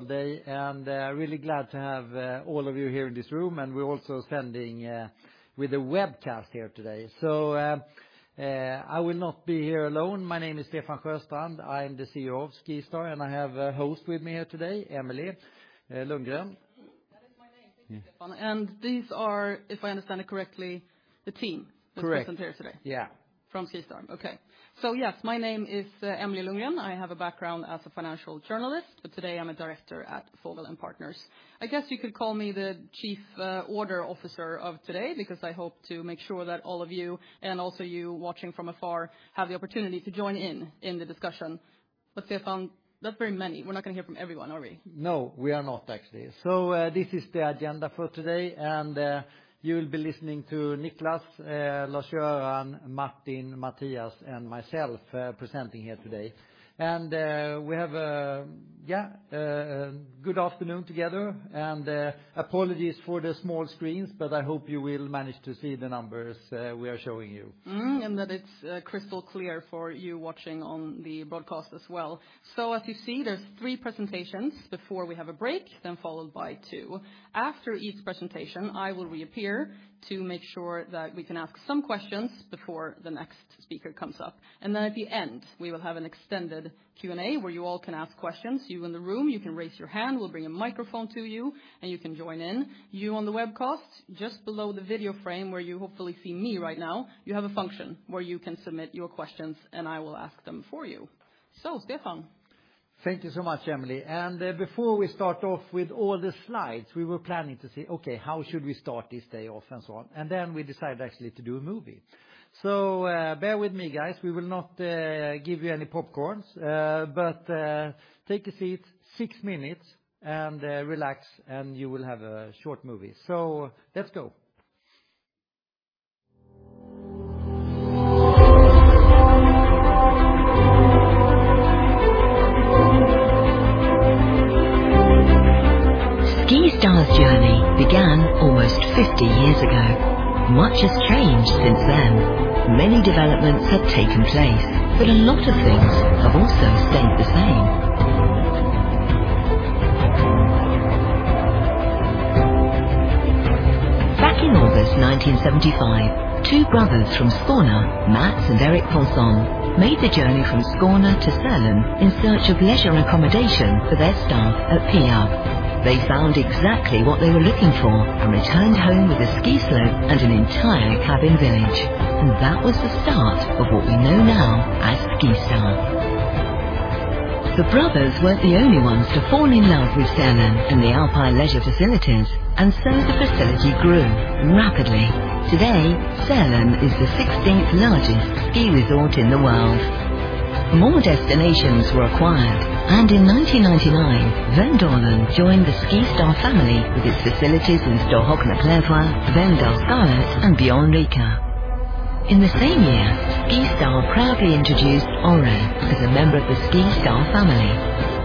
Today, and really glad to have all of you here in this room, and we're also sending with a webcast here today. So, I will not be here alone. My name is Stefan Sjöstrand. I am the CEO of SkiStar, and I have a host with me here today, Emelie Lundgren. That is my name. Thank you, Stefan. And these are, if I understand it correctly, the team that's present here today. Correct. Yeah. From SkiStar. Okay. So yes, my name is Emelie Lundgren. I have a background as a financial journalist, but today I'm a director at Fogel & Partners. I guess you could call me the chief order officer of today because I hope to make sure that all of you, and also you watching from afar, have the opportunity to join in in the discussion. But Stefan, that's very many. We're not going to hear from everyone, are we? No, we are not, actually. So, this is the agenda for today, and you will be listening to Niclas, Lars-Göran, Martin, Mathias, and myself presenting here today and we have a, yeah, good afternoon together, and apologies for the small screens, but I hope you will manage to see the numbers we are showing you. And that it's crystal clear for you watching on the broadcast as well. So, as you see, there's three presentations before we have a break, then followed by two. After each presentation, I will reappear to make sure that we can ask some questions before the next speaker comes up. And then at the end, we will have an extended Q&A where you all can ask questions. You in the room, you can raise your hand, we'll bring a microphone to you, and you can join in. You on the webcast, just below the video frame where you hopefully see me right now, you have a function where you can submit your questions, and I will ask them for you. So, Stefan. Thank you so much, Emelie. And before we start off with all the slides, we were planning to say, okay, how should we start this day off and so on? And then we decided actually to do a movie. So, bear with me, guys. We will not give you any popcorns, but take a seat, six minutes, and relax, and you will have a short movie. So, let's go. SkiStar's journey began almost 50 years ago. Much has changed since then. Many developments have taken place, but a lot of things have also stayed the same. Back in August 1975, two brothers from Skåne, Mats and Erik Paulsson, made the journey from Skåne to Sälen in search of leisure and accommodation for their staff at Peab. They found exactly what they were looking for and returned home with a ski slope and an entire cabin village. And that was the start of what we know now as SkiStar. The brothers weren't the only ones to fall in love with Sälen and the Alpine leisure facilities, and so the facility grew rapidly. Today, Sälen is the 16th largest ski resort in the world. More destinations were acquired, and in 1999, Vemdalen joined the SkiStar family with its facilities in Storhogna, Klövsjö, Vemdalsskalet, and Björnrike. In the same year, SkiStar proudly introduced Åre as a member of the SkiStar family,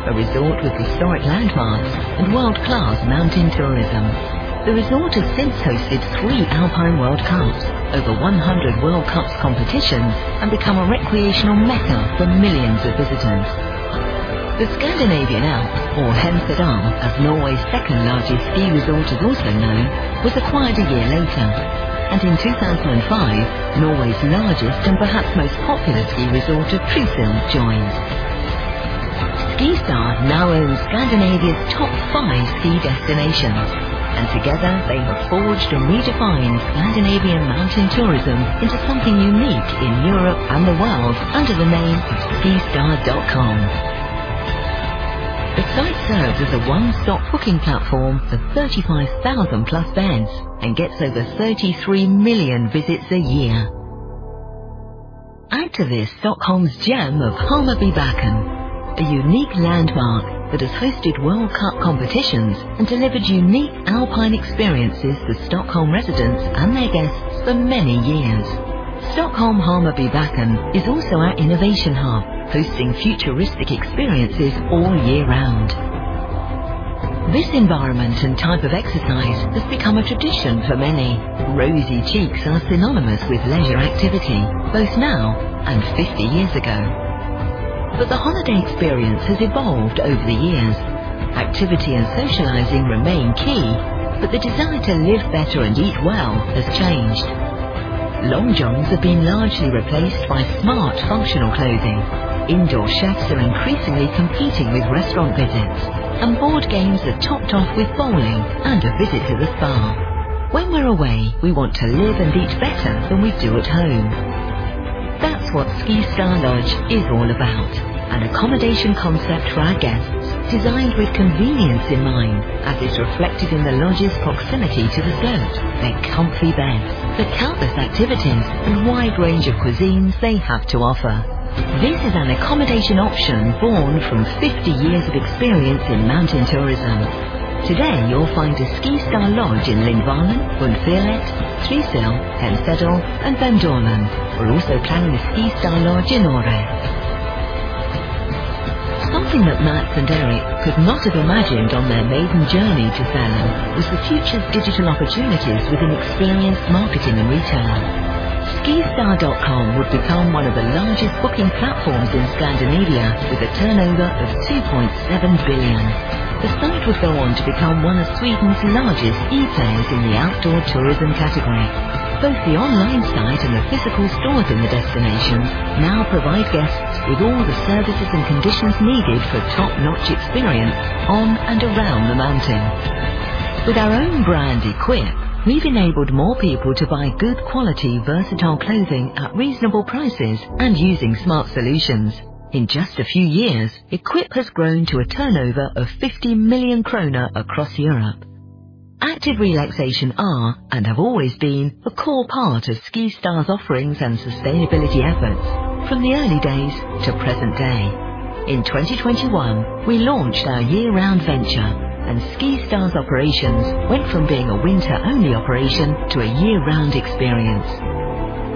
a resort with historic landmarks and world-class mountain tourism. The resort has since hosted three Alpine World Cups, over 100 World Cups competitions, and become a recreational mecca for millions of visitors. The Scandinavian Alps, or Hemsedal, as Norway's second largest ski resort is also known, was acquired a year later, and in 2005, Norway's largest and perhaps most popular ski resort of Trysil joined. SkiStar now owns Scandinavia's top five ski destinations, and together they have forged and redefined Scandinavian mountain tourism into something unique in Europe and the world under the name of SkiStar.com. The site serves as a one-stop booking platform for 35,000+ beds and gets over 33 million visits a year. Out of this, Stockholm's gem, Hammarbybacken, a unique landmark that has hosted World Cup competitions and delivered unique Alpine experiences for Stockholm residents and their guests for many years. Stockholm's Hammarbybacken is also our innovation hub, hosting futuristic experiences all year round. This environment and type of exercise has become a tradition for many. Rosy cheeks are synonymous with leisure activity, both now and 50 years ago. But the holiday experience has evolved over the years. Activity and socializing remain key, but the desire to live better and eat well has changed. Long johns have been largely replaced by smart, functional clothing. Indoor chefs are increasingly competing with restaurant visits, and board games have topped off with bowling and a visit to the spa. When we're away, we want to live and eat better than we do at home. That's what SkiStar Lodge is all about, an accommodation concept for our guests designed with convenience in mind, as is reflected in the lodge's proximity to the slope, their comfy beds, the countless activities, and wide range of cuisines they have to offer. This is an accommodation option born from 50 years of experience in mountain tourism. Today, you'll find a SkiStar Lodge in Lindvallen, Hundfjället, Trysil, Hemsedal, and Vemdalen. We're also planning a SkiStar Lodge in Åre. Something that Mats and Erik could not have imagined on their maiden journey to Sälen was the future's digital opportunities within experience marketing and retail. SkiStar.com would become one of the largest booking platforms in Scandinavia with a turnover of 2.7 billion. The site would go on to become one of Sweden's largest e-players in the outdoor tourism category. Both the online site and the physical stores in the destinations now provide guests with all the services and conditions needed for top-notch experience on and around the mountain. With our own brand, EQPE, we've enabled more people to buy good-quality, versatile clothing at reasonable prices and using smart solutions. In just a few years, EQPE has grown to a turnover of 50 million kronor across Europe. Active relaxation are, and have always been, a core part of SkiStar's offerings and sustainability efforts from the early days to present day. In 2021, we launched our year-round venture, and SkiStar's operations went from being a winter-only operation to a year-round experience.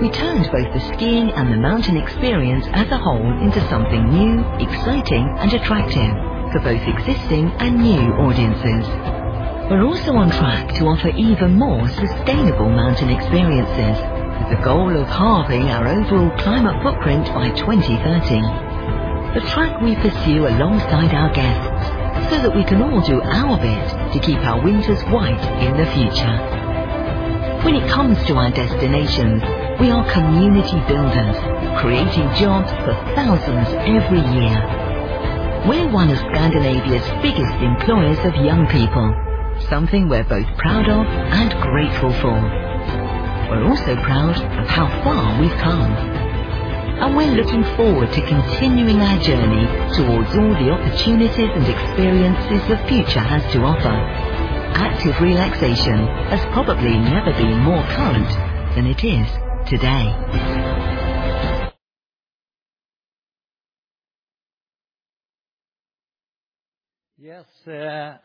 We turned both the skiing and the mountain experience as a whole into something new, exciting, and attractive for both existing and new audiences. We're also on track to offer even more sustainable mountain experiences with the goal of halving our overall climate footprint by 2030. The track we pursue alongside our guests so that we can all do our bit to keep our winters white in the future. When it comes to our destinations, we are community builders, creating jobs for thousands every year. We're one of Scandinavia's biggest employers of young people, something we're both proud of and grateful for. We're also proud of how far we've come, and we're looking forward to continuing our journey towards all the opportunities and experiences the future has to offer. Active relaxation has probably never been more current than it is today. Yes,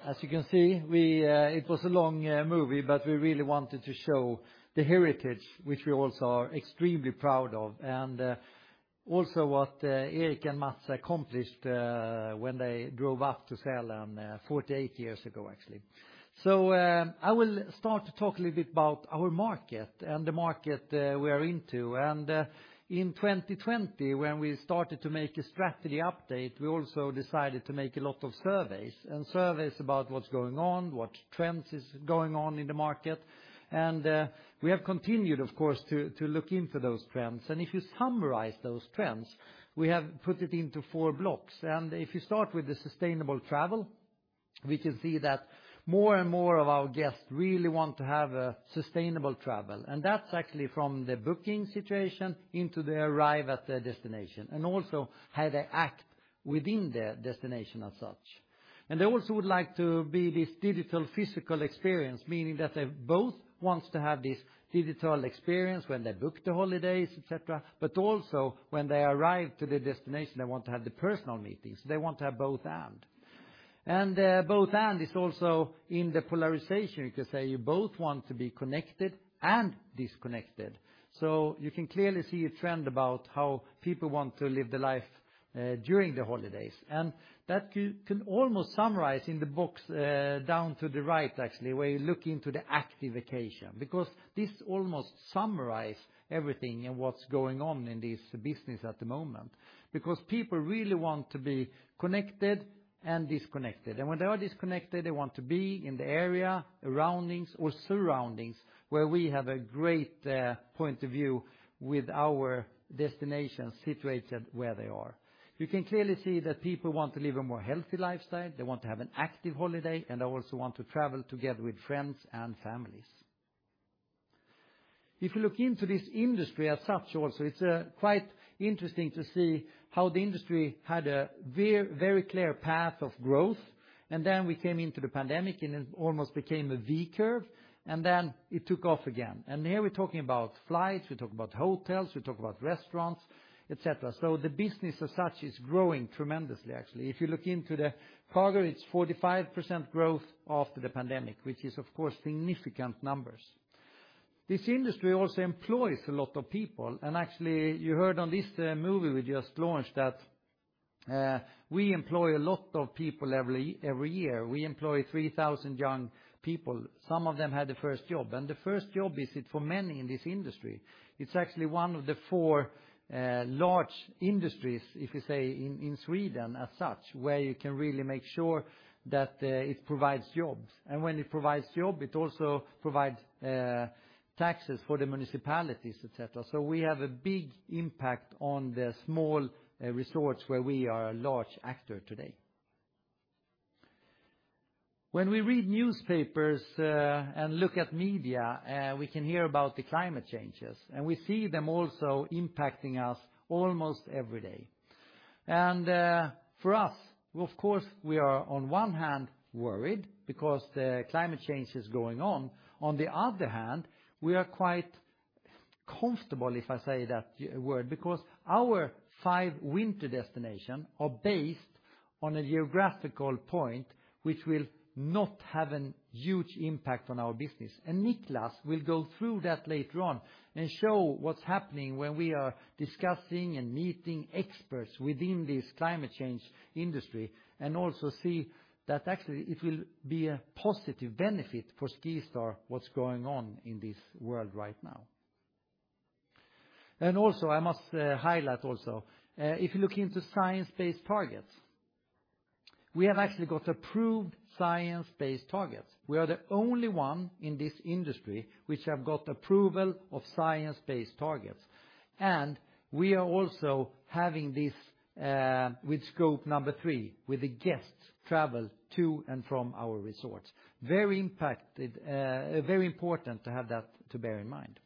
as you can see, it was a long movie, but we really wanted to show the heritage which we also are extremely proud of, and also what Erik and Mats accomplished when they drove up to Sälen 48 years ago, actually. I will start to talk a little bit about our market and the market we are into. In 2020, when we started to make a strategy update, we also decided to make a lot of surveys about what's going on, what trends are going on in the market. We have continued, of course, to look into those trends. If you summarize those trends, we have put it into four blocks. If you start with the sustainable travel, we can see that more and more of our guests really want to have sustainable travel. That's actually from the booking situation into their arrival at the destination and also how they act within the destination as such. They also would like to be this digital physical experience, meaning that they both want to have this digital experience when they book the holidays, etc., but also when they arrive to the destination, they want to have the personal meetings. They want to have both and. Both and is also in the polarization. You can say you both want to be connected and disconnected. You can clearly see a trend about how people want to live their life, during the holidays. And that could almost summarize in the box down to the right, actually, where you look into the active vacation because this almost summarizes everything and what's going on in this business at the moment because people really want to be connected and disconnected. And when they are disconnected, they want to be in the area, around, or surroundings where we have a great point of view with our destinations situated where they are. You can clearly see that people want to live a more healthy lifestyle. They want to have an active holiday, and they also want to travel together with friends and families. If you look into this industry as such, also, it's quite interesting to see how the industry had a very, very clear path of growth. Then we came into the pandemic, and it almost became a V curve, and then it took off again. Here we're talking about flights, we're talking about hotels, we're talking about restaurants, etc. So the business as such is growing tremendously, actually. If you look into the cargo, it's 45% growth after the pandemic, which is, of course, significant numbers. This industry also employs a lot of people. Actually, you heard on this movie we just launched that we employ a lot of people every year. We employ 3,000 young people. Some of them had the first job. The first job is it for many in this industry. It's actually one of the four large industries, if you say, in Sweden as such, where you can really make sure that it provides jobs. When it provides jobs, it also provides taxes for the municipalities, etc. We have a big impact on the small resorts where we are a large actor today. When we read newspapers and look at media, we can hear about the climate changes and we see them also impacting us almost every day. For us, of course, we are on one hand worried because the climate change is going on. On the other hand, we are quite comfortable if I say that word because our five winter destinations are based on a geographical point which will not have a huge impact on our business. Niclas will go through that later on and show what's happening when we are discussing and meeting experts within this climate change industry and also see that actually it will be a positive benefit for SkiStar what's going on in this world right now. I must highlight also, if you look into Science Based Targets, we have actually got approved Science Based Targets. We are the only one in this industry which has got approval of Science Based Targets. We are also having this, with Scope 3 with the guests' travel to and from our resorts. Very impacted, very important to have that to bear in mind.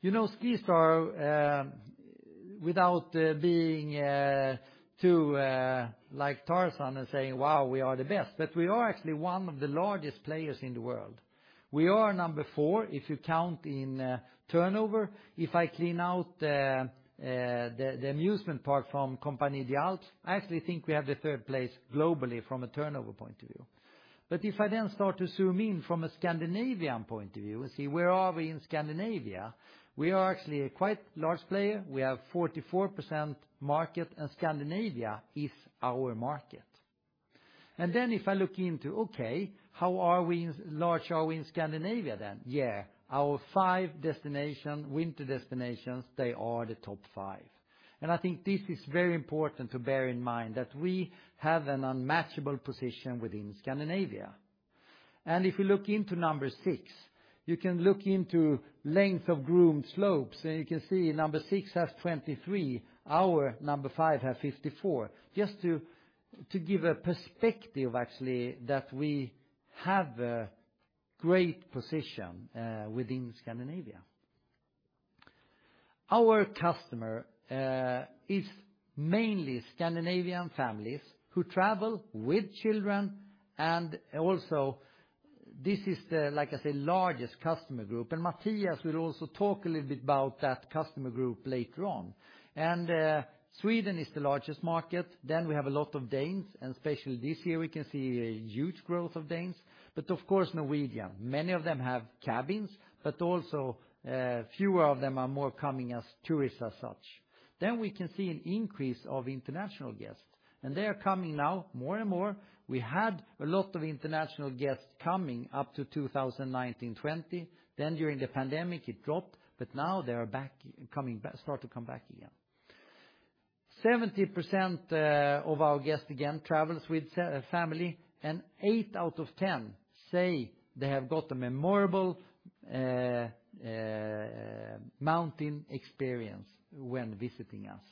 You know, SkiStar, without, being, too, like Tarzan and saying, "Wow, we are the best," but we are actually one of the largest players in the world. We are number four if you count in, turnover. If I clean out the amusement park from Compagnie des Alpes, I actually think we have the third place globally from a turnover point of view, but if I then start to zoom in from a Scandinavian point of view and see where we are in Scandinavia, we are actually a quite large player. We have 44% market, and Scandinavia is our market, and then if I look into how large are we in Scandinavia then. Yeah, our five destinations, winter destinations, they are the top five, and I think this is very important to bear in mind that we have an unmatchable position within Scandinavia, and if you look into number six, you can look into length of groomed slopes, and you can see number six has 23, our number five has 54. Just to give a perspective, actually, that we have a great position within Scandinavia. Our customer is mainly Scandinavian families who travel with children, and also this is, like I say, the largest customer group. Sweden is the largest market. We have a lot of Danes, and especially this year we can see a huge growth of Danes. Of course, Norwegians, many of them have cabins, but also more of them are coming as tourists as such. We can see an increase of international guests, and they are coming now more and more. We had a lot of international guests coming up to 2019-2020. During the pandemic, it dropped, but now they are coming back, starting to come back again. 70% of our guests again travels with family, and eight out of 10 say they have got a memorable mountain experience when visiting us.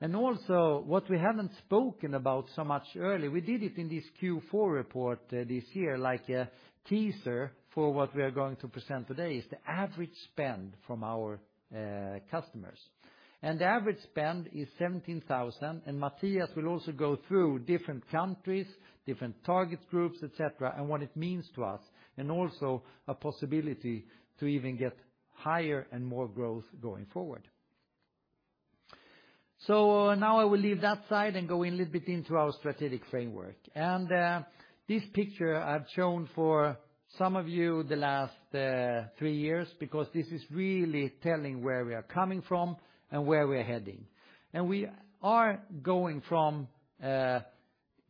And also what we haven't spoken about so much early, we did it in this Q4 report this year, like a teaser for what we are going to present today, is the average spend from our customers. And the average spend is 17,000, and Mathias will also go through different countries, different target groups, etc., and what it means to us, and also a possibility to even get higher and more growth going forward. So now I will leave that side and go in a little bit into our strategic framework. And this picture I've shown for some of you the last three years because this is really telling where we are coming from and where we are heading. We are going from a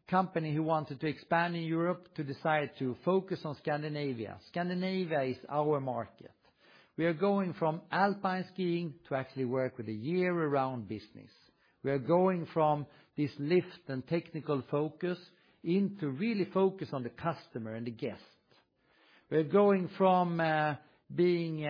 company who wanted to expand in Europe to decide to focus on Scandinavia. Scandinavia is our market. We are going from alpine skiing to actually work with a year-round business. We are going from this lift and technical focus into really focus on the customer and the guest. We're going from being,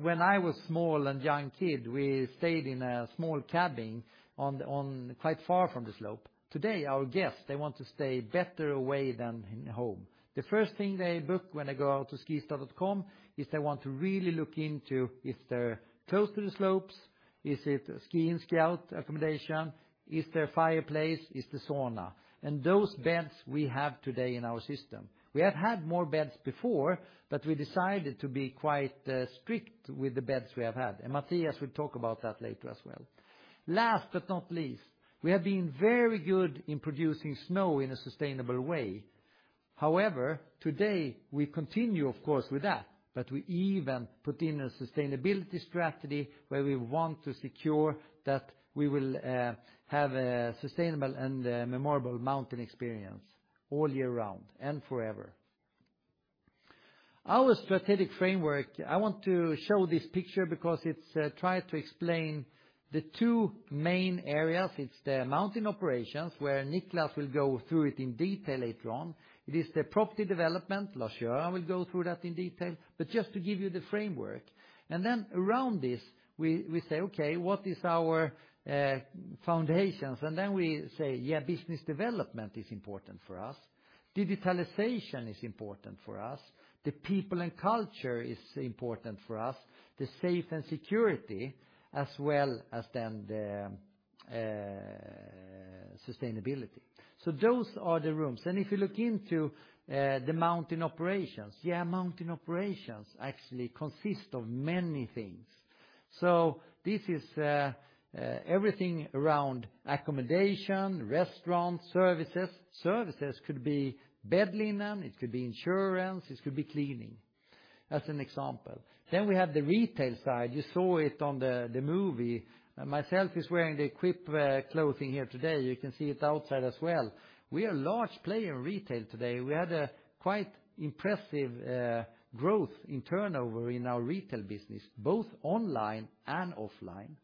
when I was small and a young kid, we stayed in a small cabin on quite far from the slope. Today, our guests, they want to stay better away than in home. The first thing they book when they go out to SkiStar.com is they want to really look into if they're close to the slopes, is it a ski-in, ski-out accommodation, is there a fireplace, is there a sauna. Those beds we have today in our system. We have had more beds before, but we decided to be quite strict with the beds we have had. And Mathias will talk about that later as well. Last but not least, we have been very good in producing snow in a sustainable way. However, today we continue, of course, with that, but we even put in a sustainability strategy where we want to secure that we will have a sustainable and memorable mountain experience all year round and forever. Our strategic framework, I want to show this picture because it tries to explain the two main areas. It's the mountain operations where Niclas will go through it in detail later on. It is the property development. Lars-Göran will go through that in detail, but just to give you the framework. And then around this, we say, okay, what is our foundations? And then we say, yeah, business development is important for us. Digitalization is important for us. The people and culture is important for us. The safety and security as well as then the sustainability. So those are the rooms. And if you look into the mountain operations, yeah, mountain operations actually consist of many things. So this is everything around accommodation, restaurants, services. Services could be bed linen, it could be insurance, it could be cleaning as an example. Then we have the retail side. You saw it on the movie. Myself is wearing the EQPE clothing here today. You can see it outside as well. We are a large player in retail today. We had a quite impressive growth in turnover in our retail business, both online and offline.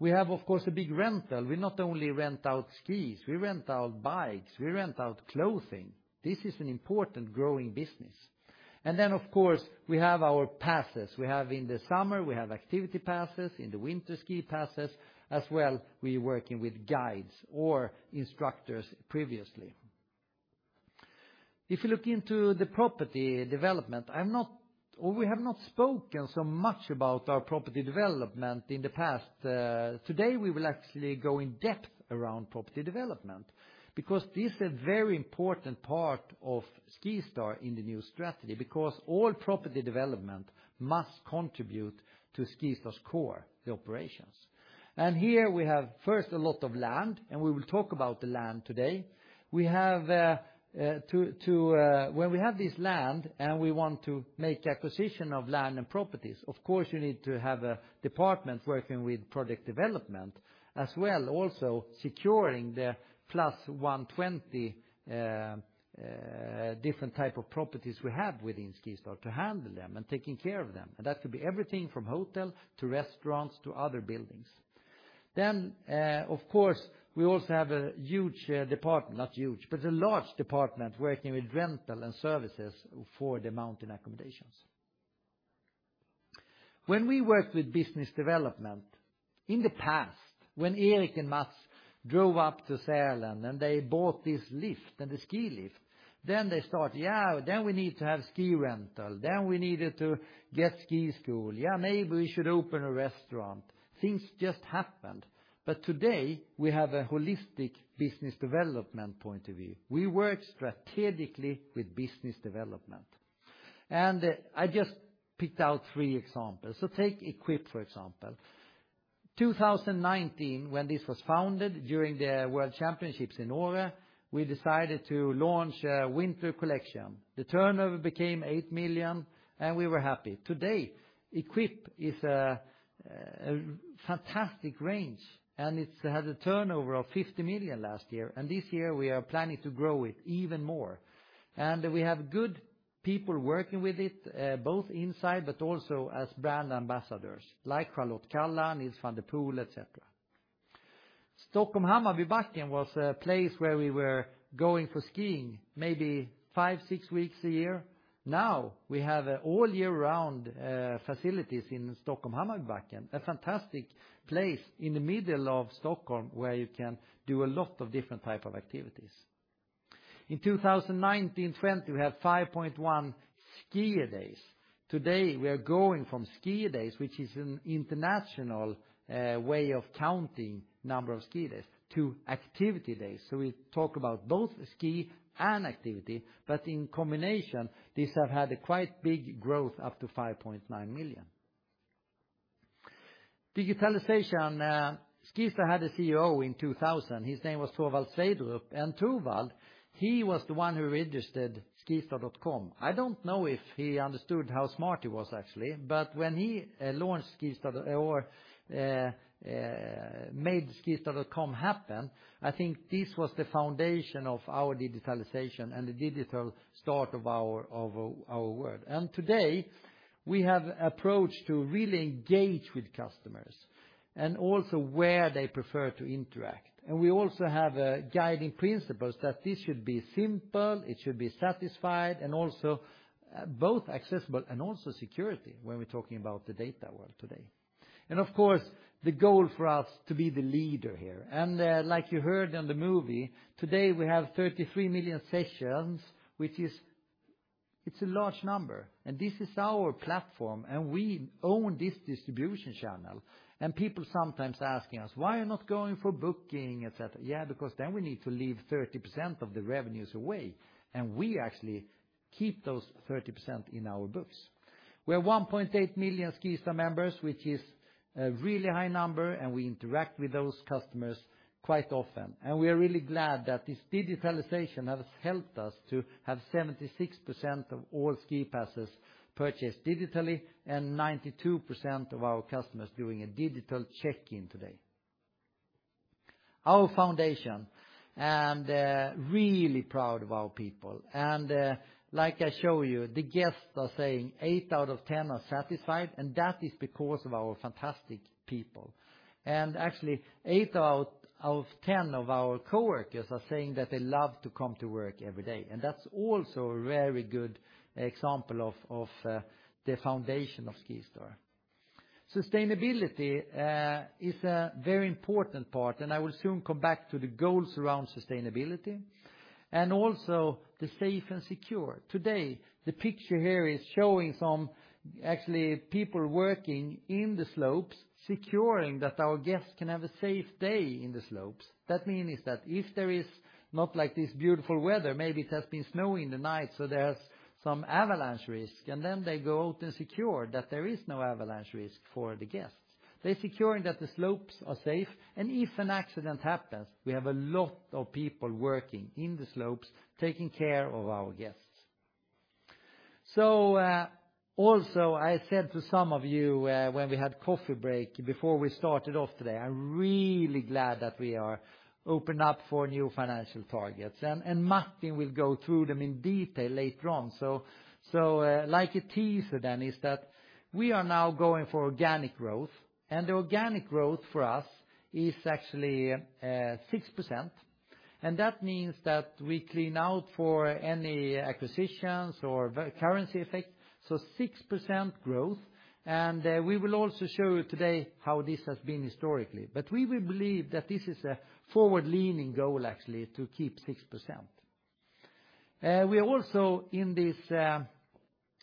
We have, of course, a big rental. We not only rent out skis, we rent out bikes, we rent out clothing. This is an important growing business. And then, of course, we have our passes. We have in the summer, we have Activity Passes, in the winter SkiPasses as well. We are working with guides or instructors previously. If you look into the property development, I'm not, or we have not spoken so much about our property development in the past. Today we will actually go in depth around property development because this is a very important part of SkiStar in the new strategy because all property development must contribute to SkiStar's core, the operations. And here we have first a lot of land, and we will talk about the land today. We have, when we have this land and we want to make acquisition of land and properties, of course, you need to have a department working with project development as well, also securing the +120 different types of properties we have within SkiStar to handle them and taking care of them. And that could be everything from hotel to restaurants to other buildings. Then, of course, we also have a huge department, not huge, but a large department working with rental and services for the mountain accommodations. When we worked with business development in the past, when Erik and Mathias drove up to Sälen and they bought this lift and the ski lift, then they started, yeah, then we need to have ski rental, then we needed to get ski school, yeah, maybe we should open a restaurant. Things just happened. But today we have a holistic business development point of view. We work strategically with business development. And I just picked out three examples. So take EQPE, for example. 2019, when this was founded during the World Championships in Åre, we decided to launch a winter collection. The turnover became 8 million, and we were happy. Today, EQPE is a fantastic range, and it's had a turnover of 50 million last year. And this year we are planning to grow it even more. And we have good people working with it, both inside, but also as brand ambassadors, like Charlotte Kalla, Nils van der Poel, etc. Stockholm Hammarbybacken was a place where we were going for skiing maybe five, six weeks a year. Now we have all year-round facilities in Stockholm, Hammarbybacken, a fantastic place in the middle of Stockholm where you can do a lot of different types of activities. In 2019-2020, we had 5.1 ski days. Today we are going from ski days, which is an international way of counting number of ski days, to Activity Days. So we talk about both ski and activity, but in combination, these have had a quite big growth, up to 5.9 million. Digitalization. SkiStar had a CEO in 2000. His name Thorvald Sverdrup, and Thorvald, he was the one who registered SkiStar.com. I don't know if he understood how smart he was actually, but when he launched SkiStar or made SkiStar.com happen, I think this was the foundation of our digitalization and the digital start of our world. Today we have approached to really engage with customers and also where they prefer to interact. We also have a guiding principle that this should be simple, it should be satisfied, and also both accessible and also security when we're talking about the data world today. Of course, the goal for us to be the leader here. Like you heard in the movie, today we have 33 million sessions, which is, it's a large number. This is our platform, and we own this distribution channel. People sometimes asking us, why are you not going for booking, etc.? Yeah, because then we need to leave 30% of the revenues away, and we actually keep those 30% in our books. We are 1.8 million SkiStar members, which is a really high number, and we interact with those customers quite often. We are really glad that this digitalization has helped us to have 76% of all SkiPasses purchased digitally and 92% of our customers doing a digital check-in today. Our foundation and really proud of our people. Like I show you, the guests are saying eight out of 10 are satisfied, and that is because of our fantastic people. Actually, eight out of 10 of our coworkers are saying that they love to come to work every day. That's also a very good example of the foundation of SkiStar. Sustainability is a very important part, and I will soon come back to the goals around sustainability and also the safe and secure. Today, the picture here is showing some actual people working in the slopes, securing that our guests can have a safe day in the slopes. That means that if there is not like this beautiful weather, maybe it has been snowing the night, so there's some avalanche risk, and then they go out and secure that there is no avalanche risk for the guests. They're securing that the slopes are safe, and if an accident happens, we have a lot of people working in the slopes taking care of our guests. So, also I said to some of you, when we had coffee break before we started off today, I'm really glad that we are opening up for new financial targets, and, and Martin will go through them in detail later on. So, so, like a teaser then is that we are now going for organic growth, and the organic growth for us is actually 6%. And that means that we clean out for any acquisitions or currency effect, so 6% growth. We will also show you today how this has been historically, but we believe that this is a forward-leaning goal actually to keep 6%. We also in this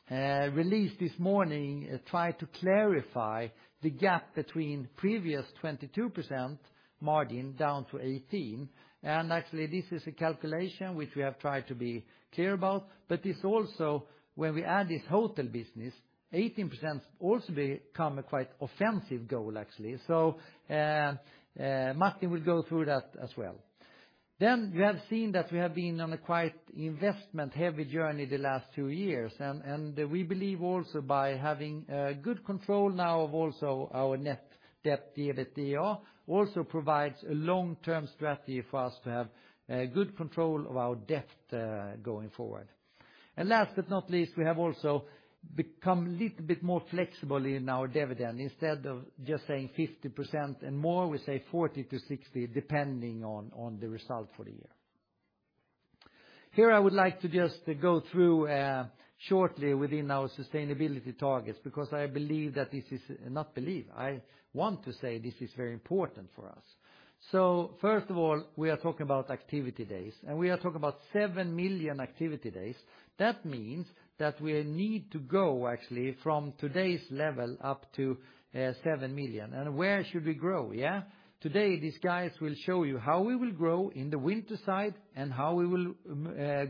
release this morning tried to clarify the gap between previous 22% margin down to 18%. Actually, this is a calculation which we have tried to be clear about, but this also when we add this hotel business, 18% also become a quite offensive goal actually. Martin will go through that as well. You have seen that we have been on a quite investment-heavy journey the last two years, and we believe also by having a good control now of also our net debt dividend, it also provides a long-term strategy for us to have a good control of our debt, going forward. And last but not least, we have also become a little bit more flexible in our dividend. Instead of just saying 50% and more, we say 40%-60% depending on the result for the year. Here I would like to just go through shortly within our sustainability targets because I believe that this is very important for us. So first of all, we are talking about Activity Days, and we are talking about 7 million Activity Days. That means that we need to go actually from today's level up to 7 million. And where should we grow? Yeah. Today these guys will show you how we will grow in the winter side and how we will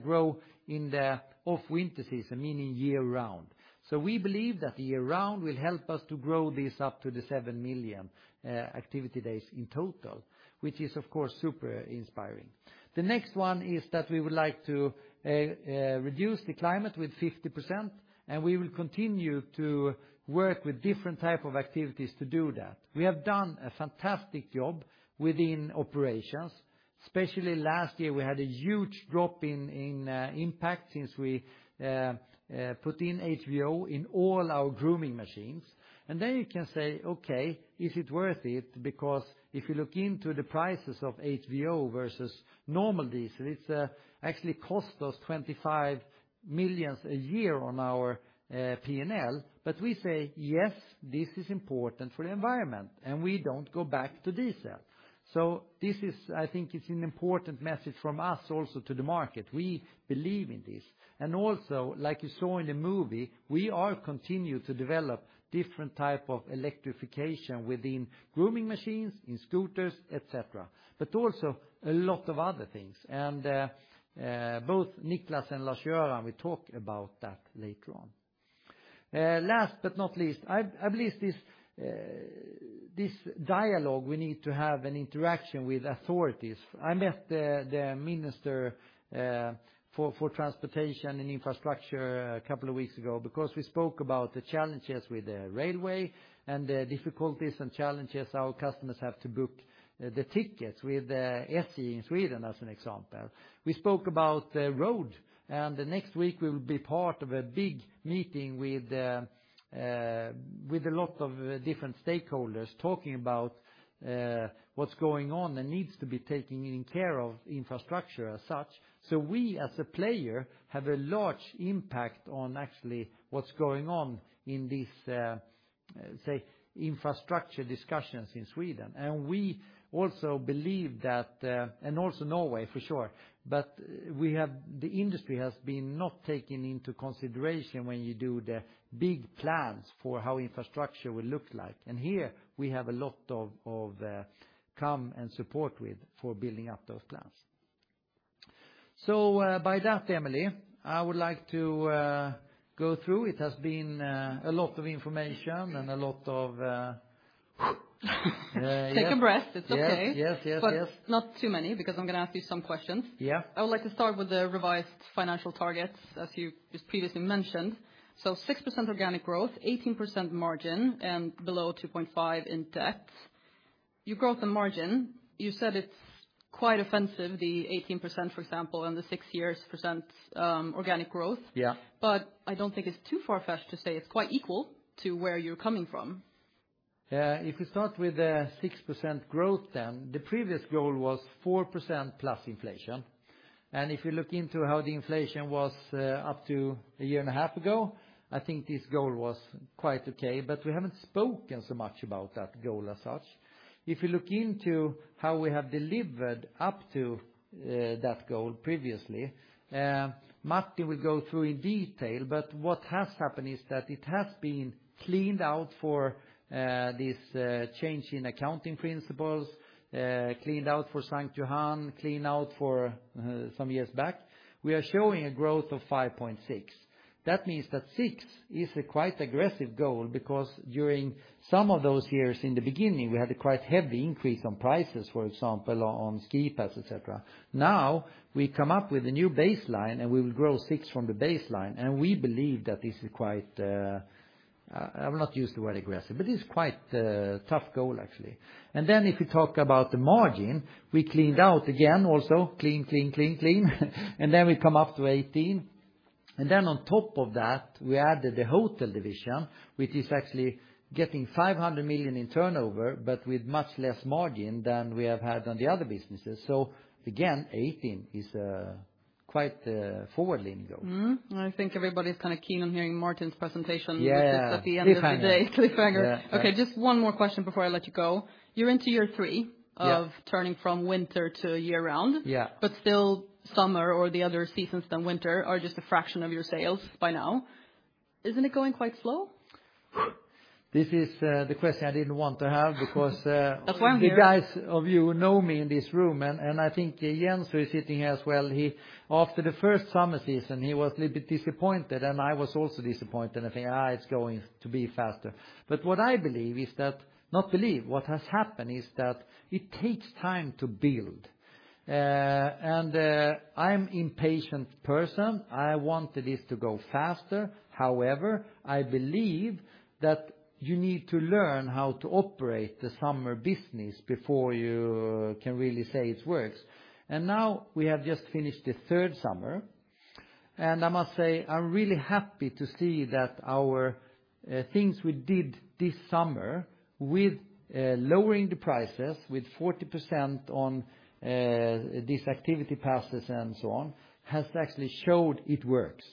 grow in the off-winter season, meaning year-round. We believe that year-round will help us to grow this up to the seven million Activity Days in total, which is of course super inspiring. The next one is that we would like to reduce the climate impact by 50%, and we will continue to work with different types of activities to do that. We have done a fantastic job within operations. Especially last year we had a huge drop in impact since we put in HVO in all our grooming machines. Then you can say, okay, is it worth it? Because if you look into the prices of HVO versus normal diesel, it's actually cost us 25 million a year on our P&L, but we say yes, this is important for the environment and we don't go back to diesel. This is, I think it's an important message from us also to the market. We believe in this and also, like you saw in the movie, we are continuing to develop different types of electrification within grooming machines, in scooters, etc. But also a lot of other things. And both Niclas and Lars-Göran will talk about that later on. Last but not least, I believe this dialogue we need to have an interaction with authorities. I met the minister for transportation and infrastructure a couple of weeks ago because we spoke about the challenges with the railway and the difficulties and challenges our customers have to book the tickets with the SJ in Sweden as an example. We spoke about the road, and next week we will be part of a big meeting with a lot of different stakeholders talking about what's going on and needs to be taken care of infrastructure as such. We as a player have a large impact on actually what's going on in this, say, infrastructure discussions in Sweden. We also believe that, and also Norway for sure, but the industry has been not taken into consideration when you do the big plans for how infrastructure will look like. Here we have a lot of come and support with for building up those plans. By that, Emelie, I would like to go through. It has been a lot of information and a lot of. Take a breath. It's okay. Yes, yes, yes, yes. Not too many because I'm going to ask you some questions. Yeah. I would like to start with the revised financial targets as you just previously mentioned. 6% organic growth, 18% margin, and below 2.5 in debt. Your growth and margin, you said it's quite offensive, the 18% for example, and the six years percent, organic growth. Yeah. But I don't think it's too far-fetched to say it's quite equal to where you're coming from. Yeah. If we start with the 6% growth then, the previous goal was 4%+ inflation. And if you look into how the inflation was, up to a year and a half ago, I think this goal was quite okay, but we haven't spoken so much about that goal as such. If you look into how we have delivered up to that goal previously, Martin will go through in detail, but what has happened is that it has been cleaned out for this change in accounting principles, cleaned out for St. Johann, cleaned out for some years back. We are showing a growth of 5.6%. That means that six is a quite aggressive goal because during some of those years in the beginning we had a quite heavy increase on prices, for example, on ski pass, etc. Now we come up with a new baseline and we will grow six from the baseline. We believe that this is quite. I will not use the word aggressive, but it's quite a tough goal actually. If we talk about the margin, we cleaned out again also, clean, clean, clean, clean. We come up to 18. On top of that, we added the hotel division, which is actually getting 500 million in turnover, but with much less margin than we have had on the other businesses. Again, 18 is a quite forward-leaning goal. I think everybody's kind of keen on hearing Martin's presentation. Yes. This is, at the end of the day, Cliffhanger. Okay. Just one more question before I let you go. You're into year three of turning from winter to year-round. Yeah. But still summer or the other seasons than winter are just a fraction of your sales by now. Isn't it going quite slow? This is the question I didn't want to have because that's why I'm here. The guys, you know me in this room, and I think Jens who is sitting here as well, he after the first summer season, he was a little bit disappointed and I was also disappointed. I think it's going to be faster. But what I believe is that, not believe, what has happened is that it takes time to build. I'm an impatient person. I wanted this to go faster. However, I believe that you need to learn how to operate the summer business before you can really say it works. And now we have just finished the third summer. And I must say I'm really happy to see that our things we did this summer with lowering the prices with 40% on these Activity Passes and so on has actually showed it works.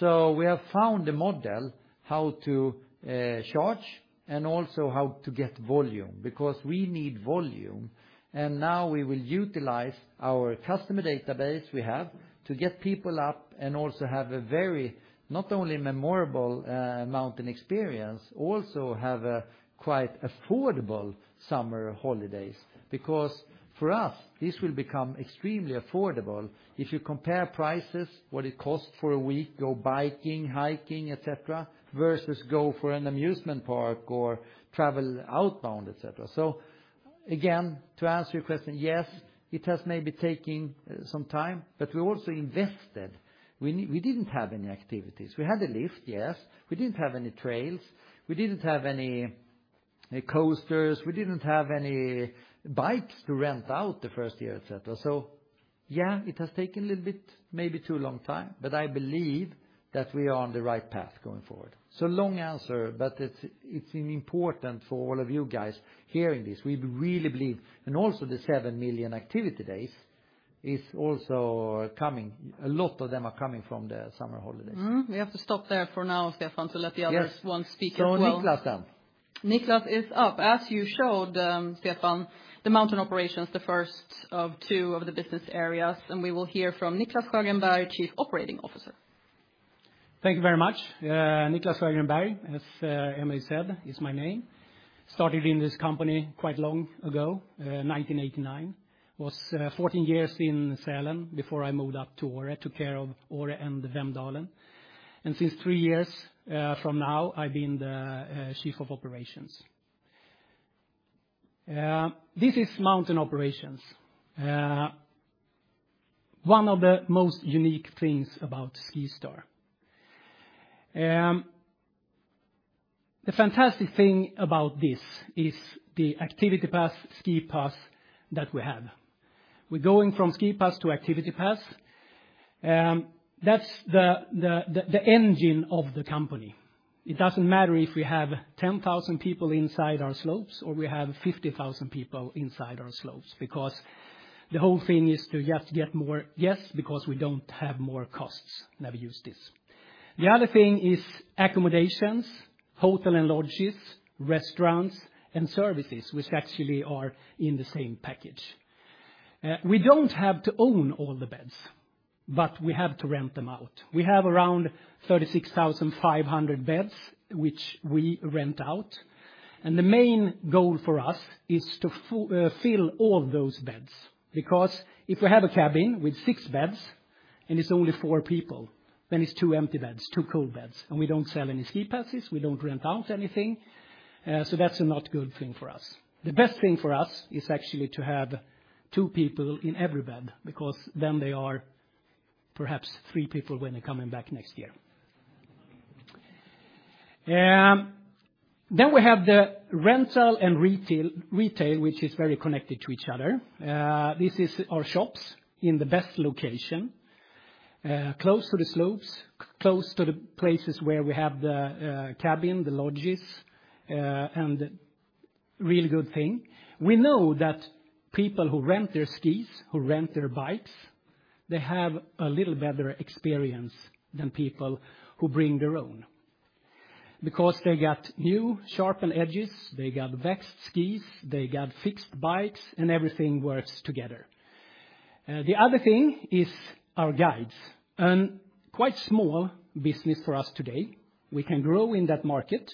So we have found a model how to charge and also how to get volume because we need volume. And now we will utilize our customer database we have to get people up and also have a very not only memorable mountain experience, also have a quite affordable summer holidays because for us this will become extremely affordable if you compare prices, what it costs for a week, go biking, hiking, etc., versus go for an amusement park or travel outbound, etc. So again, to answer your question, yes, it has maybe taken some time, but we also invested. We didn't have any activities. We had a lift, yes. We didn't have any trails. We didn't have any coasters. We didn't have any bikes to rent out the first year, etc. So yeah, it has taken a little bit, maybe too long time, but I believe that we are on the right path going forward. So long answer, but it's, it's important for all of you guys hearing this. We really believe, and also the seven million Activity Days is also coming. A lot of them are coming from the summer holidays. We have to stop there for now, Stefan, to let the others also speak as well. So Niclas then. Niclas is up. As you showed, Stefan, the mountain operations, the first of two of the business areas, and we will hear from Niclas Sjögren Berg, Chief Operating Officer. Thank you very much. Niclas Sjögren, as Emelie said, is my name. Started in this company quite long ago, 1989. Was 14 years in Sälen before I moved up to Åre, took care of Åre and Vemdalen. And since three years, from now, I've been the Chief Operating Officer. This is mountain operations. One of the most unique things about SkiStar. The fantastic thing about this is the Activity Pass, SkiPass that we have. We're going from SkiPass to Activity Pass. That's the engine of the company. It doesn't matter if we have 10,000 people inside our slopes or we have 50,000 people inside our slopes because the whole thing is to just get more, yes, because we don't have more costs than we use this. The other thing is accommodations, hotel and lodges, restaurants, and services, which actually are in the same package. We don't have to own all the beds, but we have to rent them out. We have around 36,500 beds, which we rent out. And the main goal for us is to fill all those beds because if we have a cabin with six beds and it's only four people, then it's two empty beds, two cold beds, and we don't sell any SkiPasses, we don't rent out anything. So that's not a good thing for us. The best thing for us is actually to have two people in every bed because then they are perhaps three people when they're coming back next year. Then we have the rental and retail, retail, which is very connected to each other. This is our shops in the best location, close to the slopes, close to the places where we have the cabin, the lodges, and the really good thing. We know that people who rent their skis, who rent their bikes, they have a little better experience than people who bring their own because they got new sharpened edges, they got waxed skis, they got fixed bikes, and everything works together. The other thing is our guides, and quite small business for us today. We can grow in that market.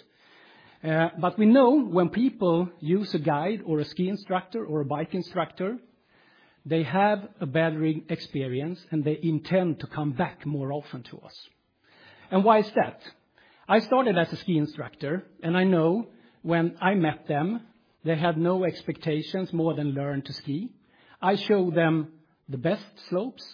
But we know when people use a guide or a ski instructor or a bike instructor, they have a better experience and they intend to come back more often to us. And why is that? I started as a ski instructor and I know when I met them, they had no expectations more than learn to ski. I showed them the best slopes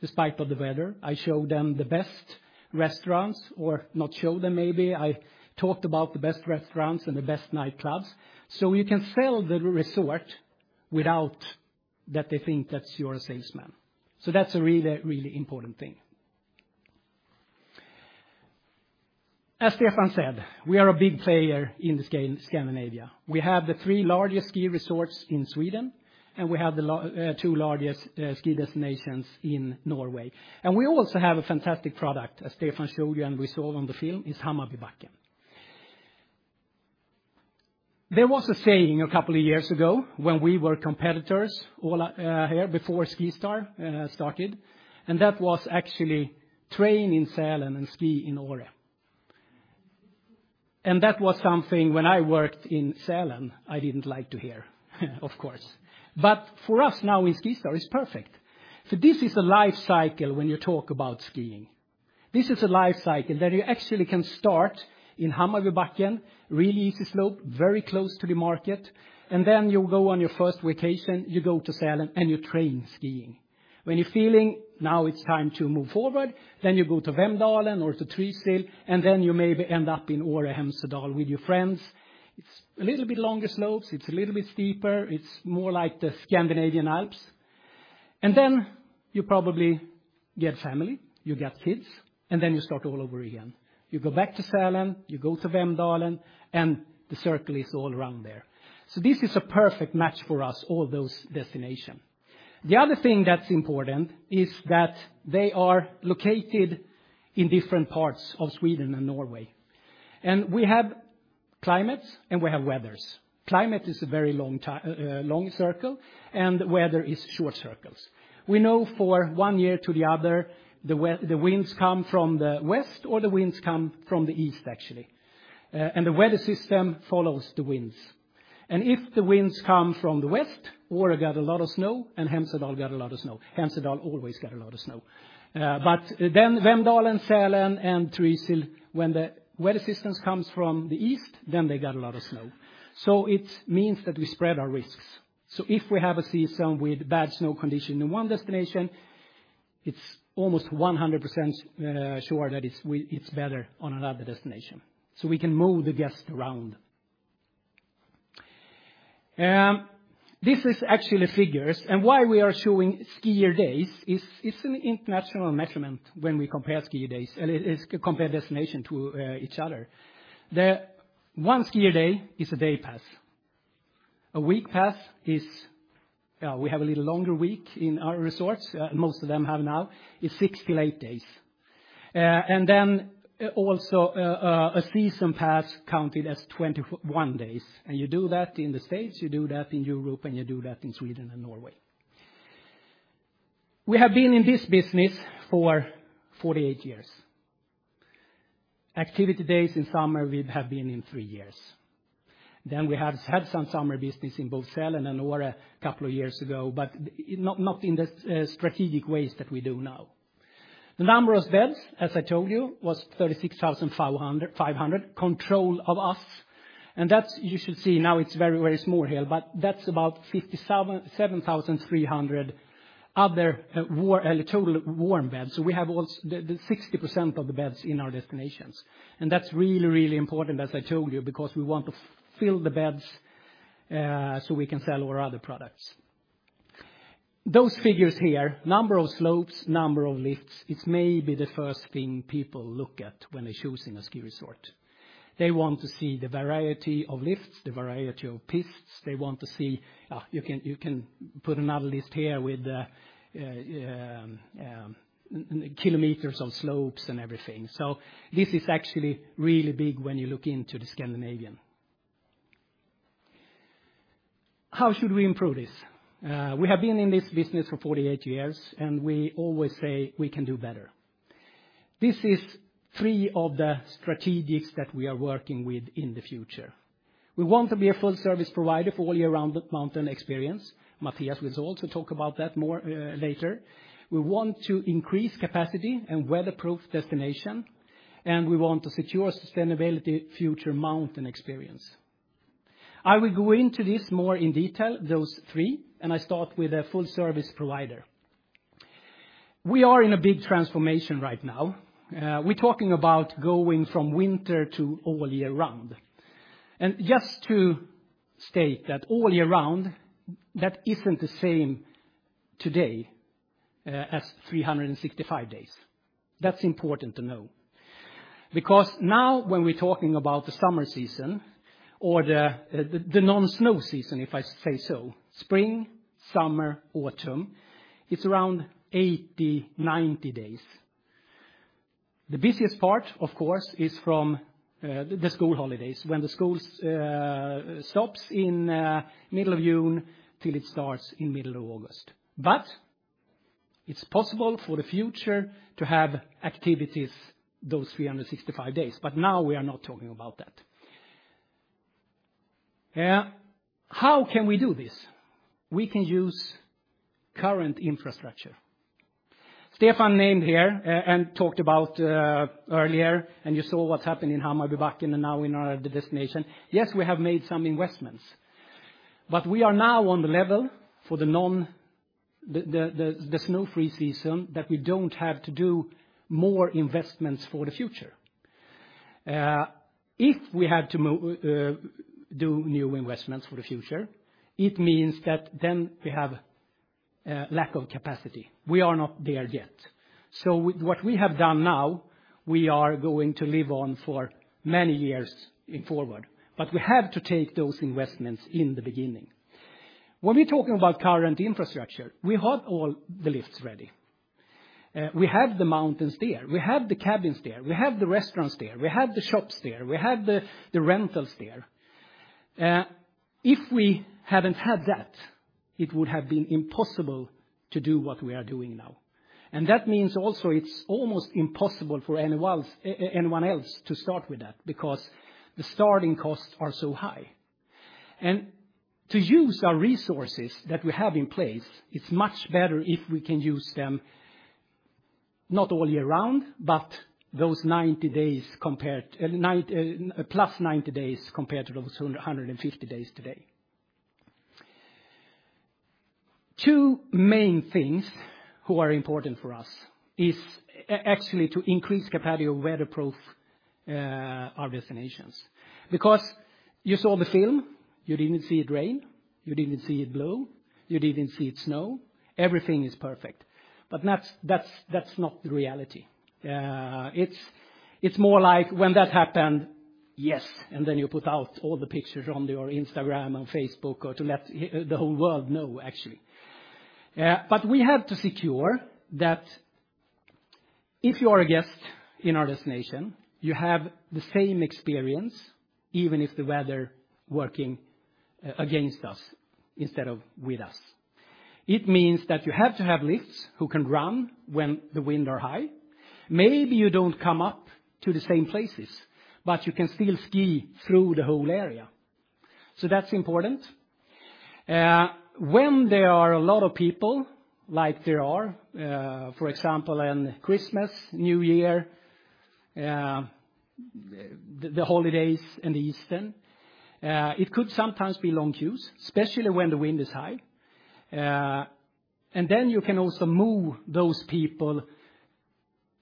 despite of the weather. I showed them the best restaurants or not showed them maybe. I talked about the best restaurants and the best nightclubs so you can sell the resort without that they think that you're a salesman. So that's a really, really important thing. As Stefan said, we are a big player in Scandinavia. We have the three largest ski resorts in Sweden and we have the two largest ski destinations in Norway. And we also have a fantastic product, as Stefan showed you and we saw on the film, is Hammarbybacken. There was a saying a couple of years ago when we were competitors all here before SkiStar started, and that was actually "train in Sälen and ski in Åre." And that was something when I worked in Sälen, I didn't like to hear, of course. But for us now in SkiStar, it's perfect. So this is a life cycle when you talk about skiing. This is a life cycle that you actually can start in Hammarbybacken, really easy slope, very close to the market. And then you go on your first vacation, you go to Sälen and you train skiing. When you're feeling now it's time to move forward, then you go to Vemdalen or to Trysil, and then you maybe end up in Åre, Hemsedal with your friends. It's a little bit longer slopes. It's a little bit steeper. It's more like the Scandinavian Alps. And then you probably get family, you get kids, and then you start all over again. You go back to Sälen, you go to Vemdalen, and the circle is all around there. So this is a perfect match for us, all those destinations. The other thing that's important is that they are located in different parts of Sweden and Norway. And we have climates and we have weathers. Climate is a very long, long circle and weather is short circles. We know for one year to the other, the winds come from the west or the winds come from the east actually. And the weather system follows the winds. And if the winds come from the west, Åre got a lot of snow and Hemsedal got a lot of snow. Hemsedal always got a lot of snow, but then Vemdalen, Sälen and Trysil, when the weather systems come from the east, then they got a lot of snow. It means that we spread our risks. If we have a season with bad snow condition in one destination, it's almost 100% sure that it's better on another destination. We can move the guests around. This is actually figures, and why we are showing skier days is it's an international measurement when we compare skier days and it's compared destination to each other. The one skier day is a day pass. A week pass is, yeah, we have a little longer week in our resorts. Most of them have now is 68 days, and then also, a season pass counted as 21 days. And you do that in the States, you do that in Europe, and you do that in Sweden and Norway. We have been in this business for 48 years. Activity Days in summer, we have been in three years. Then we have had some summer business in both Sälen and Åre a couple of years ago, but not in the strategic ways that we do now. The number of beds, as I told you, was 36,500 controlled by us. And that's, you should see now it's very, very small here, but that's about 57,300 other, or total warm beds. So we have also the 60% of the beds in our destinations. And that's really, really important, as I told you, because we want to fill the beds so we can sell our other products. Those figures here, number of slopes, number of lifts, it's maybe the first thing people look at when they're choosing a ski resort. They want to see the variety of lifts, the variety of pists. They want to see, you can put another list here with the kilometers of slopes and everything. So this is actually really big when you look into Scandinavia. How should we improve this? We have been in this business for 48 years and we always say we can do better. These are three of the strategies that we are working with in the future. We want to be a full service provider for all year-round mountain experience. Mathias will also talk about that more later. We want to increase capacity and weatherproof destination, and we want to secure sustainable future mountain experience. I will go into this more in detail, those three, and I start with a full service provider. We are in a big transformation right now. We're talking about going from winter to all year-round. And just to state that all year-round, that isn't the same today as 365 days. That's important to know because now when we're talking about the summer season or the non-snow season, if I say so, spring, summer, autumn, it's around 80-90 days. The busiest part, of course, is from the school holidays when the school stops in the middle of June till it starts in the middle of August. But it's possible for the future to have activities those 365 days, but now we are not talking about that. How can we do this? We can use current infrastructure. Stefan, named here and talked about earlier, and you saw what's happened in Hammarbybacken and now in our destination. Yes, we have made some investments, but we are now on the level for the non-snow-free season that we don't have to do more investments for the future. If we had to do new investments for the future, it means that then we have a lack of capacity. We are not there yet. So what we have done now, we are going to live on for many years forward, but we have to take those investments in the beginning. When we're talking about current infrastructure, we have all the lifts ready. We have the mountains there. We have the cabins there. We have the restaurants there. We have the shops there. We have the rentals there. If we hadn't had that, it would have been impossible to do what we are doing now. And that means also it's almost impossible for anyone else to start with that because the starting costs are so high. And to use our resources that we have in place, it's much better if we can use them not all year-round, but those 90 days compared to +90 days compared to those 150 days today. Two main things who are important for us is actually to increase capacity of weatherproof our destinations. Because you saw the film, you didn't see it rain, you didn't see it blow, you didn't see it snow. Everything is perfect, but that's not the reality. It's more like when that happened, yes, and then you put out all the pictures on your Instagram and Facebook or to let the whole world know actually. But we have to secure that if you are a guest in our destination, you have the same experience even if the weather is working against us instead of with us. It means that you have to have lifts who can run when the winds are high. Maybe you don't come up to the same places, but you can still ski through the whole area. So that's important. When there are a lot of people, like there are, for example, on Christmas, New Year, the holidays and Easter, it could sometimes be long queues, especially when the wind is high. And then you can also move those people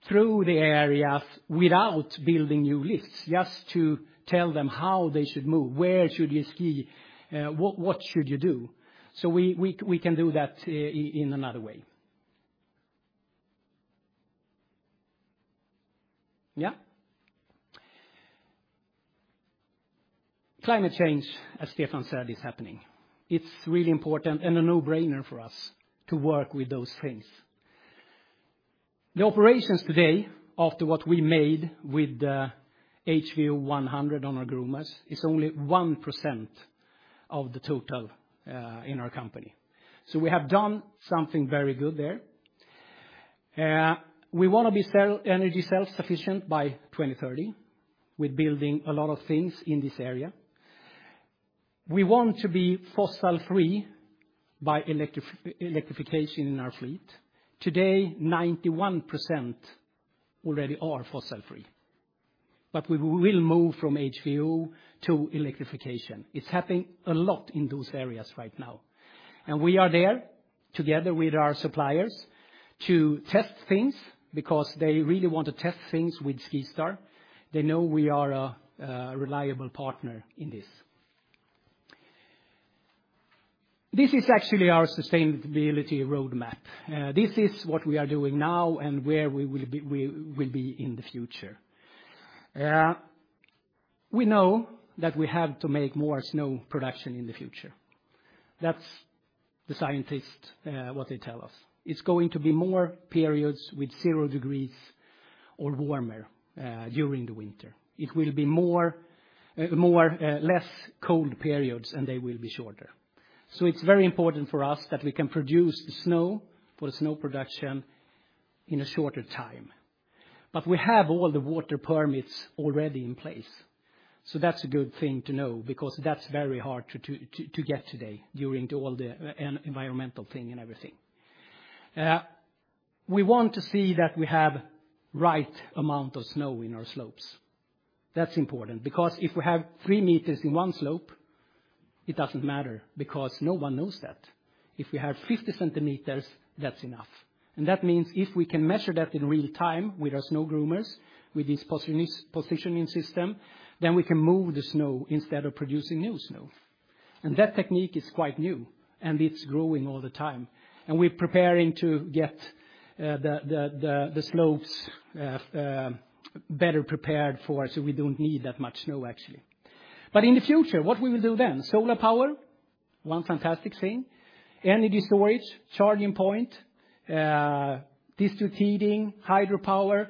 through the areas without building new lifts, just to tell them how they should move, where should you ski, what should you do. So we can do that in another way. Yeah. Climate change, as Stefan said, is happening. It's really important and a no-brainer for us to work with those things. The operations today, after what we made with the HVO100 on our groomers, is only 1% of the total in our company. So we have done something very good there. We want to be energy self-sufficient by 2030 with building a lot of things in this area. We want to be fossil-free by electrification in our fleet. Today, 91% already are fossil-free, but we will move from HVO to electrification. It's happening a lot in those areas right now, and we are there together with our suppliers to test things because they really want to test things with SkiStar. They know we are a reliable partner in this. This is actually our sustainability roadmap. This is what we are doing now and where we will be in the future. We know that we have to make more snow production in the future. That's the scientists, what they tell us. It's going to be more periods with zero degrees or warmer during the winter. It will be more less cold periods and they will be shorter. So it's very important for us that we can produce the snow for the snow production in a shorter time. But we have all the water permits already in place. So that's a good thing to know because that's very hard to get today during all the environmental thing and everything. We want to see that we have the right amount of snow in our slopes. That's important because if we have three meters in one slope, it doesn't matter because no one knows that. If we have 50 cm, that's enough. And that means if we can measure that in real time with our snow groomers, with this positioning system, then we can move the snow instead of producing new snow. And that technique is quite new and it's growing all the time. And we're preparing to get the slopes better prepared for us so we don't need that much snow actually. But in the future, what we will do then? Solar power, one fantastic thing. Energy storage, charging point, distributing, hydro power,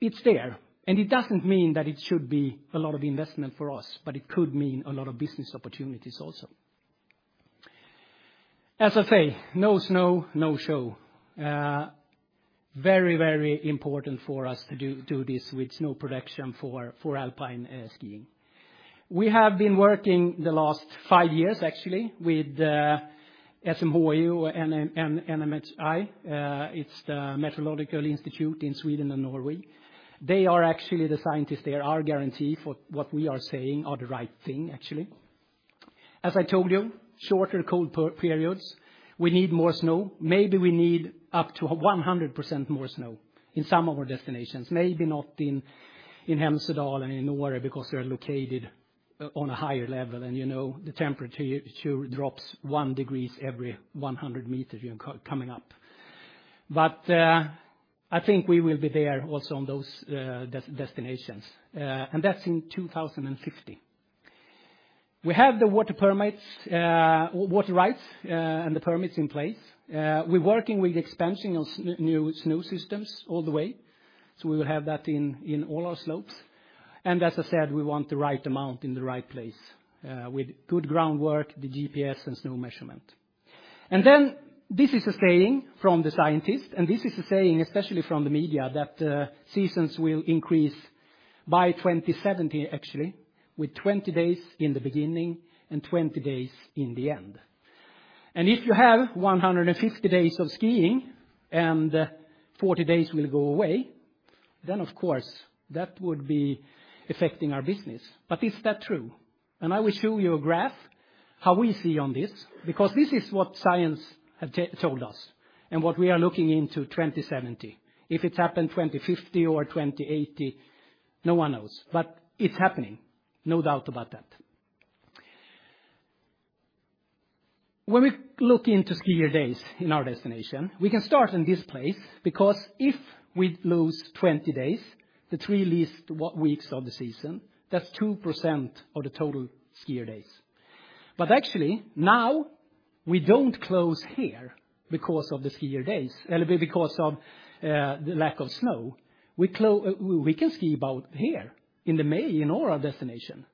it's there. And it doesn't mean that it should be a lot of investment for us, but it could mean a lot of business opportunities also. As I say, no snow, no show. Very, very important for us to do this with snow production for alpine skiing. We have been working the last five years actually with SMHI and NMHI. It's the Meteorological Institute in Sweden and Norway. They are actually the scientists there, our guarantee for what we are saying are the right thing actually. As I told you, shorter cold periods, we need more snow. Maybe we need up to 100% more snow in some of our destinations. Maybe not in Hemsedal and in Åre because they're located on a higher level and you know the temperature drops one degree every 100 meters coming up. But I think we will be there also on those destinations. And that's in 2050. We have the water permits, water rights and the permits in place. We're working with the expansion of new snow systems all the way. So we will have that in all our slopes. And as I said, we want the right amount in the right place with good groundwork, the GPS and snow measurement. And then this is a saying from the scientists and this is a saying especially from the media that seasons will increase by 2070 actually with 20 days in the beginning and 20 days in the end. And if you have 150 days of skiing and 40 days will go away, then of course that would be affecting our business. But is that true? And I will show you a graph how we see on this because this is what science has told us and what we are looking into 2070. If it's happened 2050 or 2080, no one knows, but it's happening, no doubt about that. When we look into skier days in our destination, we can start in this place because if we lose 20 days, the three least weeks of the season, that's 2% of the total skier days. But actually, now we don't close here because of the skier days because of the lack of snow. We can ski about here in May in our destination,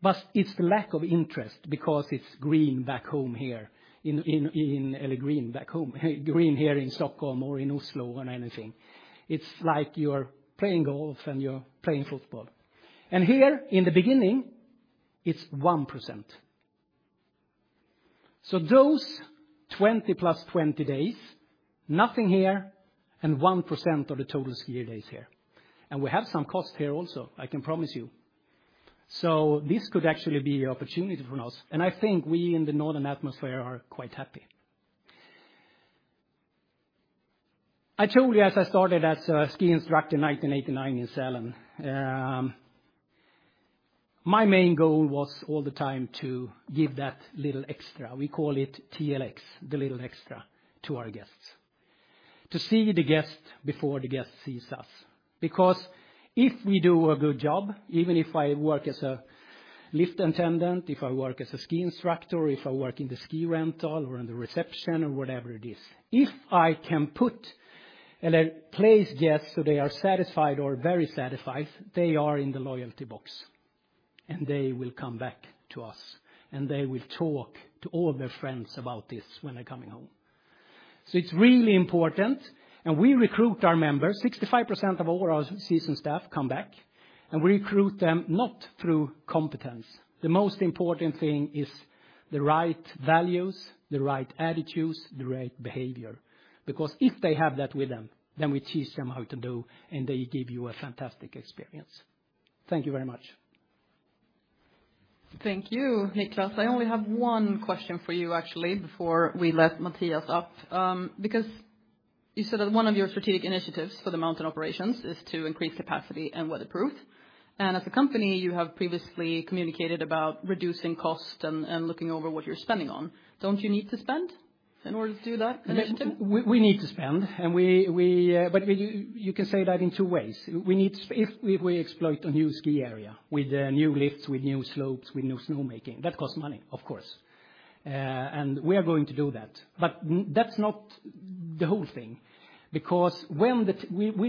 but it's the lack of interest because it's green back home here in green back home, green here in Stockholm or in Oslo or anything. It's like you're playing golf and you're playing football, and here in the beginning, it's 1%. So those 20 +20 days, nothing here and 1% of the total skier days here, and we have some cost here also, I can promise you, so this could actually be an opportunity for us, and I think we in the northern hemisphere are quite happy. I told you as I started as a ski instructor in 1989 in Sälen. My main goal was all the time to give that little extra. We call it TLX, the little extra to our guests. To see the guest before the guest sees us. Because if we do a good job, even if I work as a lift attendant, if I work as a ski instructor, if I work in the ski rental or in the reception or whatever it is, if I can put or place guests so they are satisfied or very satisfied, they are in the loyalty box and they will come back to us and they will talk to all their friends about this when they're coming home. So it's really important and we recruit our members. 65% of all our season staff come back and we recruit them not through competence. The most important thing is the right values, the right attitudes, the right behavior. Because if they have that with them, then we teach them how to do and they give you a fantastic experience. Thank you very much. Thank you, Niclas. I only have one question for you actually before we let Mathias up. Because you said that one of your strategic initiatives for the mountain operations is to increase capacity and weatherproof. And as a company, you have previously communicated about reducing costs and looking over what you're spending on. Don't you need to spend in order to do that initiative? We need to spend, but you can say that in two ways. If we exploit a new ski area with new lifts, with new slopes, with new snowmaking, that costs money, of course. And we are going to do that. But that's not the whole thing. Because with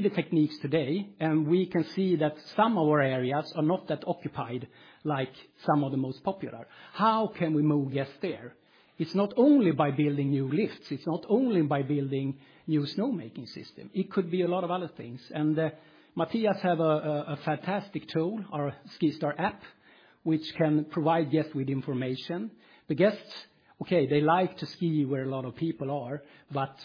the techniques today, and we can see that some of our areas are not that occupied like some of the most popular, how can we move guests there? It's not only by building new lifts. It's not only by building new snowmaking systems. It could be a lot of other things. Mathias has a fantastic tool, our SkiStar app, which can provide guests with information. The guests, okay, they like to ski where a lot of people are, but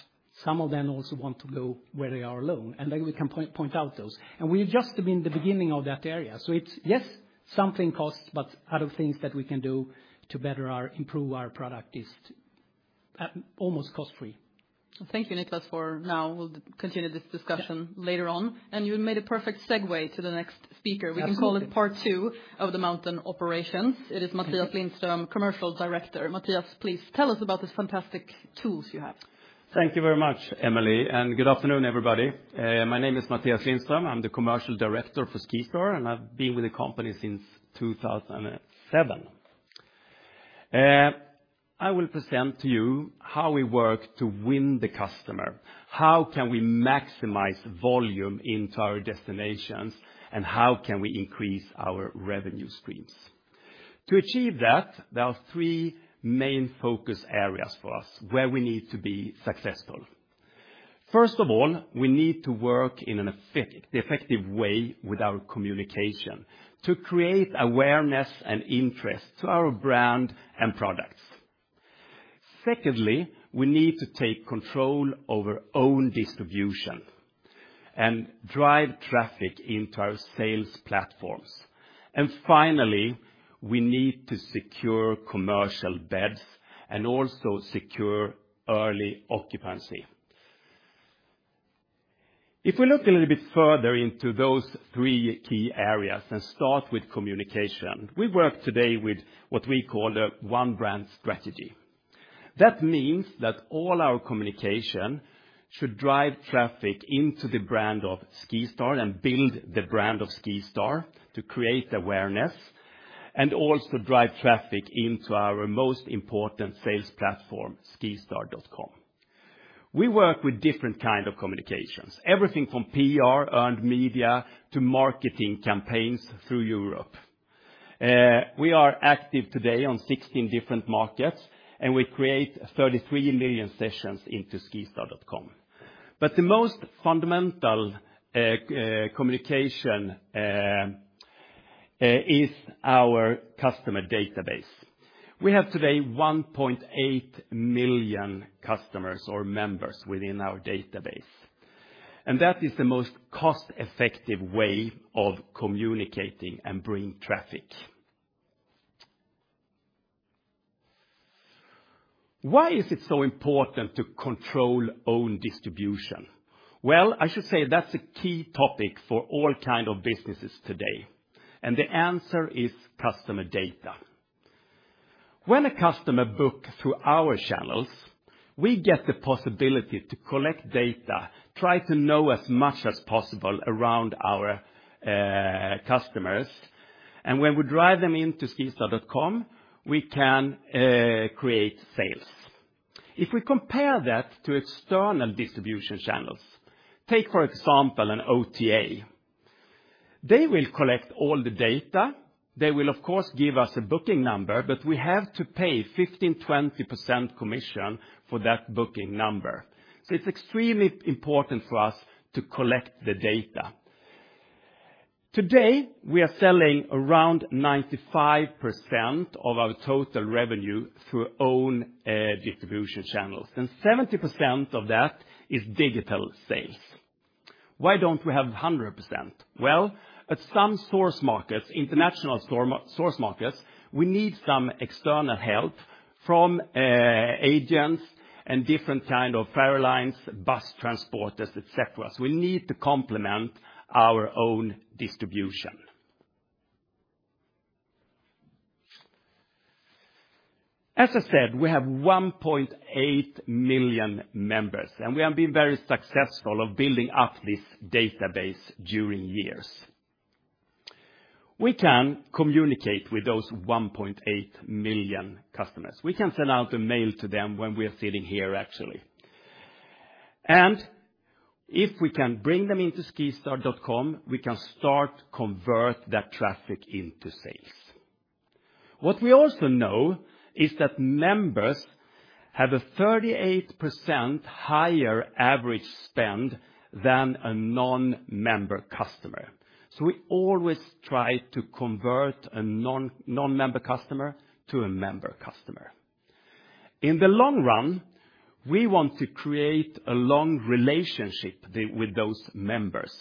some of them also want to go where they are alone. Then we can point out those. We're just in the beginning of that area. So yes, something costs, but out of things that we can do to better improve our product is almost cost-free. Thank you, Niclas, for now. We'll continue this discussion later on. You made a perfect segue to the next speaker. We can call it part two of the mountain operations. It is Mathias Lindström, Commercial Director. Mathias, please tell us about this fantastic tool you have. Thank you very much, Emelie. And good afternoon, everybody. My name is Mathias Lindström. I'm the Commercial Director for SkiStar, and I've been with the company since 2007. I will present to you how we work to win the customer, how can we maximize volume into our destinations, and how can we increase our revenue streams. To achieve that, there are three main focus areas for us where we need to be successful. First of all, we need to work in an effective way with our communication to create awareness and interest to our brand and products. Secondly, we need to take control over own distribution and drive traffic into our sales platforms. Finally, we need to secure commercial beds and also secure early occupancy. If we look a little bit further into those three key areas and start with communication, we work today with what we call the One Brand strategy. That means that all our communication should drive traffic into the brand of SkiStar and build the brand of SkiStar to create awareness and also drive traffic into our most important sales platform, SkiStar.com. We work with different kinds of communications, everything from PR, earned media, to marketing campaigns through Europe. We are active today on 16 different markets, and we create 33 million sessions into SkiStar.com. But the most fundamental communication is our customer database. We have today 1.8 million customers or members within our database. That is the most cost-effective way of communicating and bringing traffic. Why is it so important to control own distribution? I should say that's a key topic for all kinds of businesses today. The answer is customer data. When a customer books through our channels, we get the possibility to collect data, try to know as much as possible around our customers. When we drive them into SkiStar.com, we can create sales. If we compare that to external distribution channels, take for example an OTA. They will collect all the data. They will of course give us a booking number, but we have to pay 15%-20% commission for that booking number. It's extremely important for us to collect the data. Today, we are selling around 95% of our total revenue through own distribution channels. 70% of that is digital sales. Why don't we have 100%? At some source markets, international source markets, we need some external help from agents and different kinds of ferry lines, bus transports, etc. We need to complement our own distribution. As I said, we have 1.8 million members, and we have been very successful in building up this database during years. We can communicate with those 1.8 million customers. We can send out a mail to them when we are sitting here actually. If we can bring them into SkiStar.com, we can start to convert that traffic into sales. What we also know is that members have a 38% higher average spend than a non-member customer. We always try to convert a non-member customer to a member customer. In the long run, we want to create a long relationship with those members.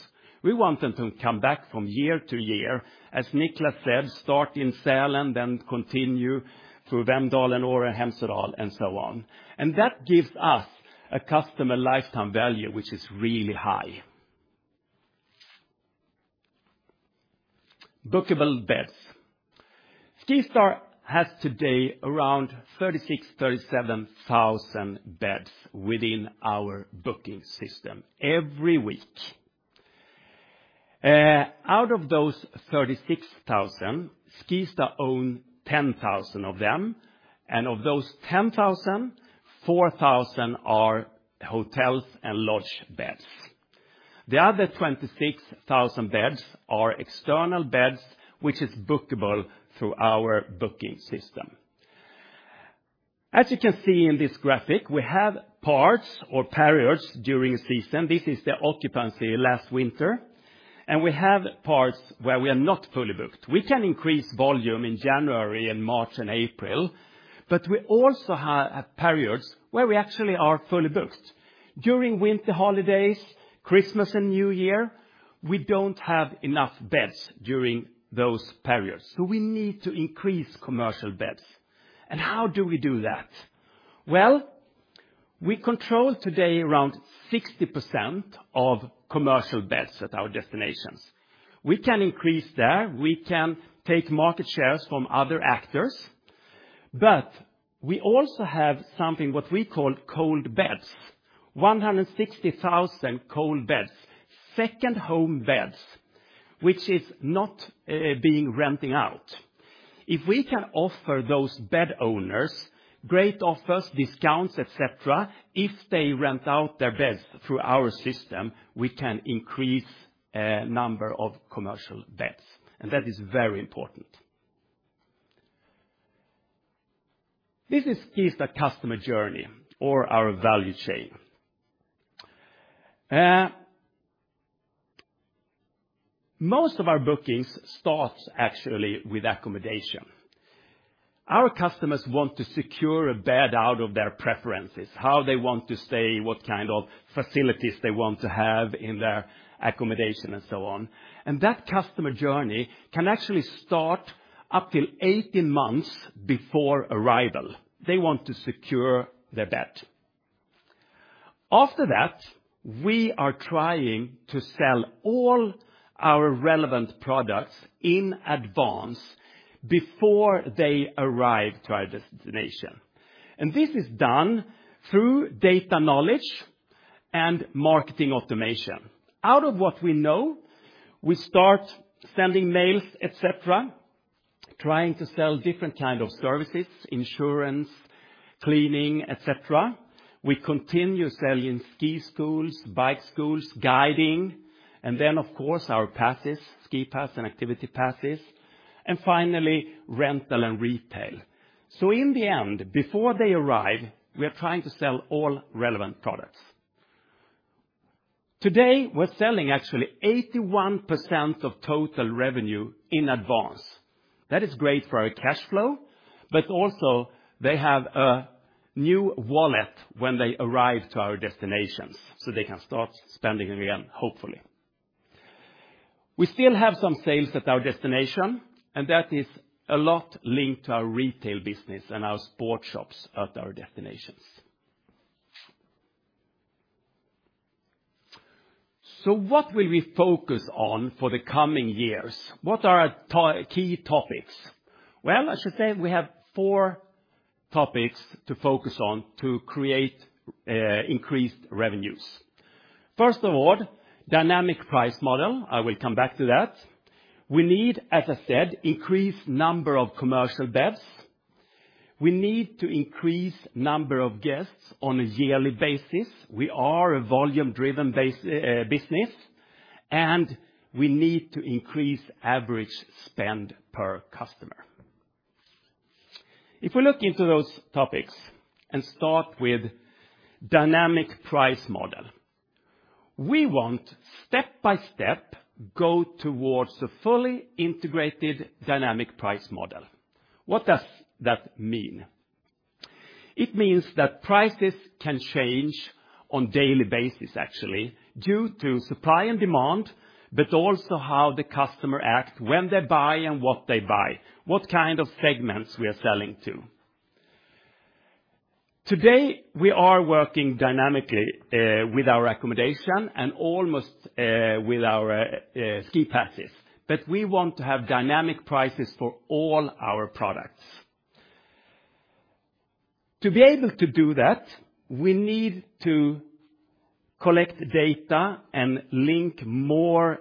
We want them to come back from year to year, as Niclas said, start in Sälen, then continue through Vemdalen, Åre, Hemsedal and so on. And that gives us a customer lifetime value, which is really high. Bookable beds. SkiStar has today around 36,000-37,000 beds within our booking system every week. Out of those 36,000, SkiStar owns 10,000 of them. And of those 10,000, 4,000 are hotels and lodge beds. The other 26,000 beds are external beds, which are bookable through our booking system. As you can see in this graphic, we have parts or periods during the season. This is the occupancy last winter. And we have parts where we are not fully booked. We can increase volume in January and March and April, but we also have periods where we actually are fully booked. During winter holidays, Christmas and New Year, we don't have enough beds during those periods. So we need to increase commercial beds. And how do we do that? We control today around 60% of commercial beds at our destinations. We can increase there. We can take market shares from other actors. But we also have something what we call cold beds, 160,000 cold beds, second home beds, which are not being rented out. If we can offer those bed owners great offers, discounts, etc., if they rent out their beds through our system, we can increase the number of commercial beds. And that is very important. This is SkiStar's customer journey or our value chain. Most of our bookings start actually with accommodation. Our customers want to secure a bed out of their preferences, how they want to stay, what kind of facilities they want to have in their accommodation and so on, and that customer journey can actually start up to 18 months before arrival. They want to secure their bed. After that, we are trying to sell all our relevant products in advance before they arrive at our destination, and this is done through data knowledge and marketing automation. Out of what we know, we start sending mails, etc., trying to sell different kinds of services, insurance, cleaning, etc. We continue selling ski schools, bike schools, guiding, and then of course our passes, SkiPass and Activity Passes, and finally rental and retail, so in the end, before they arrive, we are trying to sell all relevant products. Today, we're selling actually 81% of total revenue in advance. That is great for our cash flow, but also they have a new wallet when they arrive at our destinations, so they can start spending again, hopefully. We still have some sales at our destination, and that is a lot linked to our retail business and our sports shops at our destinations. So what will we focus on for the coming years? What are our key topics? Well, I should say we have four topics to focus on to create increased revenues. First of all, dynamic price model. I will come back to that. We need, as I said, an increased number of commercial beds. We need to increase the number of guests on a yearly basis. We are a volume-driven business, and we need to increase average spend per customer. If we look into those topics and start with dynamic price model, we want to step by step go towards a fully integrated dynamic price model. What does that mean? It means that prices can change on a daily basis, actually, due to supply and demand, but also how the customer acts when they buy and what they buy, what kind of segments we are selling to. Today, we are working dynamically with our accommodation and almost with our SkiPasses, but we want to have dynamic prices for all our products. To be able to do that, we need to collect data and link more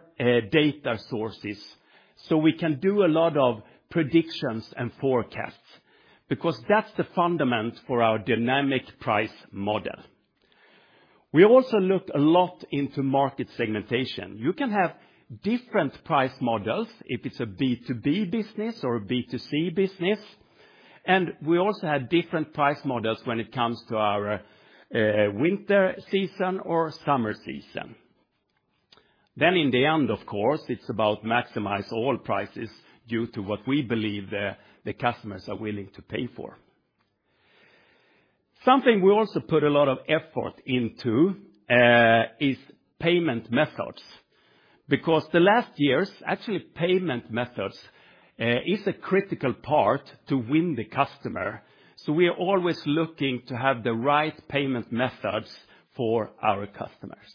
data sources so we can do a lot of predictions and forecasts, because that's the foundation for our dynamic price model. We also look a lot into market segmentation. You can have different price models if it's a B2B business or a B2C business. And we also have different price models when it comes to our winter season or summer season. Then in the end, of course, it's about maximizing all prices due to what we believe the customers are willing to pay for. Something we also put a lot of effort into is payment methods, because the last years, actually payment methods are a critical part to win the customer. So we are always looking to have the right payment methods for our customers.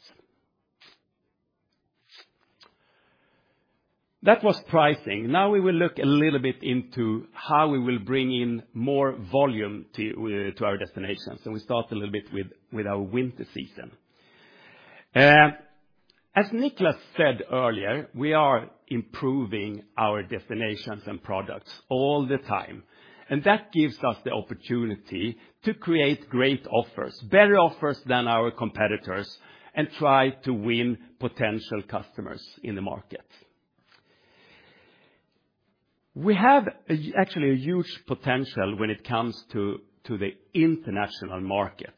That was pricing. Now we will look a little bit into how we will bring in more volume to our destinations. And we start a little bit with our winter season. As Niclas said earlier, we are improving our destinations and products all the time. And that gives us the opportunity to create great offers, better offers than our competitors, and try to win potential customers in the market. We have actually a huge potential when it comes to the international market,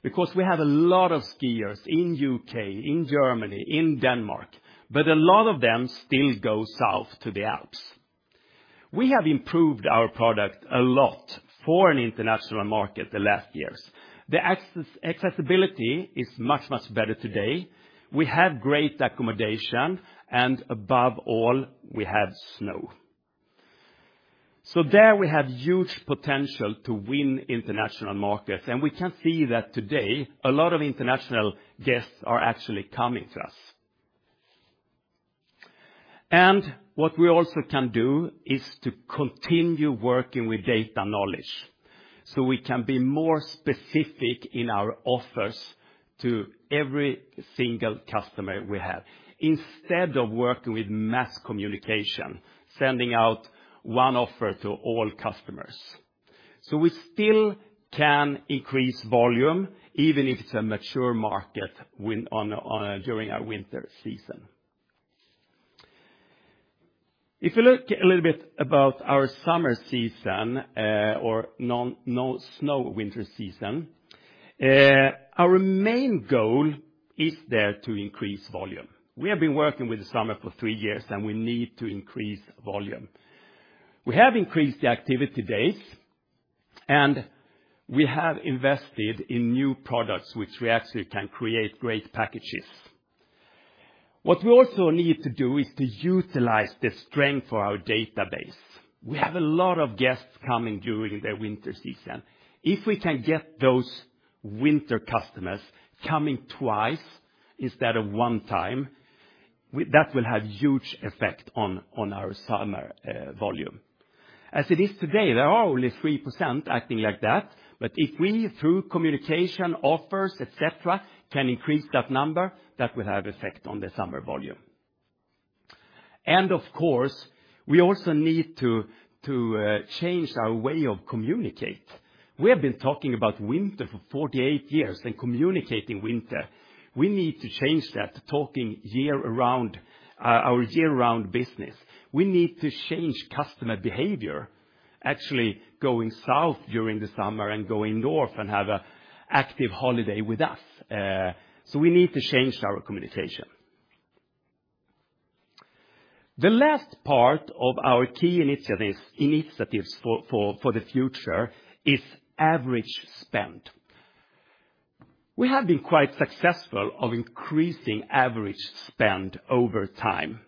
because we have a lot of skiers in the U.K., in Germany, in Denmark, but a lot of them still go south to the Alps. We have improved our product a lot for an international market the last years. The accessibility is much, much better today. We have great accommodation, and above all, we have snow. So there we have huge potential to win international markets. And we can see that today a lot of international guests are actually coming to us. And what we also can do is to continue working with data knowledge so we can be more specific in our offers to every single customer we have, instead of working with mass communication, sending out one offer to all customers. So we still can increase volume, even if it's a mature market during our winter season. If we look a little bit about our summer season or non-winter season, our main goal is there to increase volume. We have been working with the summer for three years, and we need to increase volume. We have increased the Activity Days, and we have invested in new products which we actually can create great packages. What we also need to do is to utilize the strength of our database. We have a lot of guests coming during the winter season. If we can get those winter customers coming twice instead of one time, that will have a huge effect on our summer volume. As it is today, there are only 3% acting like that. But if we, through communication, offers, etc., can increase that number, that will have an effect on the summer volume. And of course, we also need to change our way of communicating. We have been talking about winter for 48 years and communicating winter. We need to change that, talking year-round, our year-round business. We need to change customer behavior, actually going south during the summer and going north and have an active holiday with us. So we need to change our communication. The last part of our key initiatives for the future is average spend. We have been quite successful in increasing average spend over time.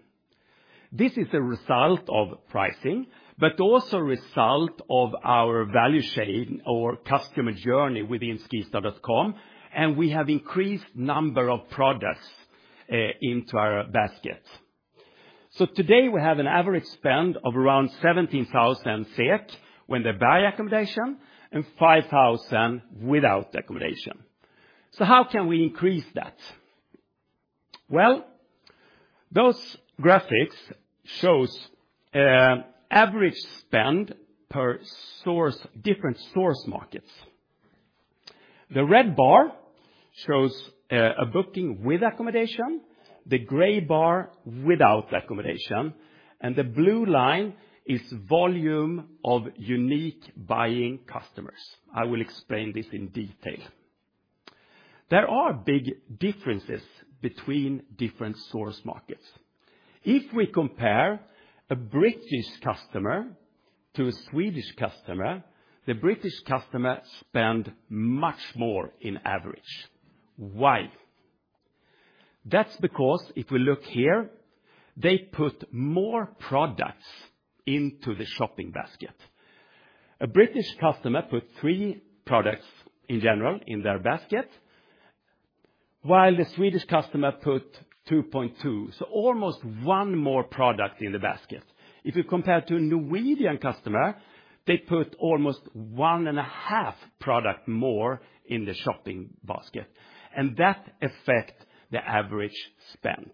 This is a result of pricing, but also a result of our value chain or customer journey within SkiStar.com. And we have an increased number of products into our basket. Today we have an average spend of around 17,000 SEK when they buy accommodation and 5,000 SEK without accommodation. So how can we increase that? Well, those graphics show average spend per different source markets. The red bar shows a booking with accommodation, the gray bar without accommodation, and the blue line is volume of unique buying customers. I will explain this in detail. There are big differences between different source markets. If we compare a British customer to a Swedish customer, the British customer spends much more on average. Why? That's because if we look here, they put more products into the shopping basket. A British customer puts three products in general in their basket, while the Swedish customer puts 2.2, so almost one more product in the basket. If you compare it to a Norwegian customer, they put almost one and a half products more in the shopping basket, and that affects the average spend,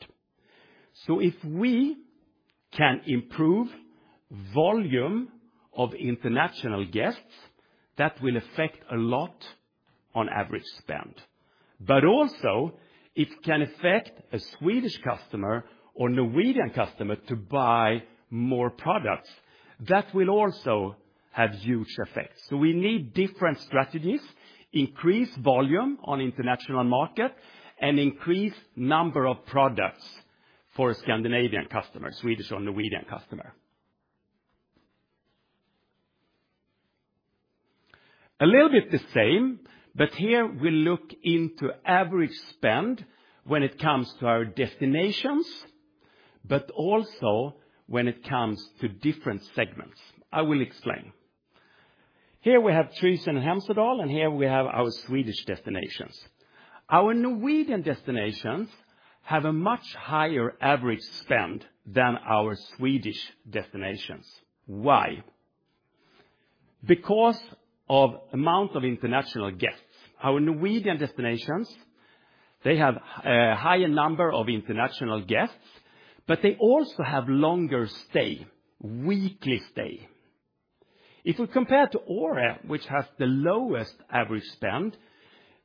so if we can improve the volume of international guests, that will affect a lot on average spend, but also, it can affect a Swedish customer or a Norwegian customer to buy more products. That will also have a huge effect, so we need different strategies: increase volume on the international market and increase the number of products for a Scandinavian customer, a Swedish or a Norwegian customer. A little bit the same, but here we look into average spend when it comes to our destinations, but also when it comes to different segments. I will explain. Here we have Trysil and Hemsedal, and here we have our Swedish destinations. Our Norwegian destinations have a much higher average spend than our Swedish destinations. Why? Because of the amount of international guests. Our Norwegian destinations, they have a higher number of international guests, but they also have longer stays, weekly stays. If we compare it to Åre, which has the lowest average spend,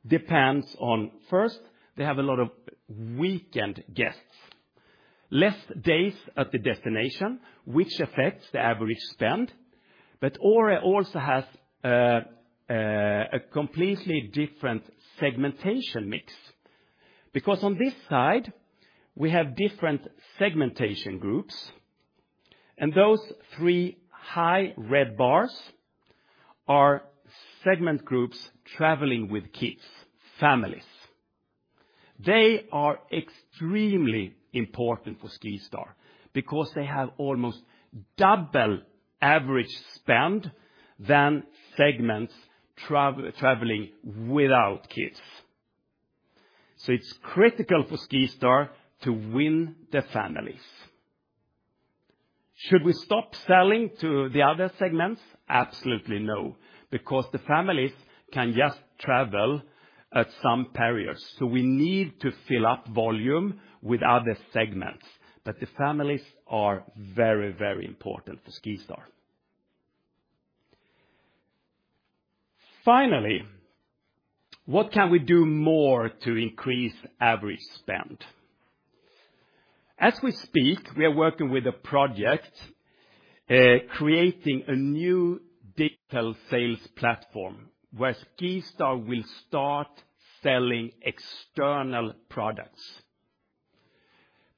it depends on, first, they have a lot of weekend guests, fewer days at the destination, which affects the average spend but Åre also has a completely different segmentation mix, because on this side, we have different segmentation groups and those three high red bars are segment groups traveling with kids, families. They are extremely important for SkiStar because they have almost double average spend than segments traveling without kids, so it's critical for SkiStar to win the families. Should we stop selling to the other segments? Absolutely no, because the families can just travel at some periods, so we need to fill up volume with other segments. The families are very, very important for SkiStar. Finally, what can we do more to increase average spend? As we speak, we are working with a project creating a new digital sales platform where SkiStar will start selling external products,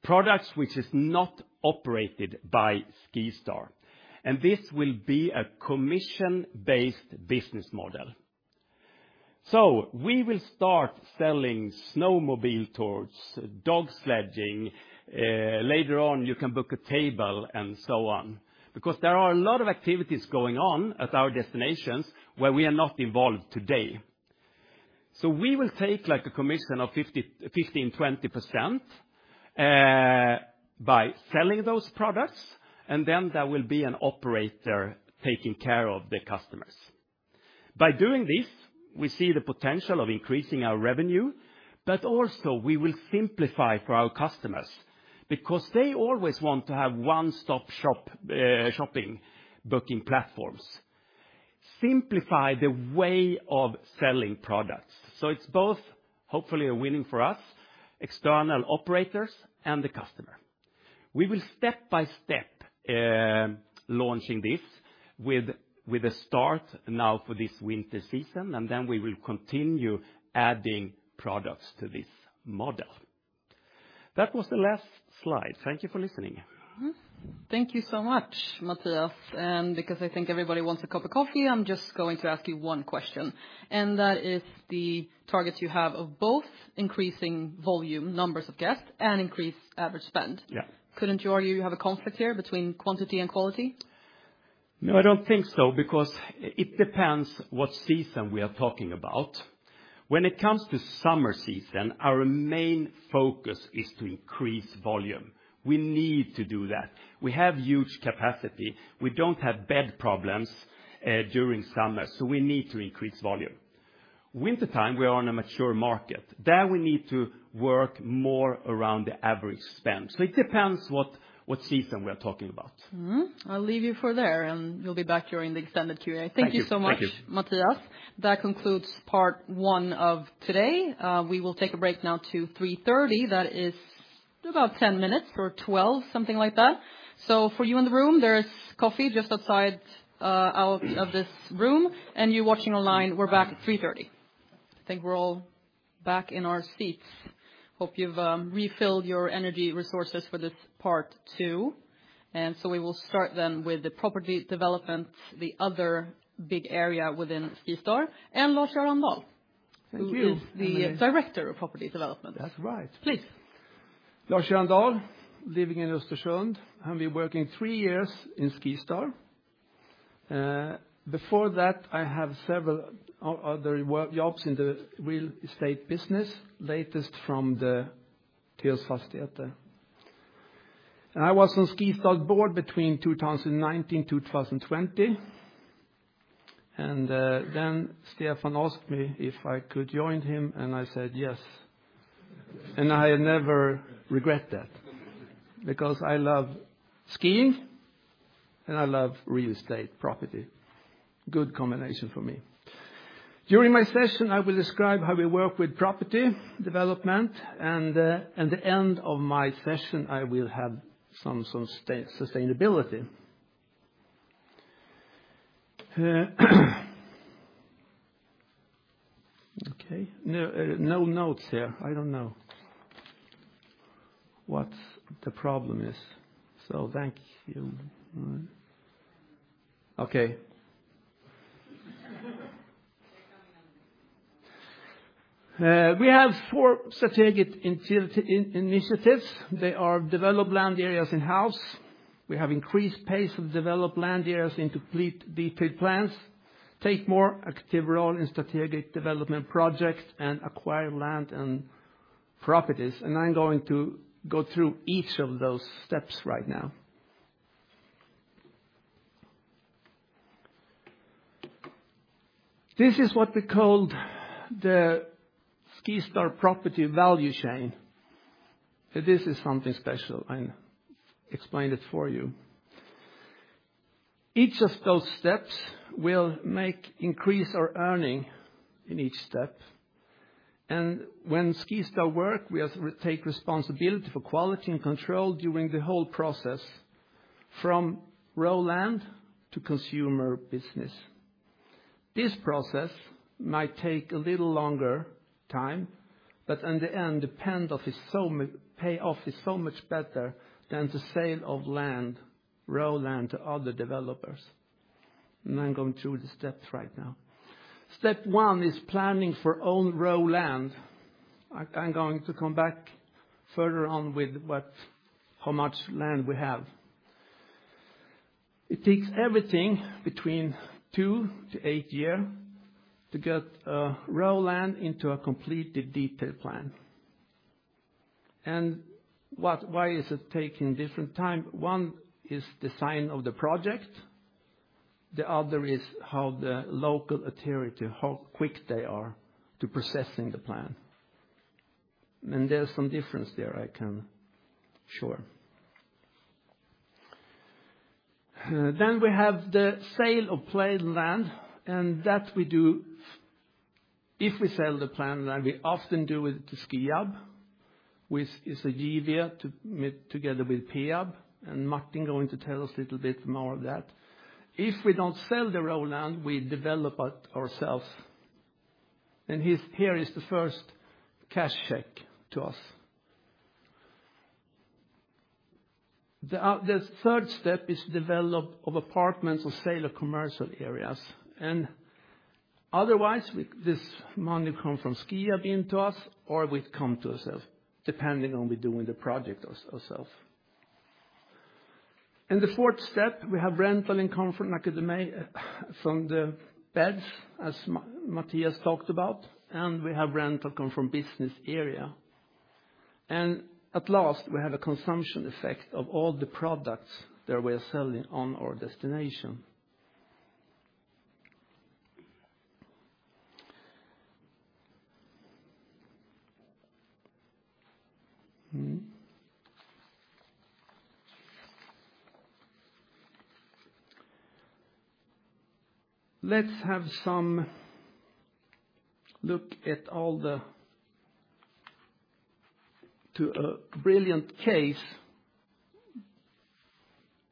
products which are not operated by SkiStar. This will be a commission-based business model. We will start selling snowmobiles, dog sledding. Later on, you can book a table and so on, because there are a lot of activities going on at our destinations where we are not involved today. We will take a commission of 15%-20% by selling those products, and then there will be an operator taking care of the customers. By doing this, we see the potential of increasing our revenue, but also we will simplify for our customers, because they always want to have one-stop shopping booking platforms, simplify the way of selling products, so it's both, hopefully, a win for us, external operators, and the customer. We will step by step launch this with a start now for this winter season, and then we will continue adding products to this model. That was the last slide. Thank you for listening. Thank you so much, Mathias, and because I think everybody wants a cup of coffee, I'm just going to ask you one question, and that is the targets you have of both increasing volume, numbers of guests, and increased average spend. Couldn't you argue you have a conflict here between quantity and quality? No, I don't think so, because it depends on what season we are talking about. When it comes to summer season, our main focus is to increase volume. We need to do that. We have huge capacity. We don't have bed problems during summer, so we need to increase volume. Wintertime, we are on a mature market. There we need to work more around the average spend. So it depends on what season we are talking about. I'll leave you for there, and you'll be back during the extended Q&A. Thank you so much, Mathias. That concludes part one of today. We will take a break now to 3:30 P.M. That is about 10 minutes or 12, something like that. So for you in the room, there's coffee just outside of this room, and you watching online, we're back at 3:30 P.M. I think we're all back in our seats. Hope you've refilled your energy resources for this part two. And so we will start then with the property development, the other big area within SkiStar, and Lars-Göran Dahl. He is the Director of Property Development. That's right. Please. Lars-Göran Dahl, living in Östersund. I've been working three years in SkiStar. Before that, I had several other jobs in the real estate business, latest from Diös Fastigheter. And I was on SkiStar's board between 2019 and 2020. And then Stefan asked me if I could join him, and I said yes. And I never regret that, because I love skiing and I love real estate, property. Good combination for me. During my session, I will describe how we work with property development. And at the end of my session, I will have some sustainability. Okay. No notes here. I don't know what the problem is. So thank you. Okay. We have four strategic initiatives. They are developed land areas in-house. We have increased the pace of developed land areas into complete detailed plans, take more active role in strategic development projects, and acquire land and properties. And I'm going to go through each of those steps right now. This is what we call the SkiStar property value chain. This is something special. I'll explain it for you. Each of those steps will increase our earning in each step. And when SkiStar works, we take responsibility for quality and control during the whole process, from raw land to consumer business. This process might take a little longer time, but in the end, the payoff is so much better than the sale of raw land to other developers. And I'm going through the steps right now. Step one is planning for own raw land. I'm going to come back further on with how much land we have. It takes everything between two to eight years to get raw land into a complete detailed plan. And why is it taking different time? One is the size of the project. The other is how local authorities, how quick they are to process the plan. And there's some difference there I can show. Then we have the sale of planned land. And that we do if we sell the planned land. We often do it to Skiab, which is a JV together with Peab. And Martin is going to tell us a little bit more of that. If we don't sell the raw land, we develop it ourselves. And here is the first cash check to us. The third step is the development of apartments or sale of commercial areas. Otherwise, this money comes from Skiab into us, or we come to ourselves, depending on what we do in the project ourselves. The fourth step, we have rental income from the beds, as Mathias talked about. We have rental income from the business area. At last, we have a consumption effect of all the products that we are selling on our destination. Let's have a look at a brilliant case,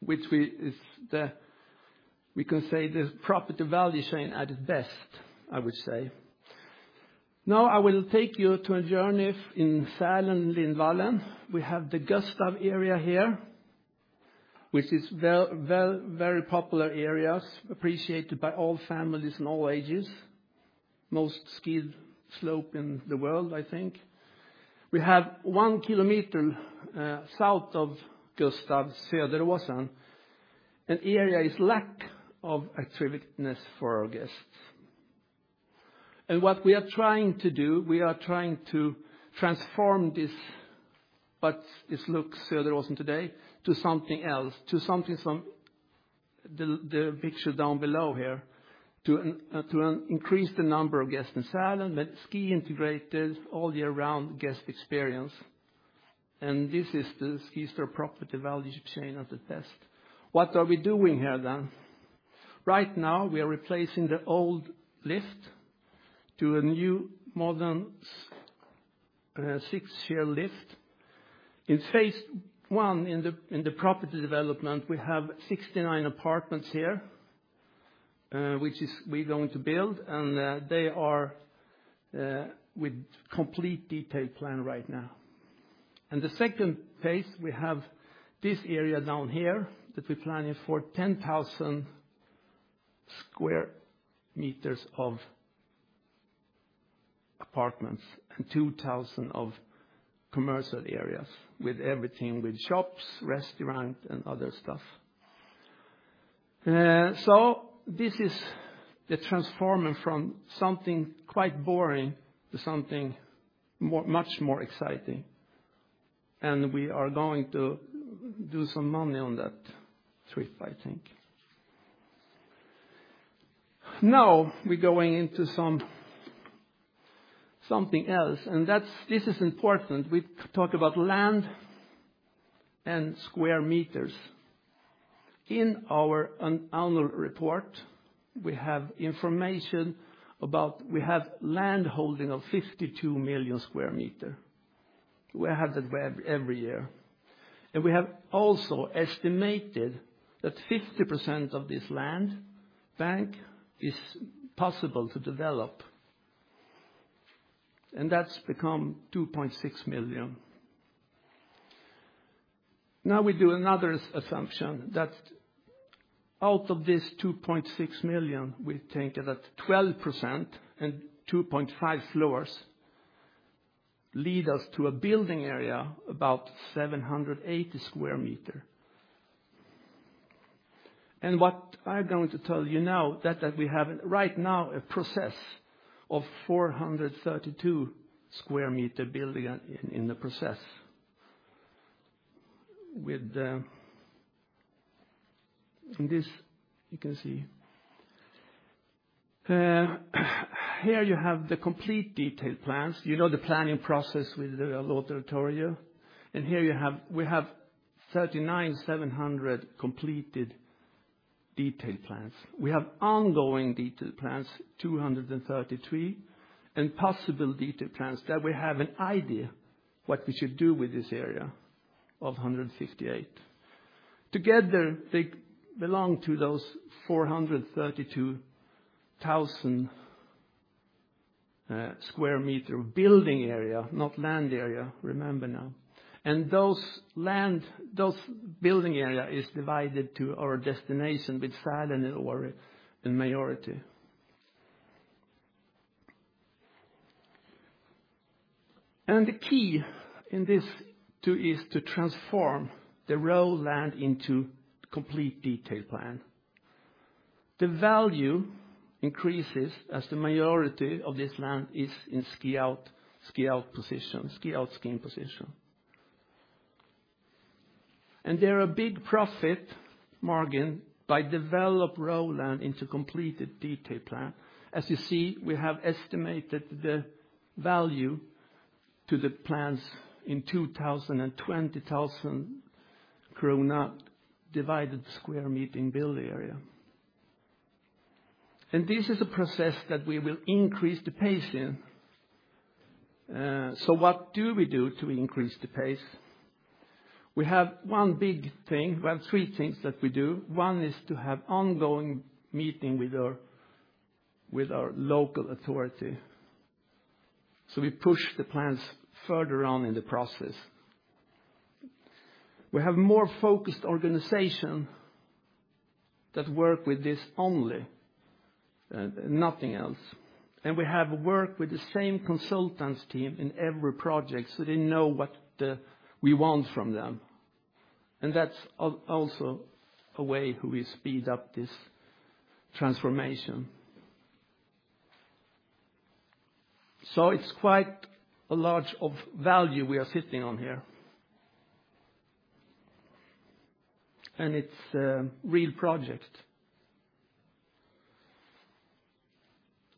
which we can say the property value chain at its best, I would say. Now I will take you on a journey in Sälen, Lindvallen. We have the Gustav area here, which is a very popular area, appreciated by all families and all ages, most ski slopes in the world, I think. We have, 1 km south of Gustav, Söderåsen. An area lacks activity for our guests. What we are trying to do is transform this, what this looks like at Söderåsen today, to something else, to something from the picture down below here, to increase the number of guests in Sälen, but ski integrated all year-round guest experience. This is the SkiStar property value chain at its best. What are we doing here then? Right now, we are replacing the old lift to a new, modern six-seater lift. In phase one in the property development, we have 69 apartments here, which we are going to build, and they are with a complete detailed plan right now. In the second phase, we have this area down here that we're planning for 10,000 sq m of apartments and 2,000 of commercial areas, with everything, with shops, restaurants, and other stuff. This is the transforming from something quite boring to something much more exciting. We are going to do some money on that trip, I think. Now we're going into something else, and this is important. We talk about land and square meters. In our annual report, we have information about we have land holding of 52 million sq m. We have that every year. We have also estimated that 50% of this land bank is possible to develop. That's become 2.6 million. Now we do another assumption that out of this 2.6 million, we think that 12% and 2.5 floors lead us to a building area of about 780 sq m. What I'm going to tell you now, that we have right now a process of 432 sq m building in the process. In this, you can see. Here you have the complete detailed plans. You know the planning process with the Lantmäteriet. Here we have 39,700 completed detailed plans. We have ongoing detailed plans, 233, and possible detailed plans that we have an idea what we should do with this area of 158. Together, they belong to those 432,000 sq m of building area, not land area, remember now. Those building areas are divided to our destination with Sälen in majority. The key in this is to transform the raw land into a complete detailed plan. The value increases as the majority of this land is in ski-out position, ski-out/ski-in position. There are big profit margins by developing raw land into completed detailed plans. As you see, we have estimated the value to the plans in 2,020,000 krona divided per square meter in building area. This is a process that we will increase the pace in. What do we do to increase the pace? We have one big thing. We have three things that we do. One is to have ongoing meetings with our local authority. So we push the plans further on in the process. We have more focused organizations that work with this only, nothing else. And we have worked with the same consultants' team in every project, so they know what we want from them. And that's also a way we speed up this transformation. So it's quite a large value we are sitting on here. And it's a real project.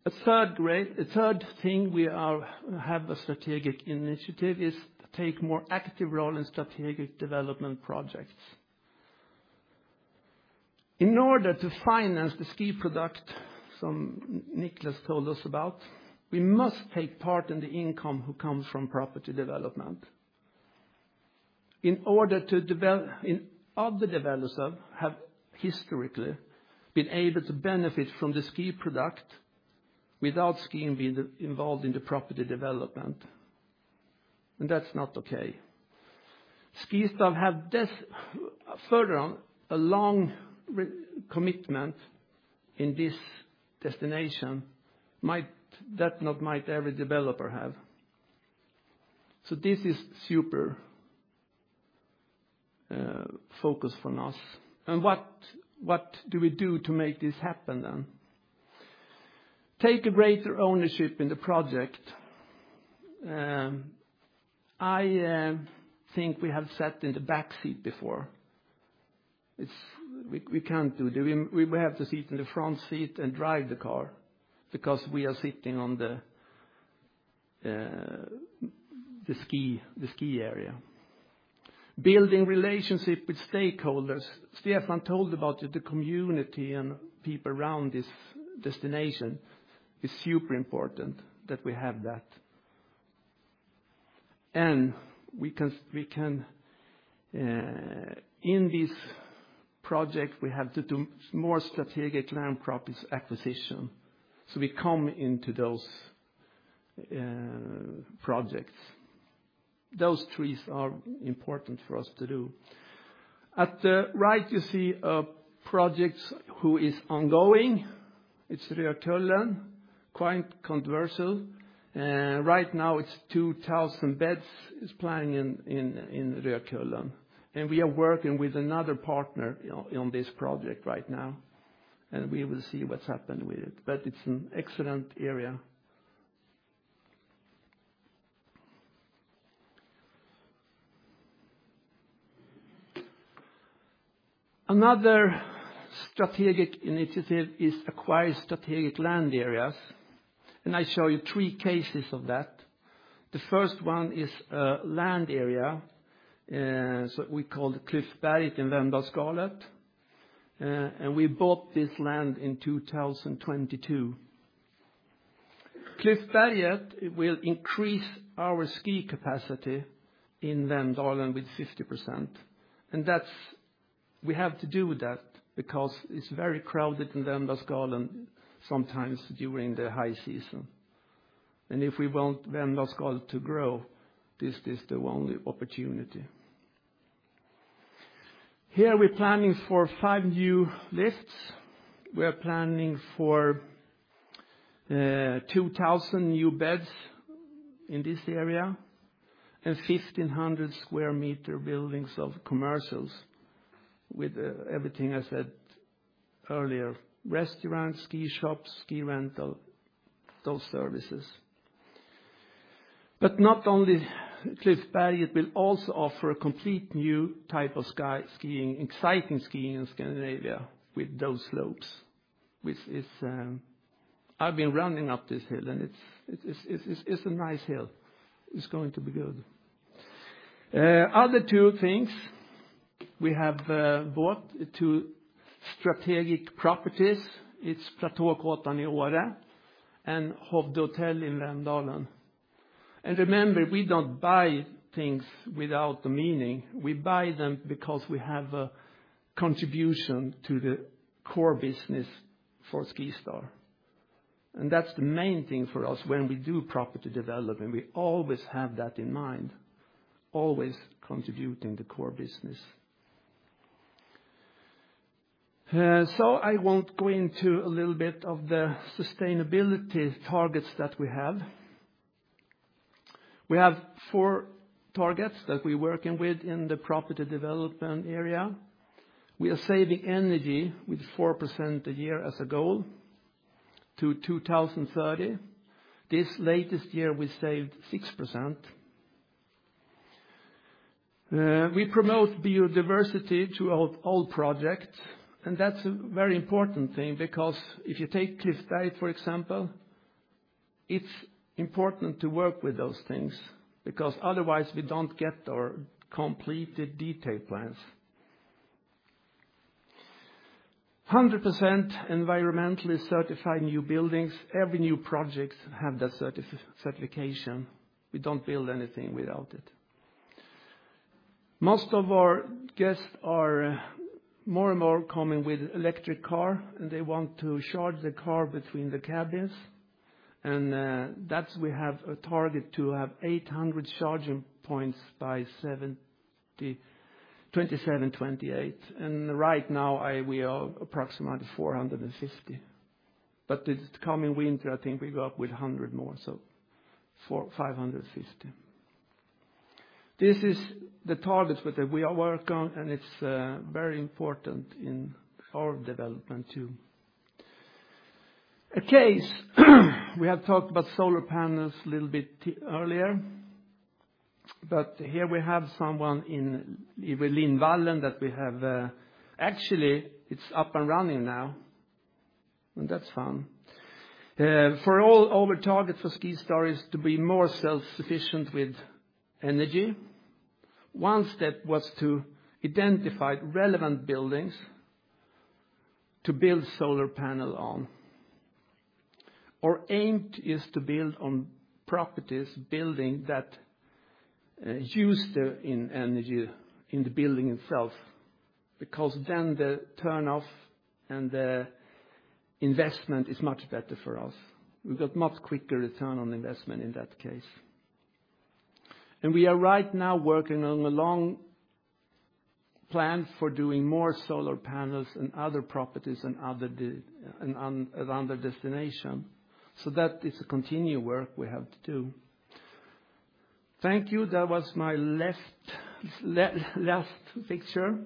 A third thing we have a strategic initiative is to take more active role in strategic development projects. In order to finance the ski product some Niclas told us about, we must take part in the income that comes from property development. In order to develop, other developers have historically been able to benefit from the ski product without skiing being involved in the property development, and that's not okay. SkiStar has further on a long commitment in this destination that not every developer has, so this is super focused from us, and what do we do to make this happen then? Take a greater ownership in the project. I think we have sat in the back seat before. We can't do that. We have to sit in the front seat and drive the car because we are sitting on the ski area. Building relationships with stakeholders. Stefan told about the community and people around this destination. It's super important that we have that, and in this project, we have to do more strategic land acquisition, so we come into those projects. Those trees are important for us to do. At the right, you see a project which is ongoing. It's Rödkullen, quite controversial. Right now, it's 2,000 beds planning in Rödkullen. And we are working with another partner on this project right now. And we will see what's happened with it. But it's an excellent area. Another strategic initiative is acquiring strategic land areas. And I show you three cases of that. The first one is a land area that we call Cliffhanger in Vemdalsskalet. And we bought this land in 2022. Cliffhanger will increase our ski capacity in Vemdalen with 50%. And we have to do that because it's very crowded in Vemdalsskalet sometimes during the high season. And if we want Vemdalsskalet to grow, this is the only opportunity. Here we're planning for five new lifts. We are planning for 2,000 new beds in this area and 1,500 sq m of commercial buildings with everything I said earlier, restaurants, ski shops, ski rental, those services. But not only Cliffhanger will also offer a complete new type of skiing, exciting skiing in Scandinavia with those slopes, which is I've been running up this hill, and it's a nice hill. It's going to be good. Other two things. We have bought two strategic properties. It's Platåkåtan in Åre and Hovde Hotel in Vemdalen. And remember, we don't buy things without the meaning. We buy them because we have a contribution to the core business for SkiStar. And that's the main thing for us when we do property development. We always have that in mind, always contributing to the core business. So I won't go into a little bit of the sustainability targets that we have. We have four targets that we are working with in the property development area. We are saving energy with 4% a year as a goal to 2030. This latest year, we saved 6%. We promote biodiversity throughout all projects. That's a very important thing because if you take Cliffhanger, for example, it's important to work with those things because otherwise we don't get our completed detailed plans. 100% environmentally certified new buildings. Every new project has that certification. We don't build anything without it. Most of our guests are more and more coming with electric car, and they want to charge the car between the cabins. That's why we have a target to have 800 charging points by 2028. Right now, we are approximately 450. This coming winter, I think we go up with 100 more, so 550. This is the target that we are working on, and it's very important in our development too. As a case, we have talked about solar panels a little bit earlier. But here we have one in Lindvallen that we have. Actually, it's up and running now, and that's fun. For all our targets for SkiStar is to be more self-sufficient with energy. One step was to identify relevant buildings to build solar panels on. Our aim is to build on properties, buildings that use the energy in the building itself because then the payoff and the investment is much better for us. We got much quicker return on investment in that case. And we are right now working on a long-term plan for doing more solar panels in other properties and other destinations. So that is a continued work we have to do. Thank you. That was my last picture.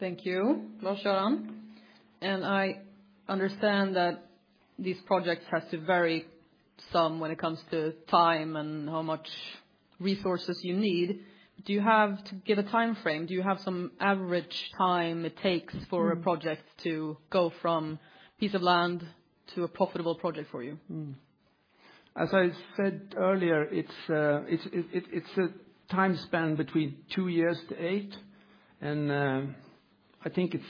Thank you. Lars-Göran. And I understand that these projects have to vary some when it comes to time and how much resources you need. Do you have to give a time frame? Do you have some average time it takes for a project to go from a piece of land to a profitable project for you? As I said earlier, it's a time span between two years to eight. And I think it's,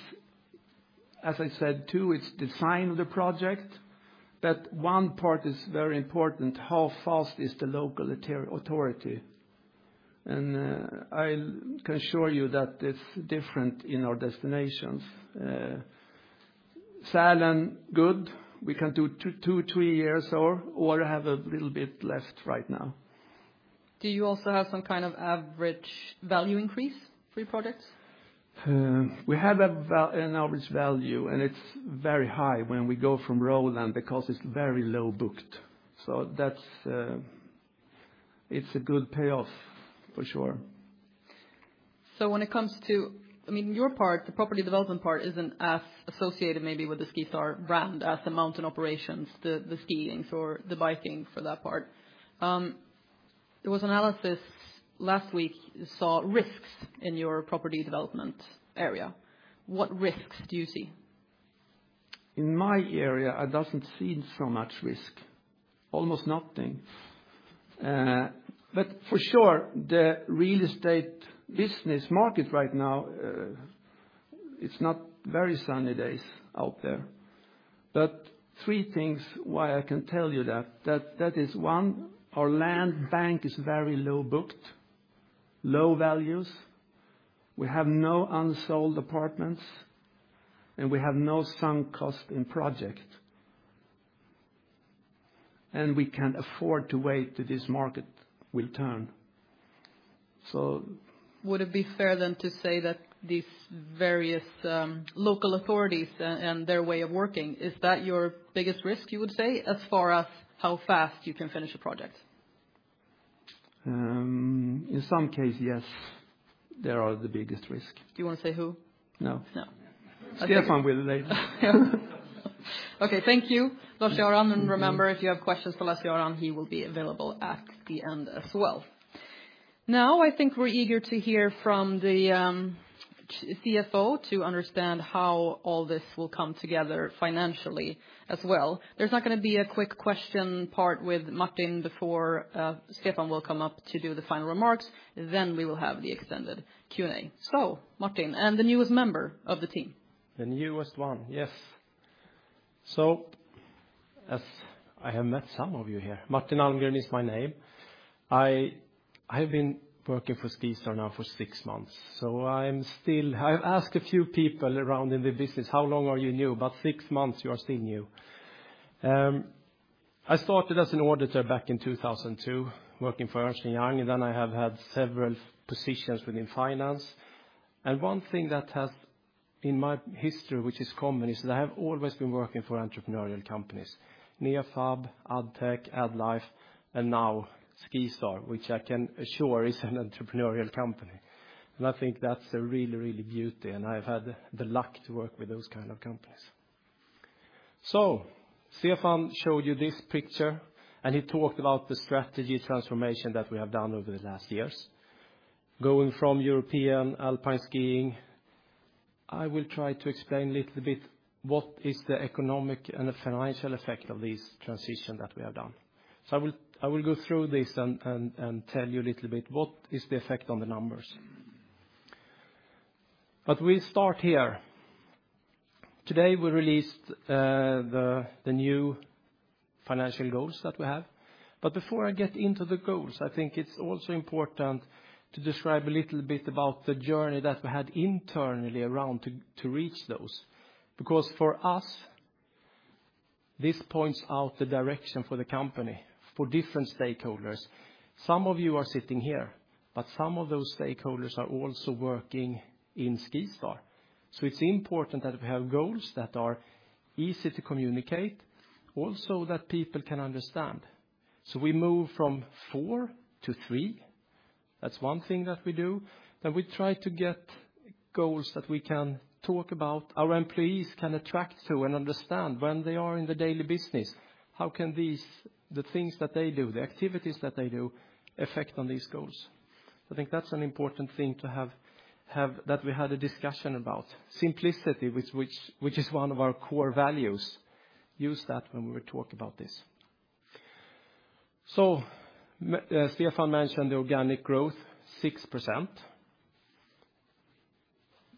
as I said too, it's the design of the project. But one part is very important, how fast is the local authority. And I can assure you that it's different in our destinations. Sälen, good. We can do two, three years or have a little bit left right now. Do you also have some kind of average value increase for your projects? We have an average value, and it's very high when we go from raw land because it's very low booked. So it's a good payoff for sure. So when it comes to, I mean, your part, the property development part isn't as associated maybe with the SkiStar brand as the mountain operations, the skiing or the biking for that part. There was analysis last week that saw risks in your property development area. What risks do you see? In my area, I don't see so much risk. Almost nothing. But for sure, the real estate business market right now, it's not very sunny days out there. But three things why I can tell you that. That is one, our land bank is very low booked, low values. We have no unsold apartments, and we have no sunk cost in project. We can't afford to wait till this market will turn. So Would it be fair then to say that these various local authorities and their way of working, is that your biggest risk, you would say, as far as how fast you can finish a project? In some cases, yes. They are the biggest risk. Do you want to say who? No. Stefan will later. Okay. Thank you. Lars-Göran. Remember, if you have questions for Lars-Göran, he will be available at the end as well. Now, I think we're eager to hear from the CFO to understand how all this will come together financially as well. There's not going to be a quick question part with Martin before Stefan will come up to do the final remarks. Then we will have the extended Q&A. Martin, and the newest member of the team. The newest one, yes. I have met some of you here. Martin Almgren is my name. I have been working for SkiStar now for six months. I've asked a few people around in the business, "How long are you new?" About six months, you are still new. I started as an auditor back in 2002, working for Ernst & Young. Then I have had several positions within finance. One thing that has in my history, which is common, is that I have always been working for entrepreneurial companies: Nefab, Addtech, AddLife, and now SkiStar, which I can assure is an entrepreneurial company. I think that's a really, really beautiful. I've had the luck to work with those kinds of companies. Stefan showed you this picture, and he talked about the strategy transformation that we have done over the last years, going from European alpine skiing. I will try to explain a little bit what is the economic and the financial effect of this transition that we have done. So I will go through this and tell you a little bit what is the effect on the numbers. But we start here. Today, we released the new financial goals that we have. But before I get into the goals, I think it's also important to describe a little bit about the journey that we had internally around to reach those. Because for us, this points out the direction for the company for different stakeholders. Some of you are sitting here, but some of those stakeholders are also working in SkiStar. So it's important that we have goals that are easy to communicate, also that people can understand. So we move from four to three. That's one thing that we do. Then we try to get goals that we can talk about, our employees can attract to and understand when they are in the daily business, how the things that they do, the activities that they do, affect these goals. I think that's an important thing to have that we had a discussion about. Simplicity, which is one of our core values, used that when we were talking about this. So Stefan mentioned the organic growth, 6%.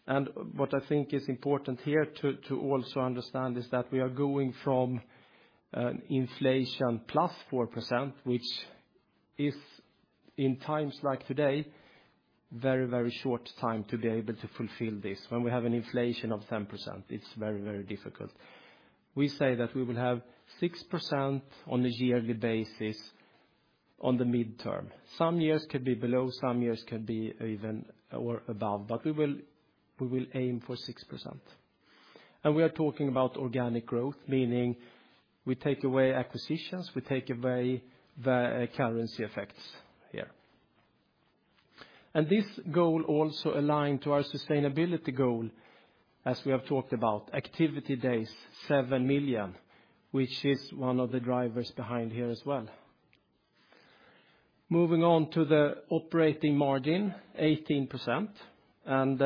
And what I think is important here to also understand is that we are going from inflation +4%, which is in times like today, a very, very short time to be able to fulfill this. When we have an inflation of 10%, it's very, very difficult. We say that we will have 6% on a yearly basis on the midterm. Some years could be below, some years could be even or above, but we will aim for 6%. And we are talking about organic growth, meaning we take away acquisitions, we take away currency effects here. And this goal also aligned to our sustainability goal, as we have talked about, Activity Days, 7 million, which is one of the drivers behind here as well. Moving on to the operating margin, 18%. And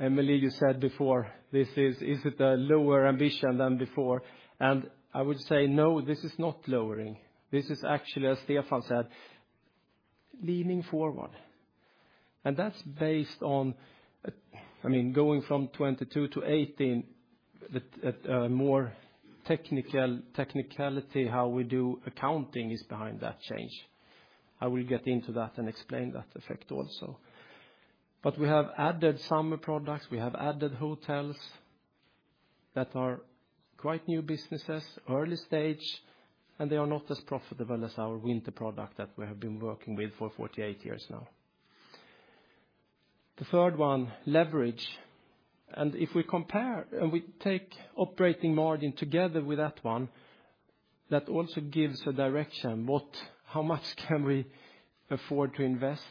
Emelie, you said before, is it a lower ambition than before? And I would say, no, this is not lowering. This is actually, as Stefan said, leaning forward. And that's based on, I mean, going from 22 to 18, more technicality, how we do accounting is behind that change. I will get into that and explain that effect also. But we have added summer products, we have added hotels that are quite new businesses, early stage, and they are not as profitable as our winter product that we have been working with for 48 years now. The third one, leverage. And if we compare and we take operating margin together with that one, that also gives a direction, how much can we afford to invest.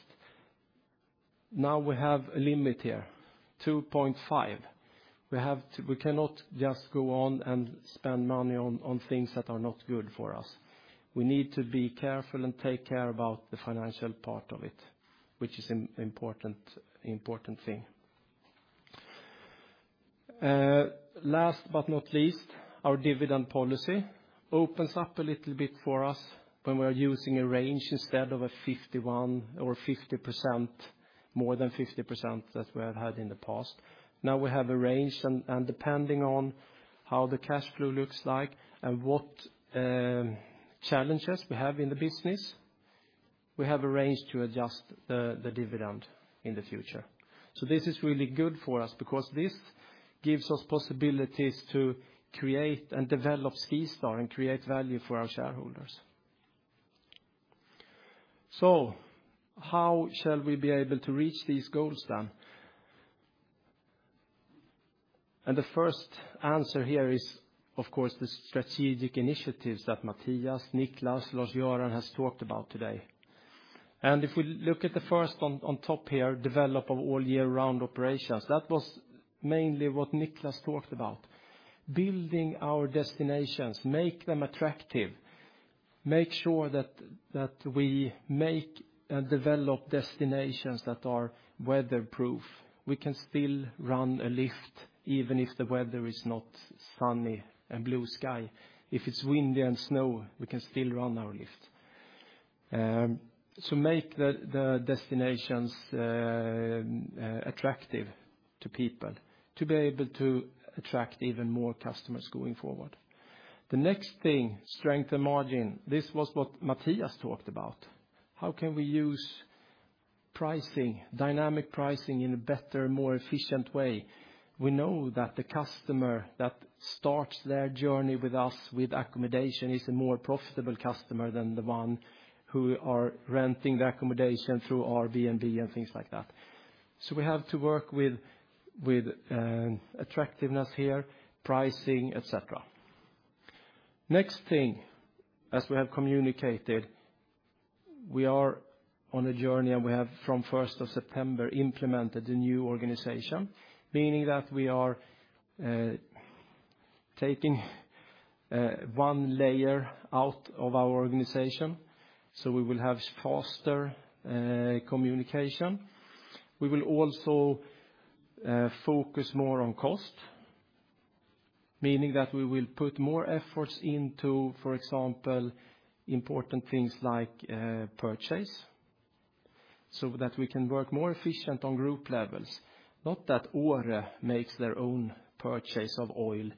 Now we have a limit here, 2.5. We cannot just go on and spend money on things that are not good for us. We need to be careful and take care about the financial part of it, which is an important thing. Last but not least, our dividend policy opens up a little bit for us when we are using a range instead of a 51% or 50%, more than 50% that we have had in the past. Now we have a range, and depending on how the cash flow looks like and what challenges we have in the business, we have a range to adjust the dividend in the future. So this is really good for us because this gives us possibilities to create and develop SkiStar and create value for our shareholders. So how shall we be able to reach these goals then, and the first answer here is, of course, the strategic initiatives that Mathias, Niclas, Lars-Göran has talked about today, and if we look at the first on top here, develop of all year-round operations, that was mainly what Niclas talked about. Building our destinations, make them attractive. Make sure that we make and develop destinations that are weatherproof. We can still run a lift even if the weather is not sunny and blue sky. If it's windy and snowy, we can still run our lift. So make the destinations attractive to people to be able to attract even more customers going forward. The next thing, strengthen margins. This was what Mathias talked about. How can we use pricing, dynamic pricing in a better, more efficient way? We know that the customer that starts their journey with us with accommodation is a more profitable customer than the one who is renting the accommodation through Airbnb and things like that. So we have to work with attractiveness here, pricing, etc. Next thing, as we have communicated, we are on a journey and we have from 1st of September implemented the new organization, meaning that we are taking one layer out of our organization. So we will have faster communication. We will also focus more on cost, meaning that we will put more efforts into, for example, important things like purchase so that we can work more efficiently on group levels. Not that Åre makes their own purchase of oil,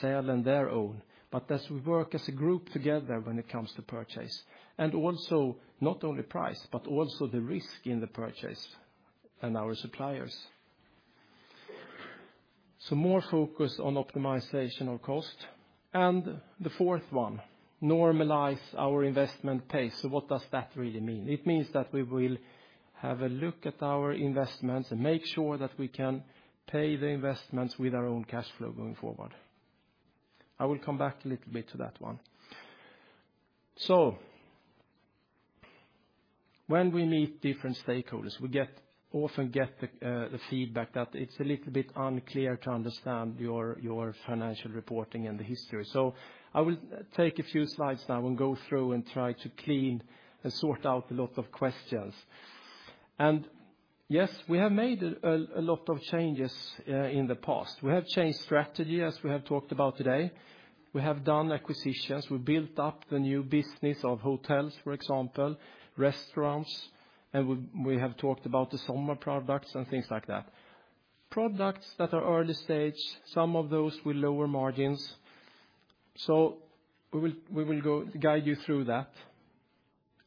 Sälen their own, but that we work as a group together when it comes to purchase. And also not only price, but also the risk in the purchase and our suppliers. So more focus on optimization of cost. And the fourth one, normalize our investment pace. So what does that really mean? It means that we will have a look at our investments and make sure that we can pay the investments with our own cash flow going forward. I will come back a little bit to that one. When we meet different stakeholders, we often get the feedback that it's a little bit unclear to understand your financial reporting and the history. I will take a few slides now and go through and try to clean and sort out a lot of questions. Yes, we have made a lot of changes in the past. We have changed strategy, as we have talked about today. We have done acquisitions. We built up the new business of hotels, for example, restaurants. We have talked about the summer products and things like that. Products that are early stage, some of those with lower margins. We will guide you through that.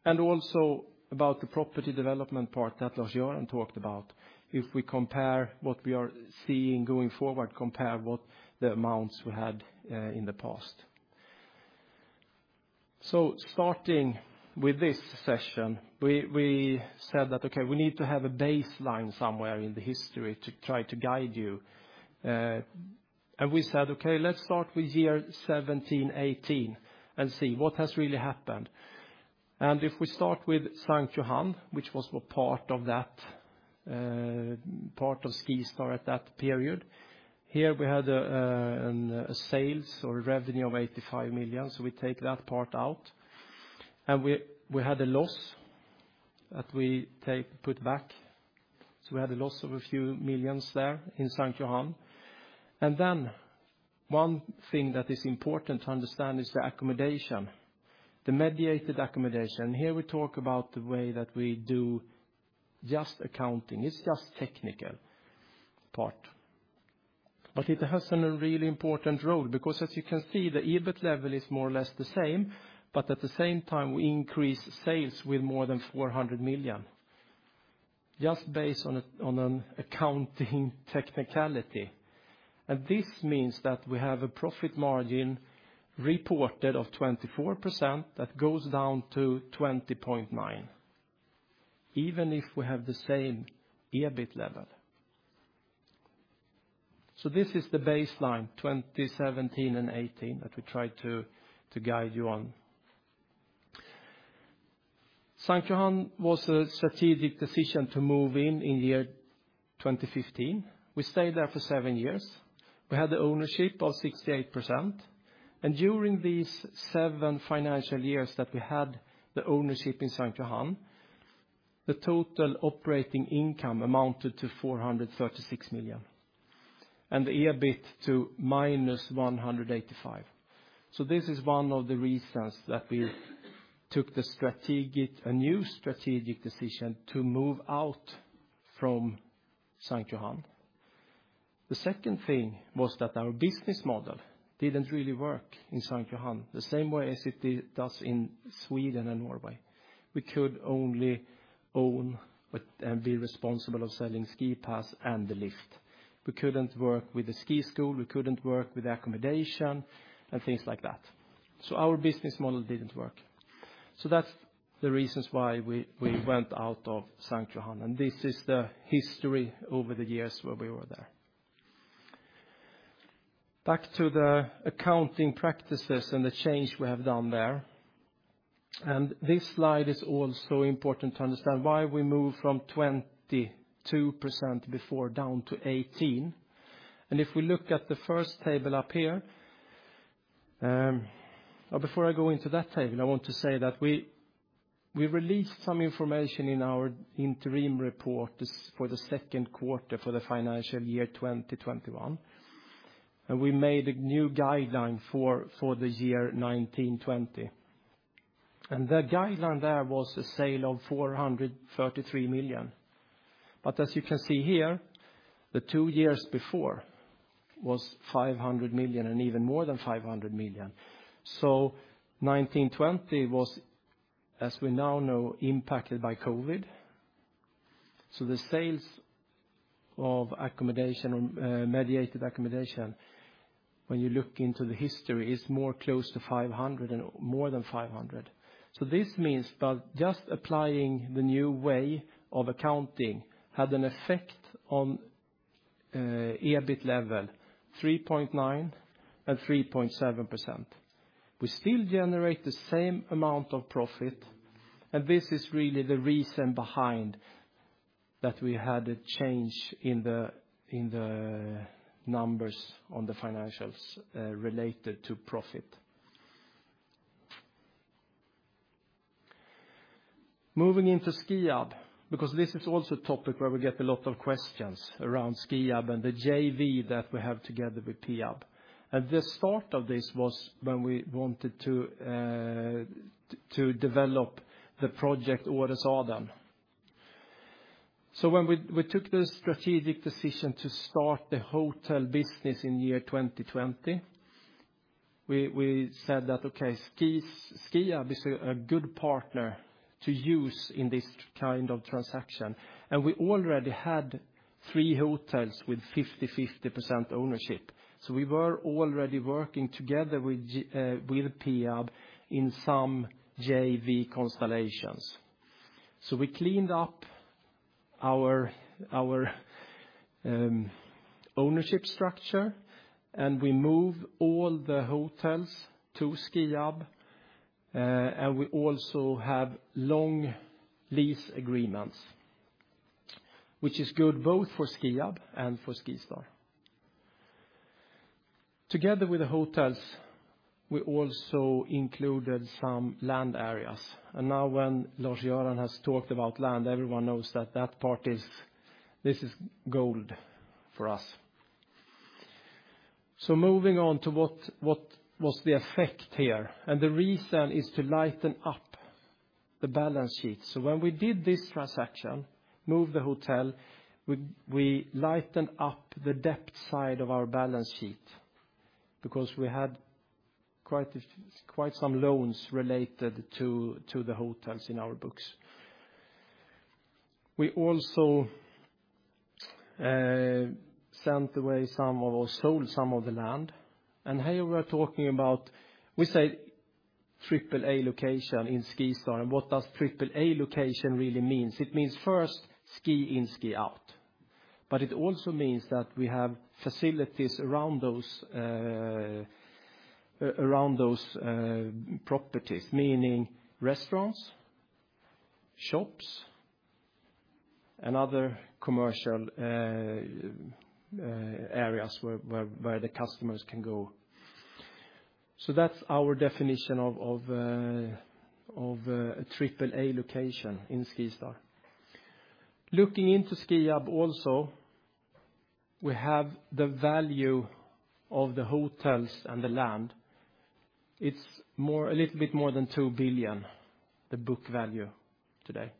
Also about the property development part that Lars-Göran talked about, if we compare what we are seeing going forward, compare what the amounts we had in the past. So starting with this session, we said that, okay, we need to have a baseline somewhere in the history to try to guide you. And we said, okay, let's start with 2017, 2018 and see what has really happened. And if we start with St. Johann, which was part of that part of SkiStar at that period, here we had sales or revenue of 85 million. So we take that part out. And we had a loss that we put back. So we had a loss of a few million there in St. Johann. And then one thing that is important to understand is the accommodation, the mediated accommodation. And here we talk about the way that we do just accounting. It's just technical part. But it has a really important role because, as you can see, the EBIT level is more or less the same, but at the same time, we increase sales with more than 400 million just based on an accounting technicality. And this means that we have a profit margin reported of 24% that goes down to 20.9%, even if we have the same EBIT level. So this is the baseline, 2017 and 2018 that we tried to guide you on. St. Johann was a strategic decision to move in in year 2015. We stayed there for seven years. We had the ownership of 68%. And during these seven financial years that we had the ownership in St. Johann, the total operating income amounted to 436 million and the EBIT to -185 million. So this is one of the reasons that we took a new strategic decision to move out from St. Johann. The second thing was that our business model didn't really work in St. Johann, the same way as it does in Sweden and Norway. We could only own and be responsible of selling SkiPass and the lift. We couldn't work with the ski school. We couldn't work with accommodation and things like that. So our business model didn't work. So that's the reasons why we went out of St. Johann. And this is the history over the years where we were there. Back to the accounting practices and the change we have done there. And this slide is also important to understand why we moved from 22% before down to 18%. And if we look at the first table up here, before I go into that table, I want to say that we released some information in our interim report for the second quarter for the financial year 2021. And we made a new guideline for the year 2020. And the guideline there was a sale of 433 million. But as you can see here, the two years before was 500 million and even more than 500 million. So 2020 was, as we now know, impacted by COVID. So the sales of accommodation or mediated accommodation, when you look into the history, is more close to 500 million and more than 500 million. So this means just applying the new way of accounting had an effect on EBIT level, 3.9% and 3.7%. We still generate the same amount of profit. This is really the reason behind that we had a change in the numbers on the financials related to profit. Moving into Skiab, because this is also a topic where we get a lot of questions around Skiab and the JV that we have together with Peab. The start of this was when we wanted to develop the project Åre-Sälen. When we took the strategic decision to start the hotel business in year 2020, we said that, okay, Skiab is a good partner to use in this kind of transaction. We already had three hotels with 50%/50% ownership. We were already working together with Peab in some JV constellations. We cleaned up our ownership structure and we moved all the hotels to Skiab. We also have long lease agreements, which is good both for Skiab and for SkiStar. Together with the hotels, we also included some land areas. And now when Lars-Göran has talked about land, everyone knows that that part is gold for us. So moving on to what was the effect here. And the reason is to lighten up the balance sheet. So when we did this transaction, moved the hotel, we lightened up the debt side of our balance sheet because we had quite some loans related to the hotels in our books. We also sent away some of or sold some of the land. And here we are talking about, we say AAA location in SkiStar. And what does AAA location really mean? It means first ski in, ski out. But it also means that we have facilities around those properties, meaning restaurants, shops, and other commercial areas where the customers can go. So that's our definition of AAA location in SkiStar. Looking into Skiab also, we have the value of the hotels and the land. It's a little bit more than 2 billion, the book value today.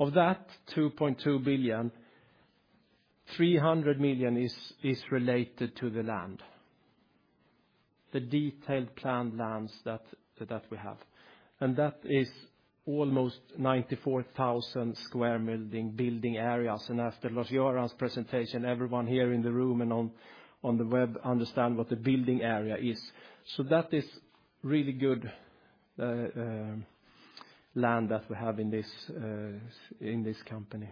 Of that 2.2 billion, 300 million is related to the land, the detailed planned lands that we have, and that is almost 94,000 square building areas. After Lars-Göran's presentation, everyone here in the room and on the web understand what the building area is. So that is really good land that we have in this company.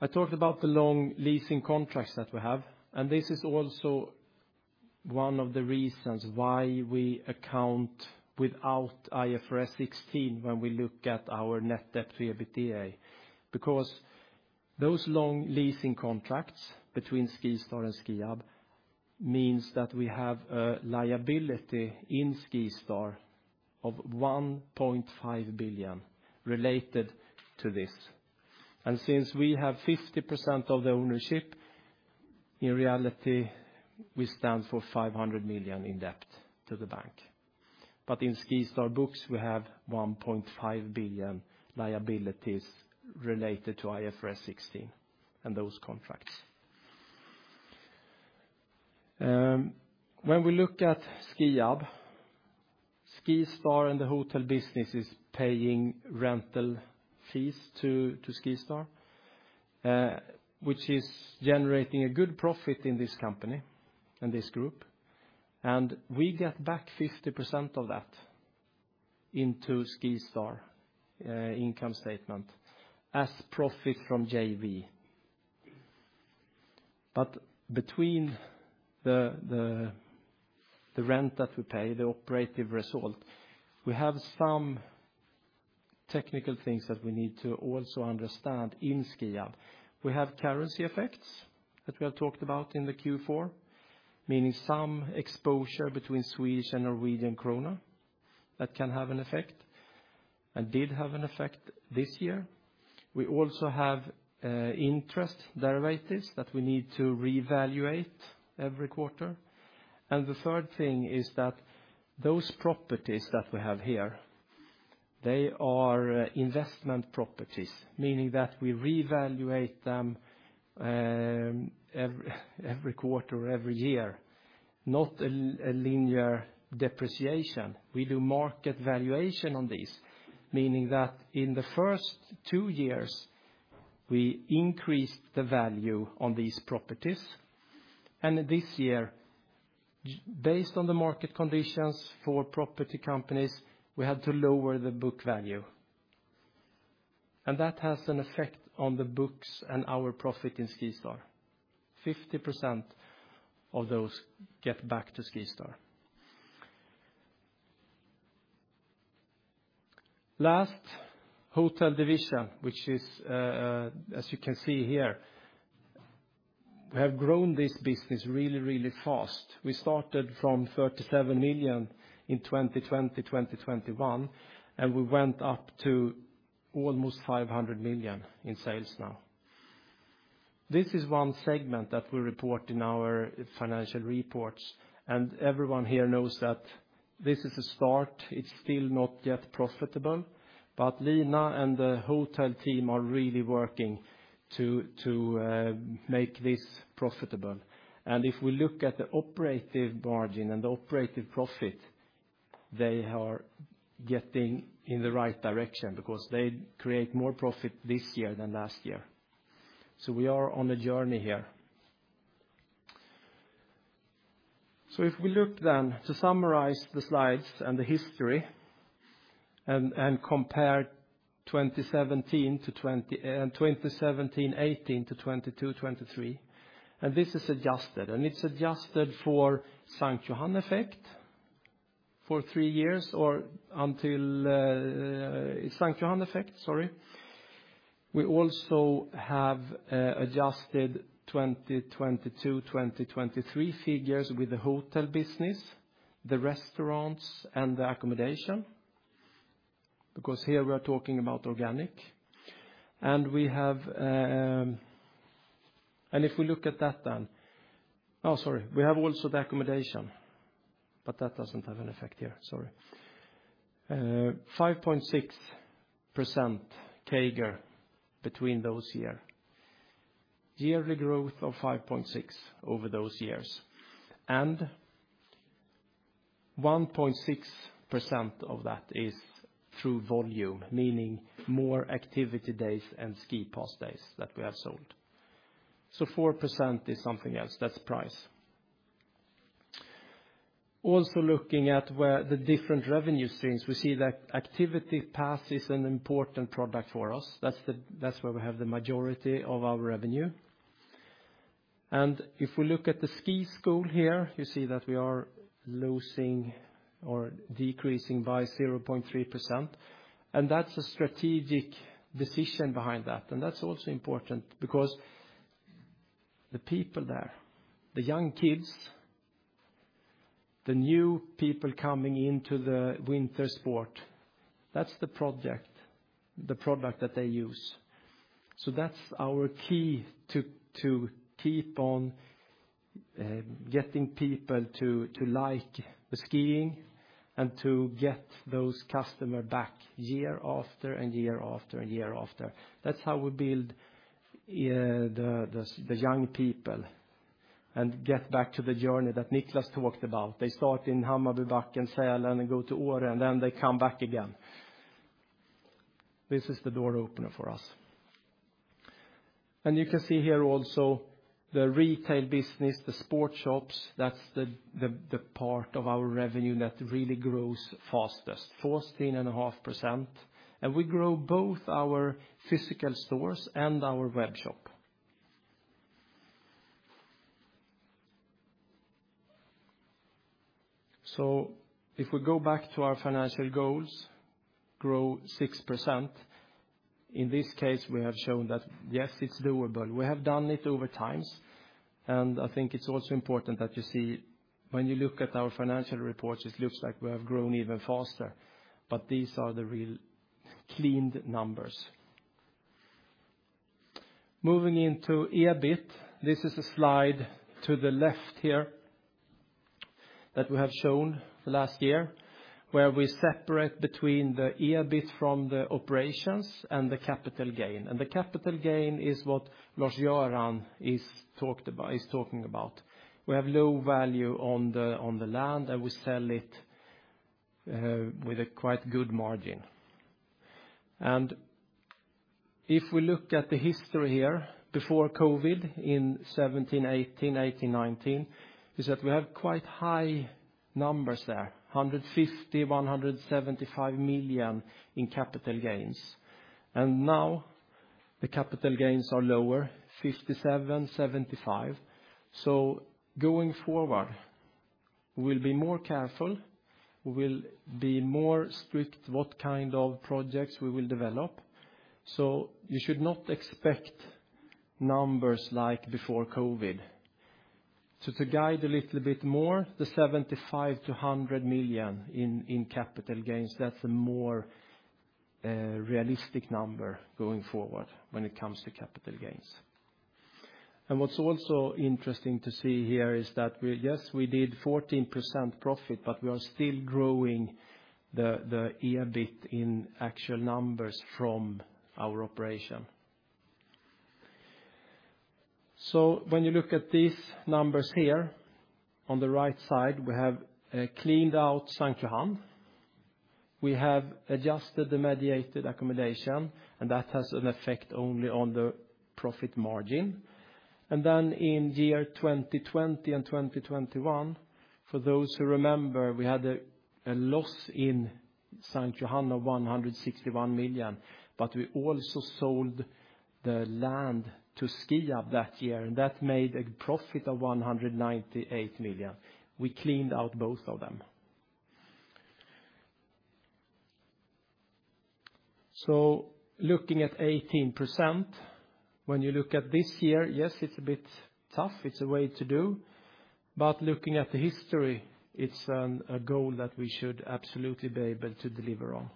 I talked about the long leasing contracts that we have. This is also one of the reasons why we account without IFRS 16 when we look at our net debt to EBITDA, because those long leasing contracts between SkiStar and Skiab means that we have a liability in SkiStar of 1.5 billion related to this. And since we have 50% of the ownership, in reality, we stand for 500 million in debt to the bank. But in SkiStar books, we have 1.5 billion liabilities related to IFRS 16 and those contracts. When we look at Skiab, SkiStar and the hotel business is paying rental fees to SkiStar, which is generating a good profit in this company and this group. And we get back 50% of that into SkiStar income statement as profit from JV. But between the rent that we pay, the operative result, we have some technical things that we need to also understand in Skiab. We have currency effects that we have talked about in the Q4, meaning some exposure between Swedish and Norwegian kroner that can have an effect and did have an effect this year. We also have interest derivatives that we need to reevaluate every quarter. The third thing is that those properties that we have here, they are investment properties, meaning that we reevaluate them every quarter or every year, not a linear depreciation. We do market valuation on these, meaning that in the first two years, we increased the value on these properties. And this year, based on the market conditions for property companies, we had to lower the book value. And that has an effect on the books and our profit in SkiStar. 50% of those get back to SkiStar. Last, hotel division, which is, as you can see here, we have grown this business really, really fast. We started from 37 million SEK in 2020, 2021, and we went up to almost 500 million SEK in sales now. This is one segment that we report in our financial reports. And everyone here knows that this is a start. It's still not yet profitable. But Lina and the hotel team are really working to make this profitable. And if we look at the operative margin and the operative profit, they are getting in the right direction because they create more profit this year than last year. So we are on a journey here. So if we look then to summarize the slides and the history and compare 2017 to 2018 and 2017, 2018 to 2022, 2023, and this is adjusted. And it's adjusted for St. Johann effect for three years or until St. Johann effect, sorry. We also have adjusted 2022, 2023 figures with the hotel business, the restaurants, and the accommodation because here we are talking about organic. And if we look at that then, oh, sorry, we have also the accommodation, but that doesn't have an effect here. Sorry. 5.6% CAGR between those years. Yearly growth of 5.6 over those years. 1.6% of that is through volume, meaning more Activity Days and SkiPass days that we have sold. 4% is something else. That's price. Also looking at the different revenue streams, we see that Activity Pass is an important product for us. That's where we have the majority of our revenue. If we look at the ski school here, you see that we are losing or decreasing by 0.3%. That's a strategic decision behind that. That's also important because the people there, the young kids, the new people coming into the winter sport, that's the project, the product that they use. That's our key to keep on getting people to like the skiing and to get those customers back year after and year after and year after. That's how we build the young people and get back to the journey that Niclas talked about. They start in Hammarbybacken, Sälen, and go to Åre, and then they come back again. This is the door opener for us. And you can see here also the retail business, the sport shops, that's the part of our revenue that really grows fastest, 14.5%. And we grow both our physical stores and our web shop. So if we go back to our financial goals, grow 6%. In this case, we have shown that, yes, it's doable. We have done it over times. And I think it's also important that you see when you look at our financial reports, it looks like we have grown even faster. But these are the real cleaned numbers. Moving into EBIT, this is a slide to the left here that we have shown the last year where we separate between the EBIT from the operations and the capital gain. The capital gain is what Lars-Göran is talking about. We have low value on the land, and we sell it with a quite good margin. If we look at the history here before COVID in 2017/18, 2018/19, we said we have quite high numbers there, 150 million, 175 million in capital gains. Now the capital gains are lower, 57 million, 75 million. Going forward, we will be more careful. We will be more strict what kind of projects we will develop. You should not expect numbers like before COVID. To guide a little bit more, the 75 million-100 million in capital gains, that's a more realistic number going forward when it comes to capital gains. What's also interesting to see here is that, yes, we did 14% profit, but we are still growing the EBIT in actual numbers from our operation. So when you look at these numbers here on the right side, we have cleaned out St. Johann. We have adjusted the mediated accommodation, and that has an effect only on the profit margin. And then in year 2020 and 2021, for those who remember, we had a loss in St. Johann of 161 million, but we also sold the land to Skiab that year, and that made a profit of 198 million. We cleaned out both of them. So looking at 18%, when you look at this year, yes, it's a bit tough. It's a way to do. But looking at the history, it's a goal that we should absolutely be able to deliver on.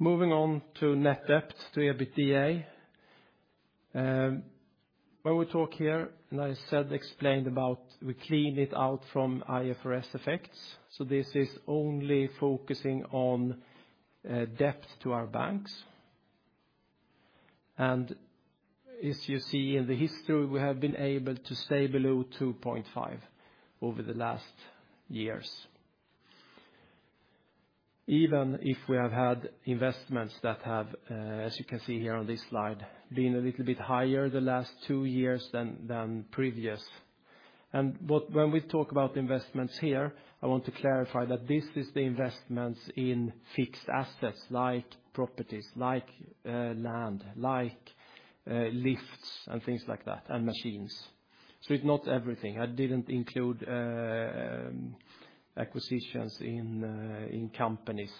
Moving on to net debt to EBITDA. When we talk here, and as I explained about we cleaned it out from IFRS effects. So this is only focusing on debt to our banks. And as you see in the history, we have been able to stay below 2.5 over the last years. Even if we have had investments that have, as you can see here on this slide, been a little bit higher the last two years than previous. And when we talk about investments here, I want to clarify that this is the investments in fixed assets like properties, like land, like lifts and things like that, and machines. So it's not everything. I didn't include acquisitions in companies,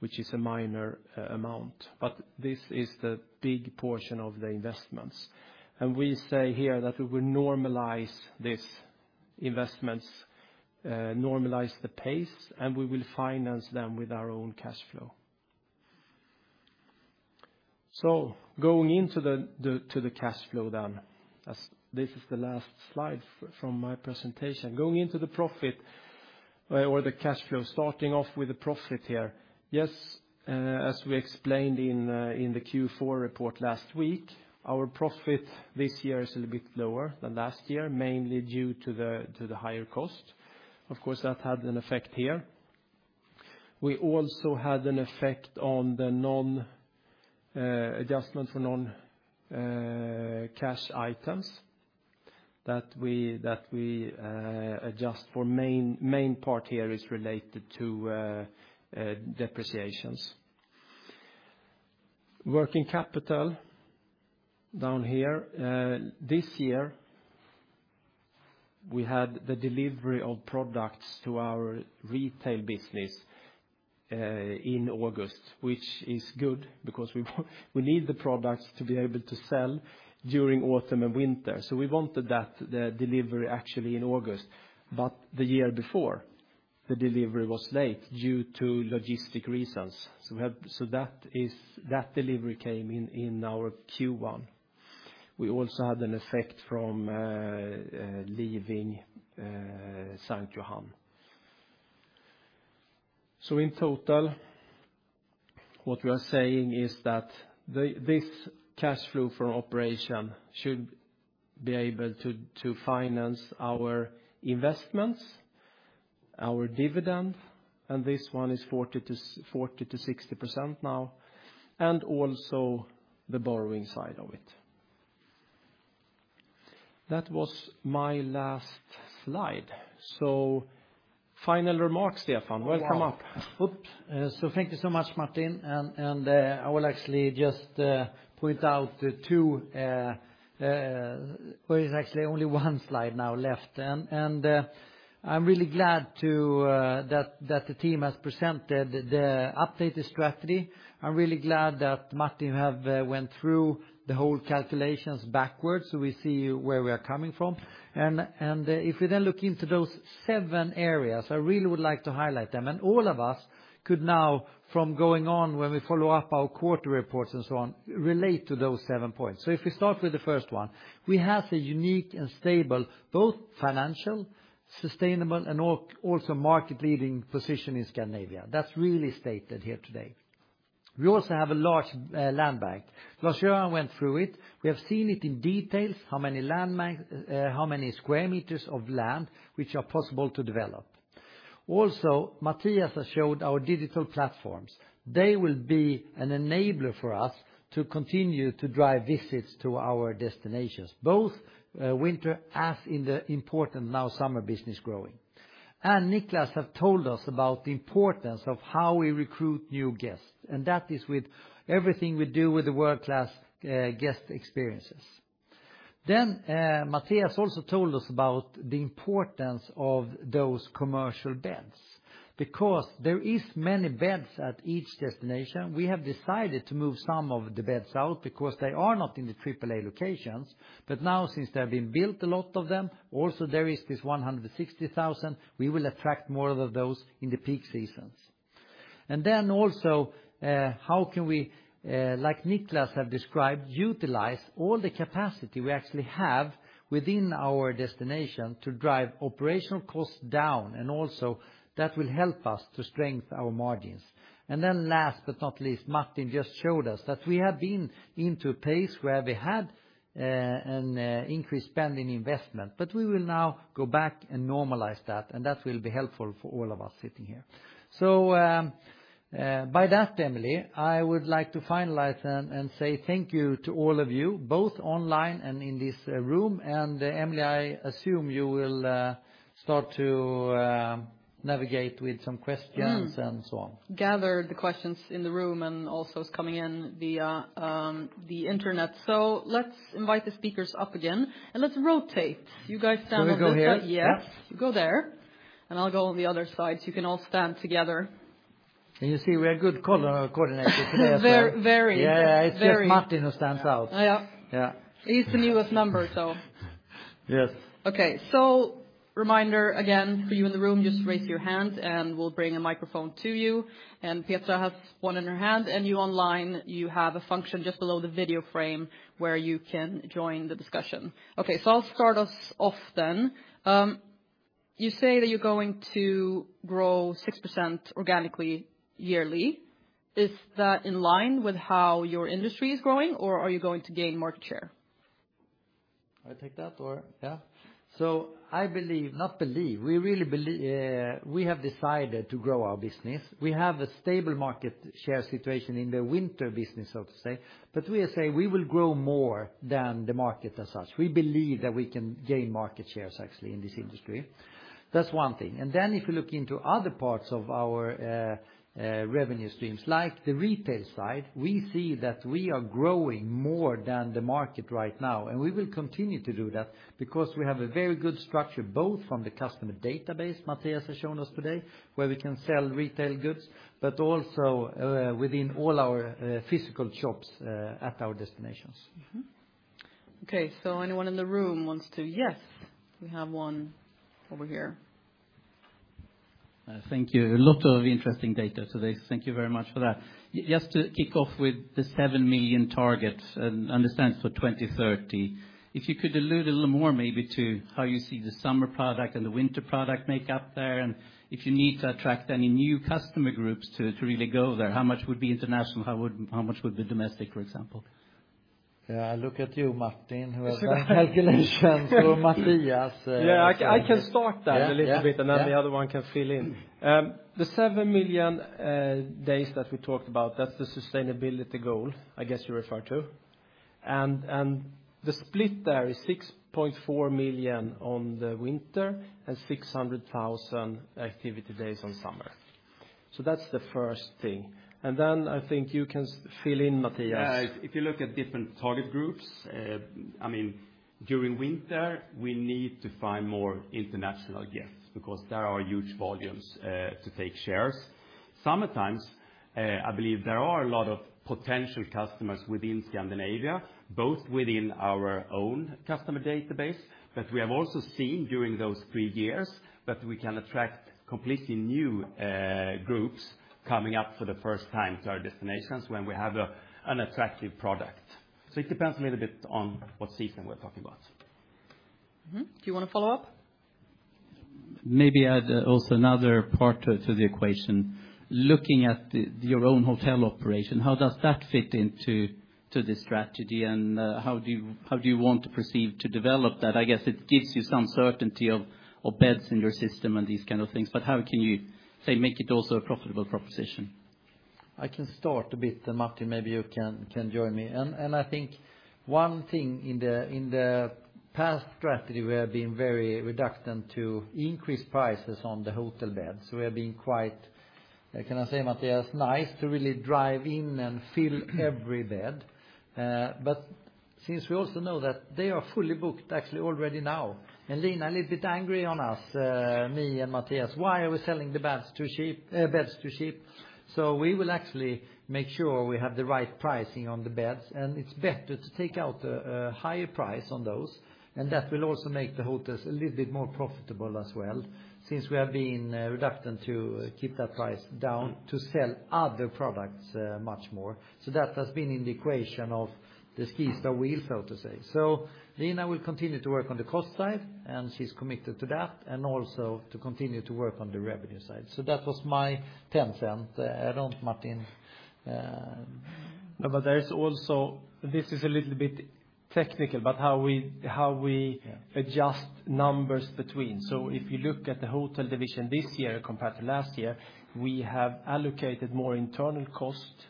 which is a minor amount. But this is the big portion of the investments. And we say here that we will normalize these investments, normalize the pace, and we will finance them with our own cash flow. So going into the cash flow then, this is the last slide from my presentation. Going into the profit or the cash flow, starting off with the profit here. Yes, as we explained in the Q4 report last week, our profit this year is a little bit lower than last year, mainly due to the higher cost. Of course, that had an effect here. We also had an effect on the non-adjustment for non-cash items that we adjust. The main part here is related to depreciations. Working capital down here. This year, we had the delivery of products to our retail business in August, which is good because we need the products to be able to sell during autumn and winter. So we wanted that delivery actually in August, but the year before, the delivery was late due to logistic reasons. So that delivery came in our Q1. We also had an effect from leaving St. Johann. So in total, what we are saying is that this cash flow from operation should be able to finance our investments, our dividend, and this one is 40%-60% now, and also the borrowing side of it. That was my last slide. So final remarks, Stefan. Welcome up. So thank you so much, Martin. And I will actually just point out the two where it's actually only one slide now left. And I'm really glad that the team has presented the updated strategy. I'm really glad that Martin went through the whole calculations backwards so we see where we are coming from. And if we then look into those seven areas, I really would like to highlight them. And all of us could now, from going on when we follow up our quarter reports and so on, relate to those seven points. So if we start with the first one, we have a unique and stable both financial, sustainable, and also market-leading position in Scandinavia. That's really stated here today. We also have a large land bank. Lars-Göran went through it. We have seen it in detail, how many square meters of land which are possible to develop. Also, Mathias has showed our digital platforms. They will be an enabler for us to continue to drive visits to our destinations, both winter as in the important now summer business growing. And Niclas has told us about the importance of how we recruit new guests. And that is with everything we do with the world-class guest experiences. Then Mathias also told us about the importance of those commercial beds because there are many beds at each destination. We have decided to move some of the beds out because they are not in the AAA locations. But now, since there have been built a lot of them, also there is this 160,000, we will attract more of those in the peak seasons. And then also, how can we, like Niclas has described, utilize all the capacity we actually have within our destination to drive operational costs down? And also, that will help us to strengthen our margins. And then last but not least, Martin just showed us that we have been into a pace where we had an increased spending investment, but we will now go back and normalize that. And that will be helpful for all of us sitting here. So by that, Emelie, I would like to finalize and say thank you to all of you, both online and in this room. And Emelie, I assume you will start to navigate with some questions and so on. Gathered the questions in the room and also is coming in via the internet. So let's invite the speakers up again. And let's rotate. You guys stand up. Can we go here? Yes. You go there. And I'll go on the other side. So you can all stand together. Can you see we have good color coordination today as well? Very. Yeah, it's just Martin who stands out. Yeah. He's the newest member, so. Yes. Okay. So reminder again for you in the room, just raise your hand and we'll bring a microphone to you. And Petra has one in her hand. And you online, you have a function just below the video frame where you can join the discussion. Okay. So I'll start us off then. You say that you're going to grow 6% organically yearly. Is that in line with how your industry is growing, or are you going to gain market share? I take that or yeah. So I believe, not believe, we have decided to grow our business. We have a stable market share situation in the winter business, so to say. But we say we will grow more than the market as such. We believe that we can gain market shares actually in this industry. That's one thing. And then if you look into other parts of our revenue streams, like the retail side, we see that we are growing more than the market right now. And we will continue to do that because we have a very good structure both from the customer database Mathias has shown us today, where we can sell retail goods, but also within all our physical shops at our destinations. Okay. So anyone in the room wants to? Yes. We have one over here. Thank you. A lot of interesting data today. So thank you very much for that. Just to kick off with the seven million target, I understand it's for 2030. If you could allude a little more maybe to how you see the summer product and the winter product makeup there. And if you need to attract any new customer groups to really go there, how much would be international? How much would be domestic, for example? Yeah. I look at you, Martin, who has done calculations. So Mathias. Yeah. I can start that a little bit and then the other one can fill in. The 7 million days that we talked about, that's the sustainability goal, I guess you refer to. And the split there is 6.4 million on the winter and 600,000 Activity Days on summer. So that's the first thing. And then I think you can fill in, Mathias. If you look at different target groups, I mean, during winter, we need to find more international guests because there are huge volumes to take shares. Summertimes, I believe there are a lot of potential customers within Scandinavia, both within our own customer database, but we have also seen during those three years that we can attract completely new groups coming up for the first time to our destinations when we have an attractive product. So it depends a little bit on what season we're talking about. Do you want to follow up? Maybe add also another part to the equation. Looking at your own hotel operation, how does that fit into the strategy and how do you want to proceed to develop that? I guess it gives you some certainty of beds in your system and these kind of things, but how can you make it also a profitable proposition? I can start a bit. Martin, maybe you can join me. And I think one thing in the past strategy, we have been very reluctant to increase prices on the hotel beds. We have been quite, can I say, Mathias, nice to really drive in and fill every bed. But since we also know that they are fully booked actually already now, and Lina is a little bit angry on us, me and Mathias, why are we selling the beds too cheap? So we will actually make sure we have the right pricing on the beds. And it's better to take out a higher price on those. And that will also make the hotels a little bit more profitable as well since we have been reluctant to keep that price down to sell other products much more. So that has been in the equation of the SkiStar wheel, so to say. So Lina will continue to work on the cost side, and she's committed to that, and also to continue to work on the revenue side. So that was my two cents. I don't, Martin. But there's also, this is a little bit technical, but how we adjust numbers between. So if you look at the hotel division this year compared to last year, we have allocated more internal cost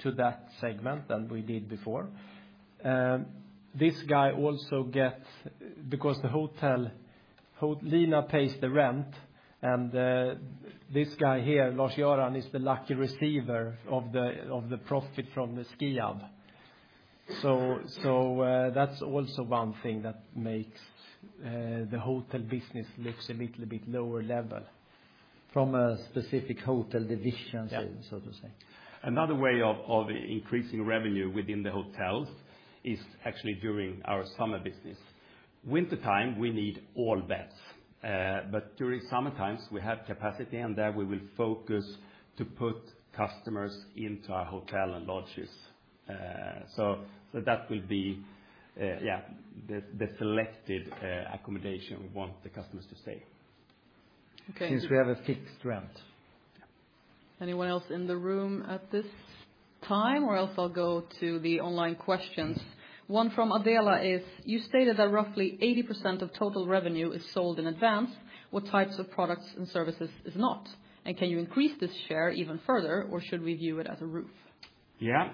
to that segment than we did before. This guy also gets because the hotel, Lina pays the rent, and this guy here, Lars-Göran, is the lucky receiver of the profit from the ski hub. So that's also one thing that makes the hotel business looks a little bit lower level from a specific hotel division, so to say. Another way of increasing revenue within the hotels is actually during our summer business. Wintertime, we need all beds. But during summertimes, we have capacity, and there we will focus to put customers into our hotel and lodges. So that will be, yeah, the selected accommodation we want the customers to stay since we have a fixed rent. Anyone else in the room at this time? Or else I'll go to the online questions. One from Adela is, you stated that roughly 80% of total revenue is sold in advance. What types of products and services is not? Can you increase this share even further, or should we view it as a roof? Yeah.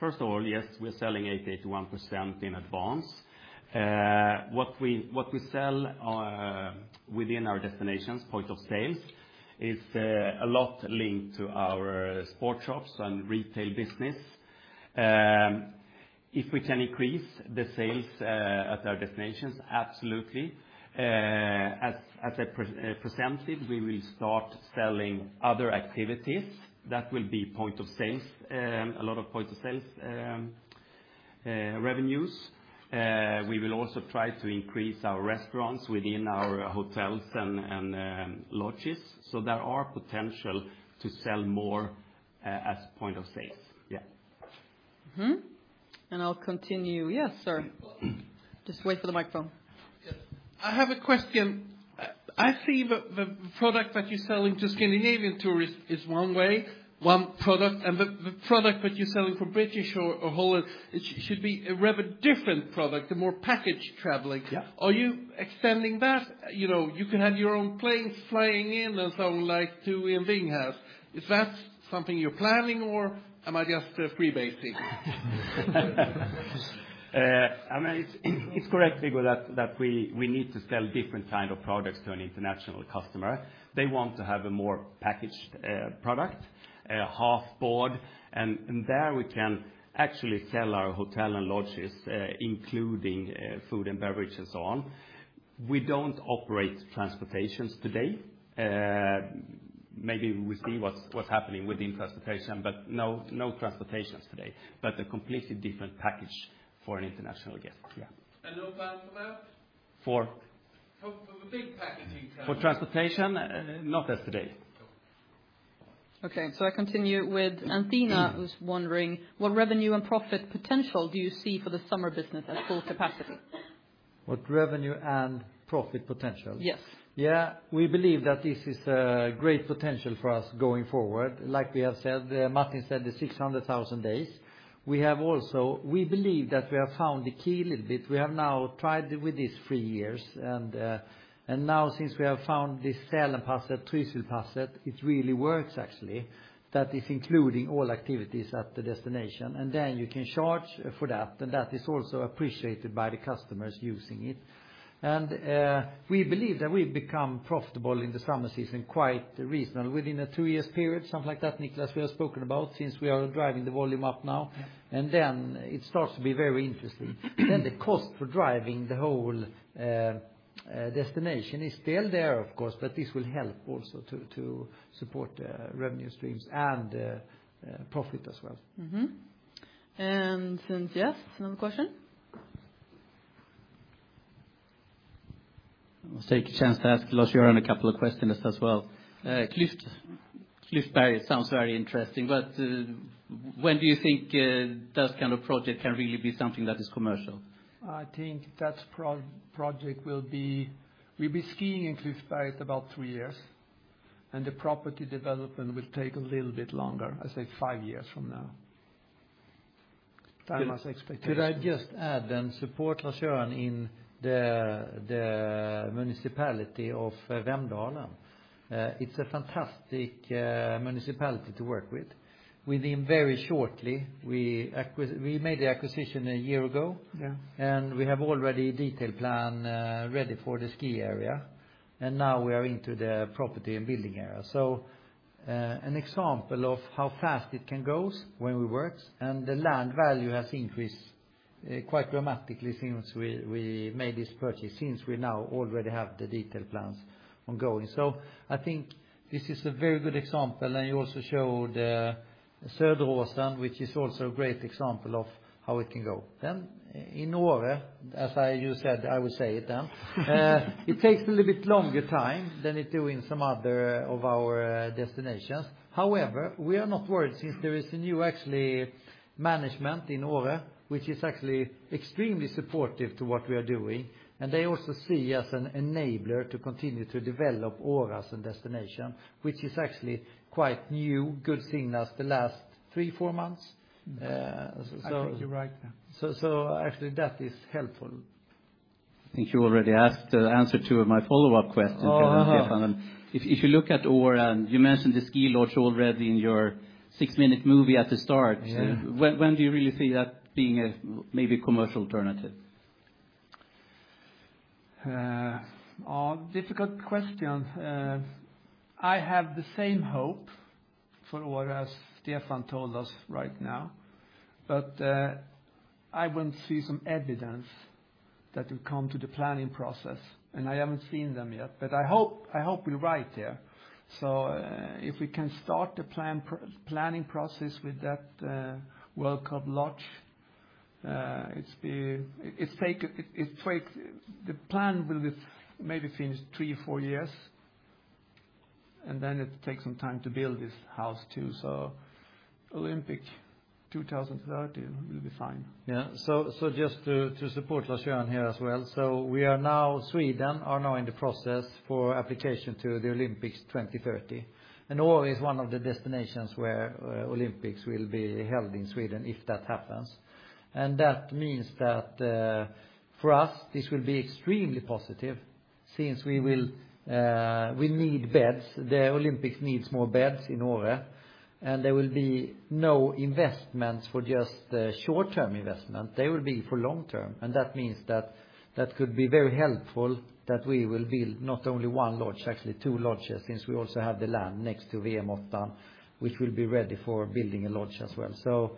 First of all, yes, we're selling 88%-91% in advance. What we sell within our destinations, point of sales, is a lot linked to our sports shops and retail business. If we can increase the sales at our destinations, absolutely. As I presented, we will start selling other activities that will be point of sales, a lot of point of sales revenues. We will also try to increase our restaurants within our hotels and lodges. So there are potential to sell more as point of sales. Yeah. And I'll continue. Yes, sir. Just wait for the microphone. I have a question. I see the product that you're selling to Scandinavian tourists is one way, one product. The product that you're selling for British or Holland should be a rather different product, a more packaged traveling. Are you extending that? You could have your own planes flying in and so on like to Ving has. Is that something you're planning, or am I just freebasing? I mean, it's correct because we need to sell different kinds of products to an international customer. They want to have a more packaged product, half board. And there we can actually sell our hotel and lodges, including food and beverage and so on. We don't operate transportations today. Maybe we see what's happening within transportation, but no transportations today. But a completely different package for an international guest. Yeah. And no pack for where? For? For big packaging travel. For transportation, not as today. Okay. I continue with Athena, who's wondering what revenue and profit potential do you see for the summer business at full capacity? What revenue and profit potential? Yes. Yeah. We believe that this is a great potential for us going forward. Like we have said, Martin said the 600,000 days. We believe that we have found the key a little bit. We have now tried with this three years. And now, since we have found this SälenPasset, TrysilPasset, it really works actually that it's including all activities at the destination. And then you can charge for that. And that is also appreciated by the customers using it. And we believe that we become profitable in the summer season quite reasonably within a two-year period, something like that, Niclas. We have spoken about since we are driving the volume up now. And then it starts to be very interesting. Then the cost for driving the whole destination is still there, of course, but this will help also to support revenue streams and profit as well. And since, yes, another question? I'll take a chance to ask Lars-Göran a couple of questions as well. Cliffhanger sounds very interesting, but when do you think that kind of project can really be something that is commercial? I think that project will be. We'll be skiing in Cliffhanger for about three years. And the property development will take a little bit longer. I say five years from now. Time as expectation. Could I just add then support Lars-Göran in the municipality of Vemdalen? It's a fantastic municipality to work with. Within very shortly, we made the acquisition a year ago. And we have already a detailed plan ready for the ski area. And now we are into the property and building area. So, an example of how fast it can go when we work. And the land value has increased quite dramatically since we made this purchase since we now already have the detailed plans ongoing. So, I think this is a very good example. And you also showed Söderåsen, which is also a great example of how it can go. Then, in Åre, as you said, I will say it then, it takes a little bit longer time than it do in some other of our destinations. However, we are not worried since there is a new, actually, management in Åre, which is actually extremely supportive to what we are doing. And they also see us an enabler to continue to develop Åre as a destination, which is actually quite new, good signals the last three, four months. I think you're right there. So, actually, that is helpful. I think you already answered two of my follow-up questions, I think. If you look at Åre and you mentioned the ski lodge already in your six-minute movie at the start, when do you really see that being a maybe commercial alternative? Difficult question. I have the same hope for Åre as Stefan told us right now. But I won't see some evidence that will come to the planning process. And I haven't seen them yet. But I hope we're right there. So if we can start the planning process with that World Cup lodge, it's taken the plan will be maybe finished three or four years. And then it takes some time to build this house too. So Olympic 2030 will be fine. Yeah. So just to support Lars-Göran here as well. So we are now, Sweden are now in the process for application to the Olympics 2030. Åre is one of the destinations where Olympics will be held in Sweden if that happens. That means that for us, this will be extremely positive since we will need beds. The Olympics needs more beds in Åre. There will be no investments for just short-term investment. They will be for long-term. That means that that could be very helpful that we will build not only one lodge, actually two lodges since we also have the land next to VM8, which will be ready for building a lodge as well.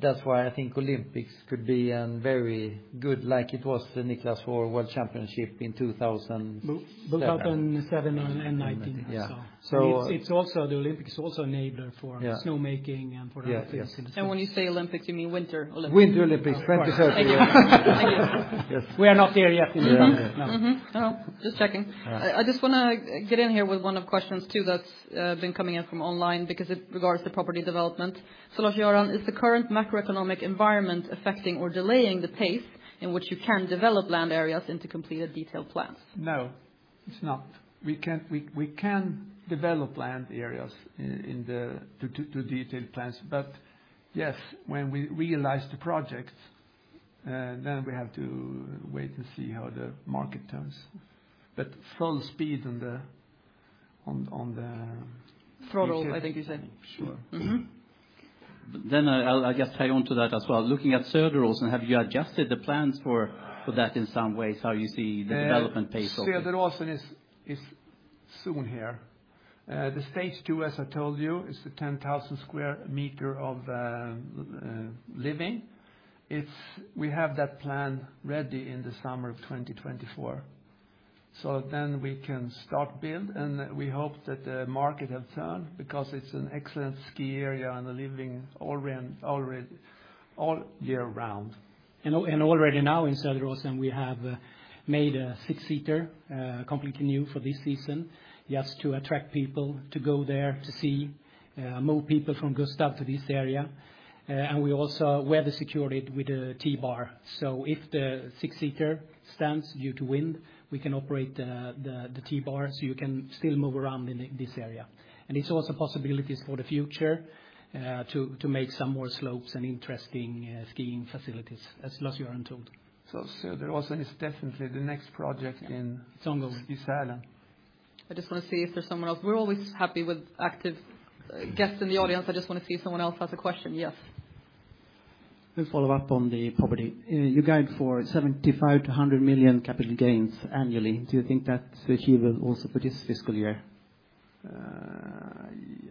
That's why I think Olympics could be very good like it was, Niclas, for World Championship in 2000, 2007 and 2019. Yeah. It's also the Olympics is also an enabler for snowmaking and for everything in the snow. When you say Olympics, you mean Winter Olympics. Winter Olympics 2030. We are not there yet in November. No. Just checking. I just want to get in here with one of the questions too that's been coming in from online because it regards the property development. So Lars-Göran, is the current macroeconomic environment affecting or delaying the pace in which you can develop land areas into completed detailed plans? No. It's not. We can develop land areas into detailed plans. But yes, when we realize the projects, then we have to wait and see how the market turns. But full speed on the throttle, I think you said. Sure. Then I guess I'll just tie on to that as well. Looking at Söderåsen, have you adjusted the plans for that in some ways, how you see the development pace of it? Söderåsen is soon here. The stage two, as I told you, is the 10,000 sq m of living. We have that plan ready in the summer of 2024, so then we can start build. We hope that the market will turn because it's an excellent ski area and living all year round. Already now in Söderåsen, we have made a six-seater completely new for this season, just to attract people to go there to see more people from Gustav to this area. We also weather-secured it with a T-bar. If the six-seater stands due to wind, we can operate the T-bar so you can still move around in this area. It's also possibilities for the future to make some more slopes and interesting skiing facilities, as Lars-Göran told. Söderåsen is definitely the next project in. It's ongoing. Sälen. I just want to see if there's someone else. We're always happy with active guests in the audience. I just want to see if someone else has a question. Yes. We'll follow up on the property. Your guidance for 75 million-100 million capital gains annually. Do you think that's achievable also for this fiscal year?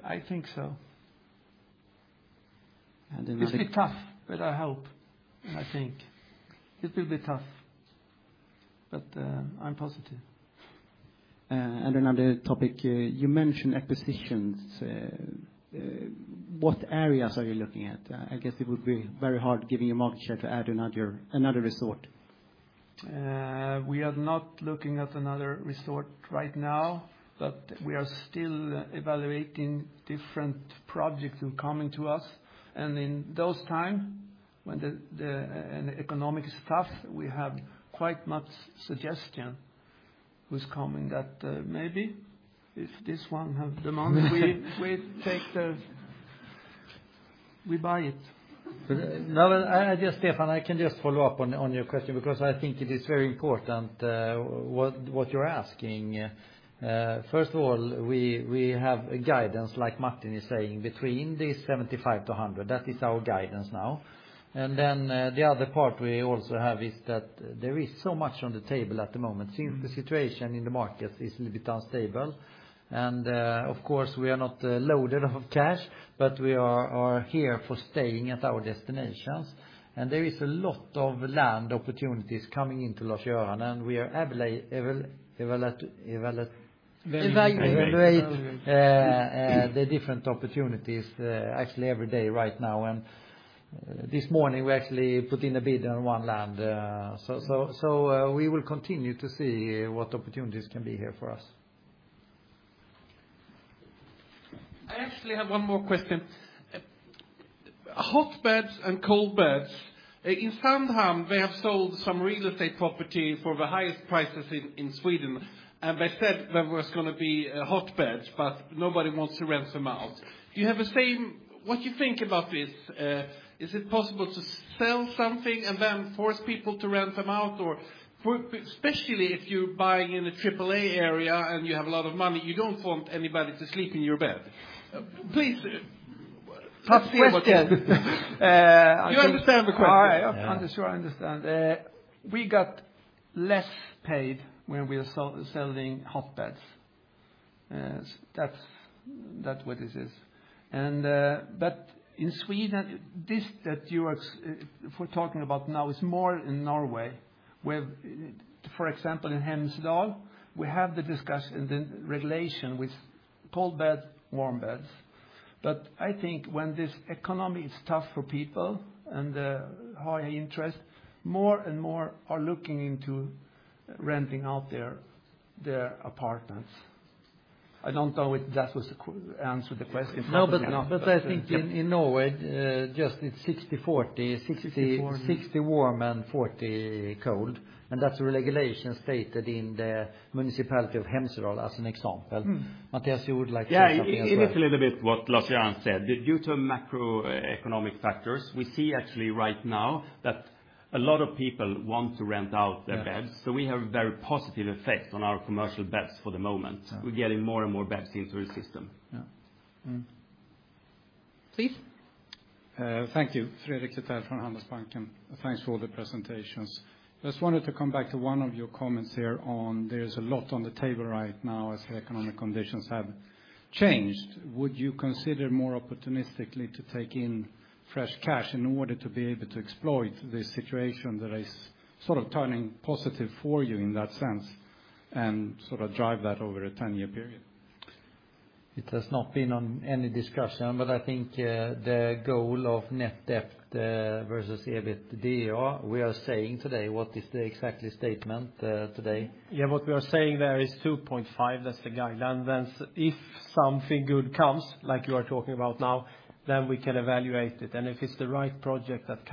I think so. It's tough, but I hope, I think. It will be tough. But I'm positive. And another topic, you mentioned acquisitions. What areas are you looking at? I guess it would be very hard giving you market share to add another resort. We are not looking at another resort right now, but we are still evaluating different projects to come into us. And in those times when the economy is tough, we have quite much suggestion who's coming that maybe if this one have the money, we buy it. I guess, Stefan, I can just follow up on your question because I think it is very important what you're asking. First of all, we have guidance, like Martin is saying, between this 75 to 100. That is our guidance now. And then the other part we also have is that there is so much on the table at the moment since the situation in the markets is a little bit unstable. And of course, we are not loaded of cash, but we are here for staying at our destinations. And there is a lot of land opportunities coming into Lars-Göran. And we are evaluating the different opportunities actually every day right now. And this morning, we actually put in a bid on one land. So we will continue to see what opportunities can be here for us. I actually have one more question. Warm beds and cold beds. In Sandhamn, they have sold some real estate property for the highest prices in Sweden, and they said there was going to be warm beds, but nobody wants to rent them out. Do you have the same what you think about this? Is it possible to sell something and then force people to rent them out? Or especially if you're buying in a AAA area and you have a lot of money, you don't want anybody to sleep in your bed. Please. Pass the question. You understand the question. I sure understand. We got less paid when we were selling warm beds. That's what this is, but in Sweden, this that you are talking about now is more in Norway. For example, in Hemsedal, we have the discussion and the regulation with cold beds, warm beds. But I think when this economy is tough for people and high interest, more and more are looking into renting out their apartments. I don't know if that was the answer to the question. No, but I think in Norway, just it's 60-40, 60 warm and 40 cold. And that's a regulation stated in the municipality of Hemsedal as an example. Mathias, you would like to say something as well? Yeah, add a little bit to what Lars-Göran said. Due to macroeconomic factors, we see actually right now that a lot of people want to rent out their beds. So we have a very positive effect on our commercial beds for the moment. We're getting more and more beds into the system. Please. Thank you. Fredrik Lithell from Handelsbanken. Thanks for all the presentations. Just wanted to come back to one of your comments here on that there is a lot on the table right now as the economic conditions have changed. Would you consider more opportunistically to take in fresh cash in order to be able to exploit this situation that is sort of turning positive for you in that sense and sort of drive that over a 10-year period? It has not been on any discussion, but I think the goal of net debt versus EBITDA, we are saying today, what is the exact statement today? Yeah, what we are saying there is 2.5, that's the guideline. Then if something good comes, like you are talking about now, then we can evaluate it. If it's the right project that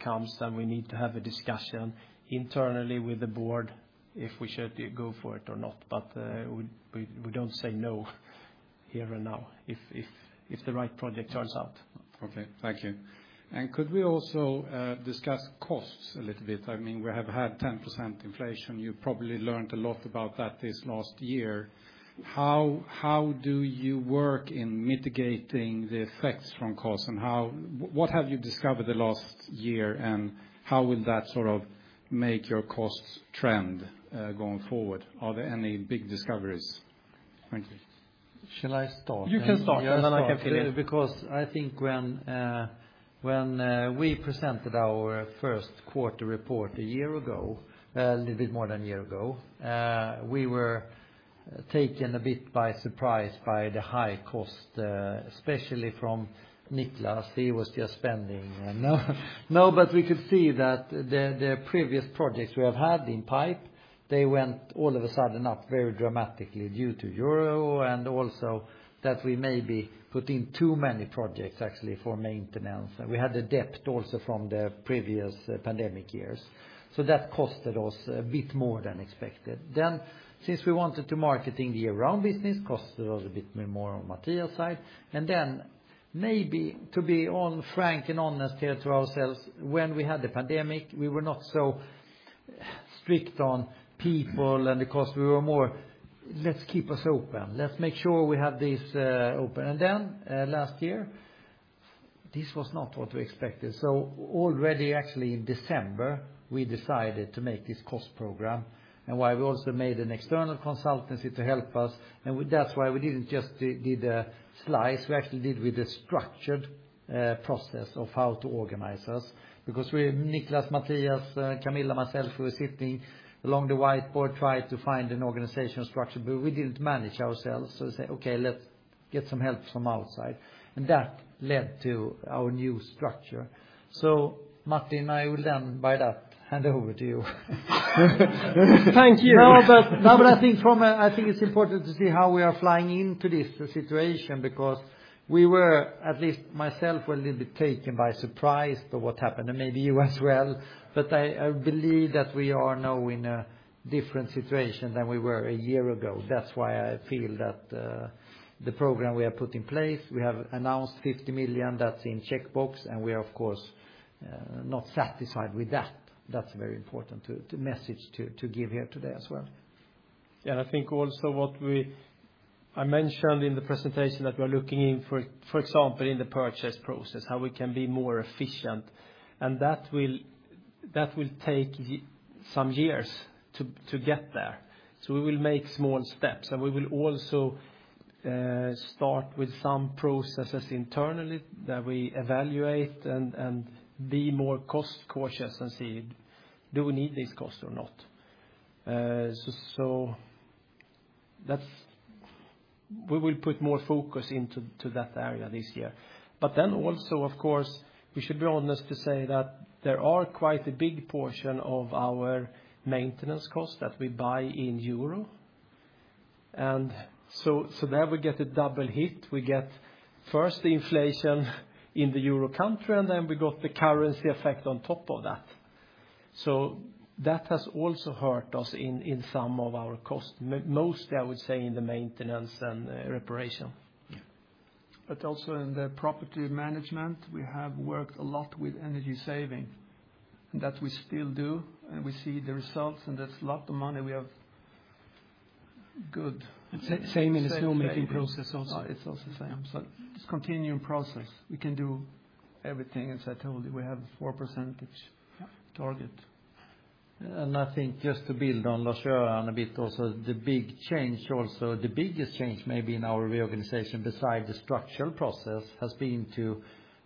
comes, then we need to have a discussion internally with the board if we should go for it or not. But we don't say no here and now if the right project turns out. Okay. Thank you. And could we also discuss costs a little bit? I mean, we have had 10% inflation. You probably learned a lot about that this last year. How do you work in mitigating the effects from costs? And what have you discovered the last year and how will that sort of make your costs trend going forward? Are there any big discoveries? Thank you. Shall I start? You can start and then I can fill in. Because I think when we presented our first quarter report a year ago, a little bit more than a year ago, we were taken a bit by surprise by the high cost, especially from Niclas. He was just spending. No, but we could see that the previous projects we have had in the pipeline, they went all of a sudden up very dramatically due to the euro and also that we maybe put in too many projects actually for maintenance. We had a debt also from the previous pandemic years. So that cost us a bit more than expected. Then since we wanted to invest in the year-round business, it cost us a bit more on Mathias' side. And then maybe to be frank and honest with ourselves, when we had the pandemic, we were not so strict on people and the costs. We were more, let's keep us open. Let's make sure we have this open. And then last year, this was not what we expected. So already actually in December, we decided to make this cost program. And why we also made an external consultancy to help us. And that's why we didn't just did a slice. We actually did with a structured process of how to organize us. Because Niclas, Mathias, Camilla, myself, we were sitting along the whiteboard, tried to find an organizational structure, but we didn't manage ourselves. So we said, okay, let's get some help from outside. And that led to our new structure. So Mathias, I will then by that hand over to you. Thank you. Now that I think from a I think it's important to see how we are flying into this situation because we were, at least myself, a little bit taken by surprise to what happened. And maybe you as well. But I believe that we are now in a different situation than we were a year ago. That's why I feel that the program we have put in place, we have announced 50 million, that's in checkbox. We are, of course, not satisfied with that. That's a very important message to give here today as well. Yeah, and I think also what I mentioned in the presentation that we are looking into, for example, in the purchase process, how we can be more efficient. That will take some years to get there. We will make small steps. We will also start with some processes internally that we evaluate and be more cost-cautious and see, do we need these costs or not. We will put more focus into that area this year. But then also, of course, we should be honest to say that there are quite a big portion of our maintenance costs that we buy in euro. And so there we get a double hit. We get first the inflation in the euro country and then we got the currency effect on top of that, so that has also hurt us in some of our costs, mostly I would say in the maintenance and repairs, but also in the property management, we have worked a lot with energy saving, and that we still do, and we see the results, and that's a lot of money we have saved. Same in the snowmaking process also, it's also the same, so it's a continuing process. We can do everything. As I told you, we have a 4% target. And I think just to build on Lars-Göran a bit also, the big change also, the biggest change maybe in our reorganization beside the structural process has been to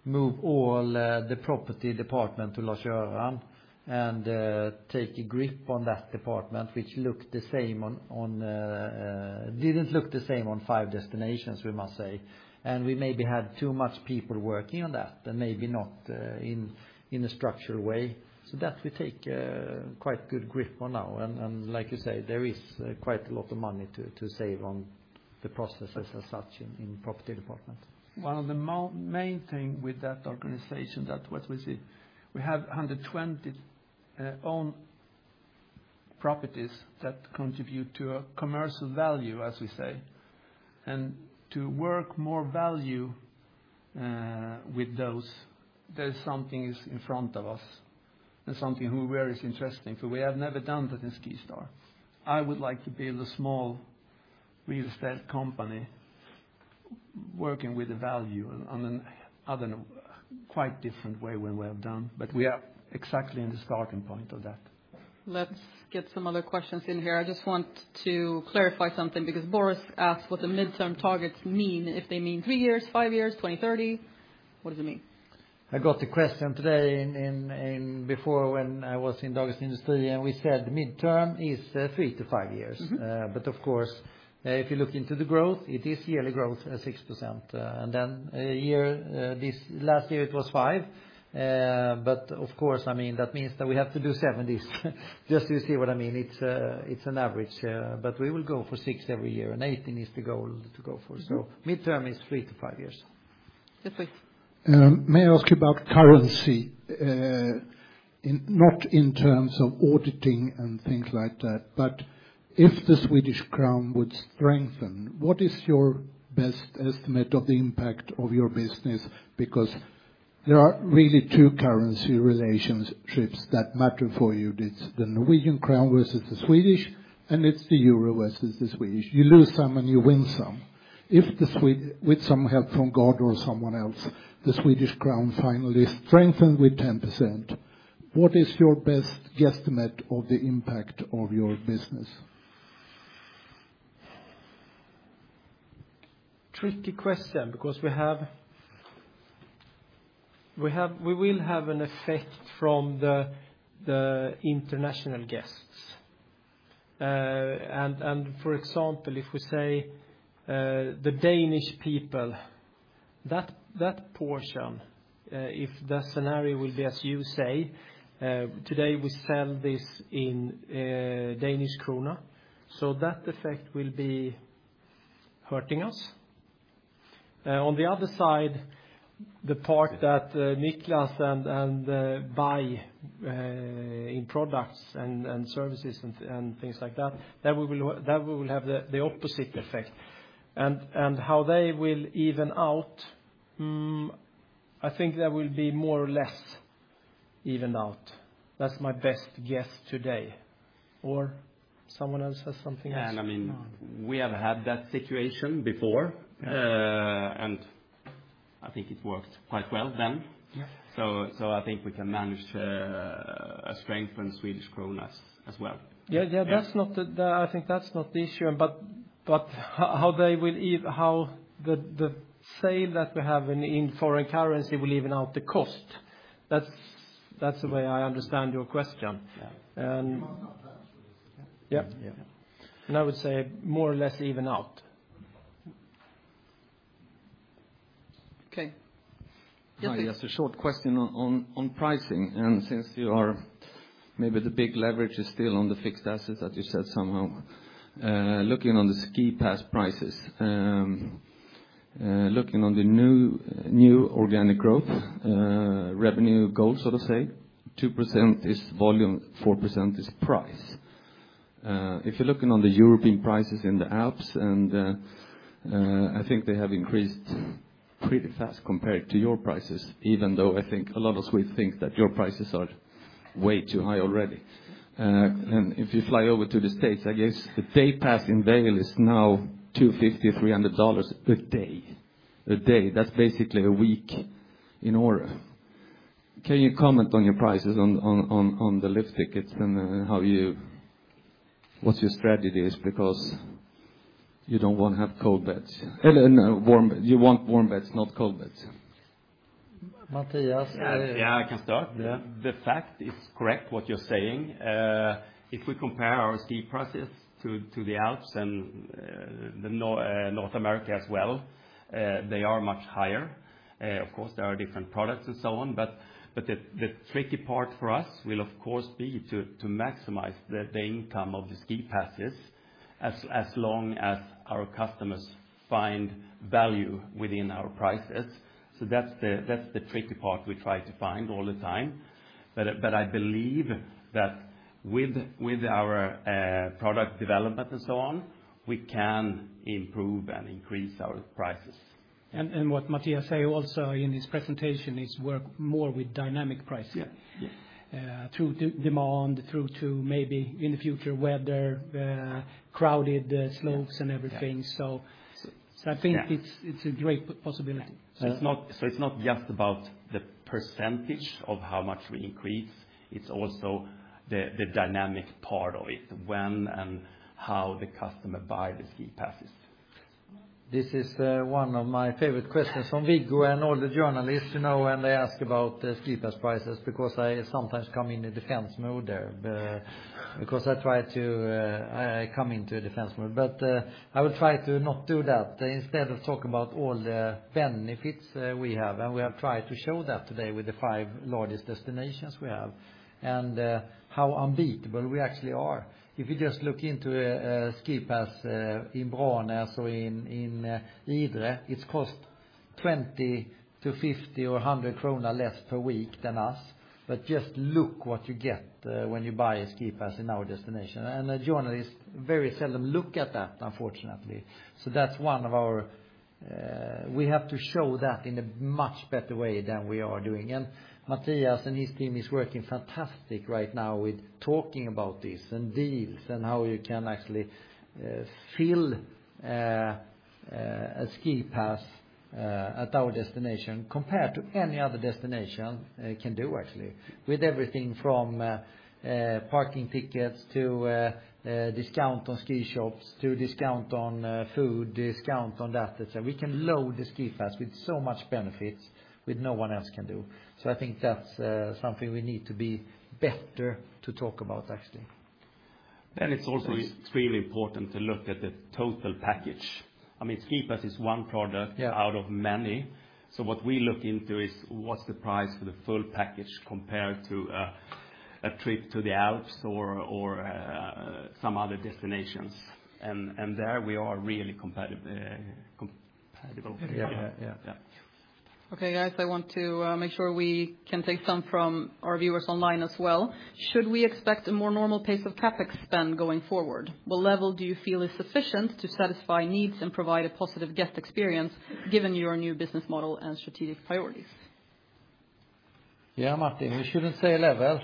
move all the property department to Lars-Göran and take a grip on that department, which didn't look the same on five destinations, we must say. And we maybe had too much people working on that and maybe not in a structural way. So that we take quite good grip on now. And like you say, there is quite a lot of money to save on the processes as such in property department. One of the main things with that organization, that's what we see. We have 120 own properties that contribute to a commercial value, as we say. And to work more value with those, there's something in front of us and something who is very interesting. We have never done that in SkiStar. I would like to build a small real estate company working with the value in another quite different way than we have done. We are exactly in the starting point of that. Let's get some other questions in here. I just want to clarify something because Boris asked what the midterm targets mean, if they mean three years, five years, 2030. What does it mean? I got the question today before when I was in Åre, and we said midterm is three to five years. Of course, if you look into the growth, it is yearly growth at 6%. Then last year it was 5%. Of course, I mean, that means that we have to do 7%s just to see what I mean. It's an average. We will go for 6% every year. And 80 needs to go for. So midterm is three to five years. May I ask you about currency? Not in terms of auditing and things like that, but if the Swedish crown would strengthen, what is your best estimate of the impact of your business? Because there are really two currency relationships that matter for you. It's the Norwegian crown versus the Swedish, and it's the euro versus the Swedish. You lose some and you win some. If with some help from God or someone else, the Swedish crown finally strengthens with 10%, what is your best guesstimate of the impact of your business? Tricky question because we will have an effect from the international guests. And for example, if we say the Danish people, that portion, if the scenario will be as you say, today we sell this in Danish kroner, so that effect will be hurting us. On the other side, the part that Niclas and I buy in products and services and things like that, that we will have the opposite effect. And how they will even out, I think there will be more or less evened out. That's my best guess today. Or someone else has something else? Yeah, I mean, we have had that situation before, and I think it worked quite well then. So I think we can manage a strength in Swedish kroner as well. Yeah, yeah, I think that's not the issue. But how they will net, how the sales that we have in foreign currency will even out the cost, that's the way I understand your question. Yeah. And I would say more or less even out. Okay. Just a short question on pricing. Since you are maybe the big leverage is still on the fixed assets that you said somehow, looking on the SkiPass prices, looking on the new organic growth revenue goal, so to say, 2% is volume, 4% is price. If you're looking on the European prices in the Alps, and I think they have increased pretty fast compared to your prices, even though I think a lot of Swedes think that your prices are way too high already. If you fly over to the States, I guess the day pass in Vail is now $250-$300 a day. A day. That's basically a week in order. Can you comment on your prices on the lift tickets and what your strategy is because you don't want to have cold beds? You want warm beds, not cold beds. Mathias? Yeah, I can start. The fact is correct what you're saying. If we compare our SkiPasses to the Alps and North America as well, they are much higher. Of course, there are different products and so on. But the tricky part for us will, of course, be to maximize the income of the SkiPasses as long as our customers find value within our prices. So that's the tricky part we try to find all the time. But I believe that with our product development and so on, we can improve and increase our prices. And what Mathias said also in his presentation is work more with dynamic pricing through demand, through to maybe in the future, weather, crowded slopes and everything. So I think it's a great possibility. So it's not just about the percentage of how much we increase. It's also the dynamic part of it, when and how the customer buys the SkiPasses. This is one of my favorite questions from Viggo and all the journalists, you know, when they ask about the SkiPass prices because I sometimes come in a defense mode there. Because I try to come into a defense mode. But I will try to not do that. Instead of talking about all the benefits we have, and we have tried to show that today with the five largest destinations we have and how unbeatable we actually are. If you just look into a SkiPass in Branäs or in Idre, it's cost 20-50 or 100 krona less per week than us. But just look what you get when you buy a SkiPass in our destination. And journalists very seldom look at that, unfortunately. So that's one of our we have to show that in a much better way than we are doing. And Mathias and his team is working fantastic right now with talking about this and deals and how you can actually fill a SkiPass at our destination compared to any other destination can do actually. With everything from parking tickets to discount on ski shops to discount on food, discount on that. We can load the SkiPass with so much benefits with no one else can do. So I think that's something we need to be better to talk about actually. And it's also extremely important to look at the total package. I mean, SkiPass is one product out of many. So what we look into is what's the price for the full package compared to a trip to the Alps or some other destinations. And there we are really compatible. Yeah, yeah, yeah. Okay, guys, I want to make sure we can take some from our viewers online as well. Should we expect a more normal pace of CapEx spend going forward? What level do you feel is sufficient to satisfy needs and provide a positive guest experience given your new business model and strategic priorities? Yeah, Martin, you shouldn't say level.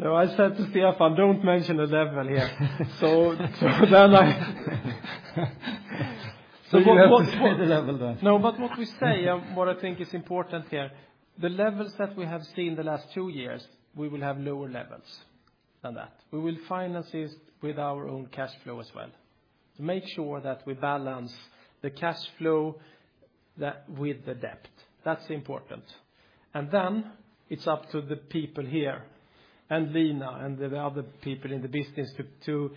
No, I said to Stefan, don't mention a level here. So then, so what's the level then? No, but what we say, what I think is important here, the levels that we have seen the last two years, we will have lower levels than that. We will finance this with our own cash flow as well. To make sure that we balance the cash flow with the debt. That's important. And then it's up to the people here and Lina and the other people in the business to,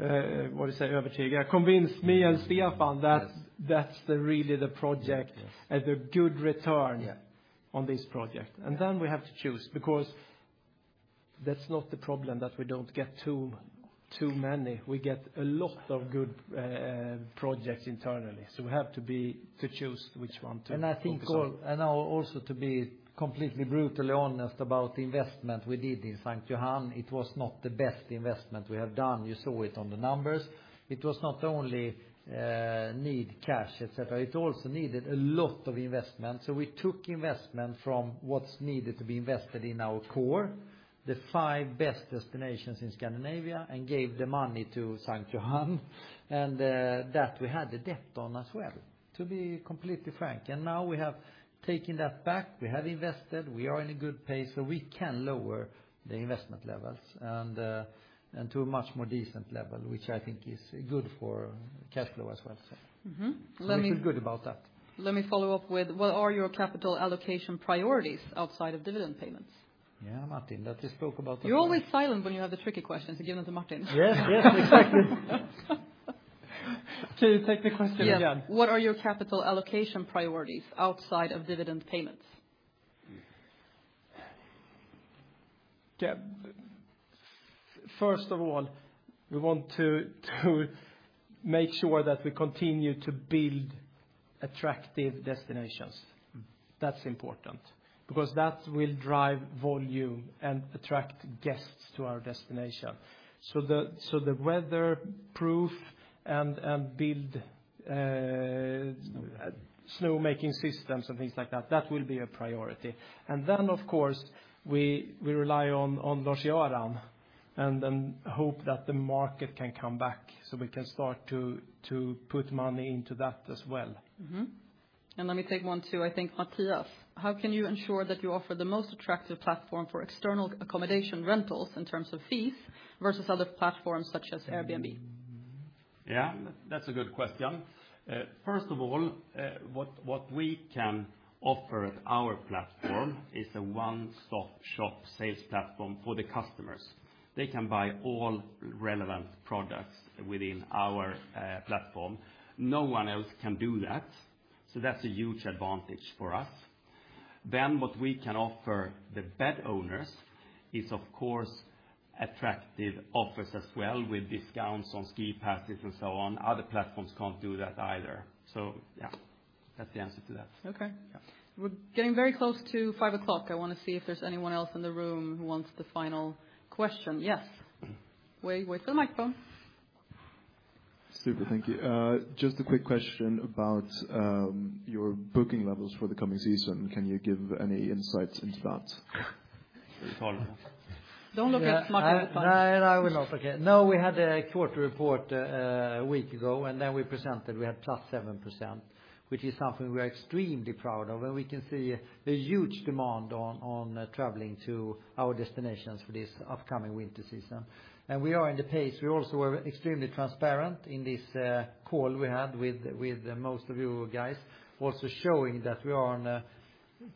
what do you say, overtake? Convince me and Stefan that that's really the project and the good return on this project. And then we have to choose because that's not the problem that we don't get too many. We get a lot of good projects internally. So we have to choose which one to focus on. And I think also, to be completely brutally honest about the investment we did in St. Johann, it was not the best investment we have done. You saw it on the numbers. It was not only need cash, etc. It also needed a lot of investment. So we took investment from what's needed to be invested in our core, the five best destinations in Scandinavia, and gave the money to St. Johann. And that we had the debt on as well, to be completely frank. And now we have taken that back. We have invested. We are in a good pace. So we can lower the investment levels and to a much more decent level, which I think is good for cash flow as well. So we feel good about that. Let me follow up with, what are your capital allocation priorities outside of dividend payments? Yeah, Martin, that you spoke about. You're always silent when you have the tricky questions to give them to Martin. Yes, yes, exactly. Can you take the question again? Yes. What are your capital allocation priorities outside of dividend payments? First of all, we want to make sure that we continue to build attractive destinations. That's important because that will drive volume and attract guests to our destination. The weatherproof and build snowmaking systems and things like that, that will be a priority. And then, of course, we rely on Lars-Göran and hope that the market can come back so we can start to put money into that as well. And let me take one too. I think Mathias, how can you ensure that you offer the most attractive platform for external accommodation rentals in terms of fees versus other platforms such as Airbnb? Yeah, that's a good question. First of all, what we can offer at our platform is a one-stop shop sales platform for the customers. They can buy all relevant products within our platform. No one else can do that. So that's a huge advantage for us. Then what we can offer the bed owners is, of course, attractive offers as well with discounts on SkiPasses and so on. Other platforms can't do that either. So yeah, that's the answer to that. Okay. We're getting very close to five o'clock. I want to see if there's anyone else in the room who wants the final question. Yes. Wait for the microphone. Super, thank you. Just a quick question about your booking levels for the coming season. Can you give any insights into that? Don't look at Martin. No, I will not. Okay. No, we had a quarter report a week ago, and then we presented we had +7%, which is something we are extremely proud of. And we can see a huge demand on traveling to our destinations for this upcoming winter season. And we are in the pace. We also were extremely transparent in this call we had with most of you guys, also showing that we are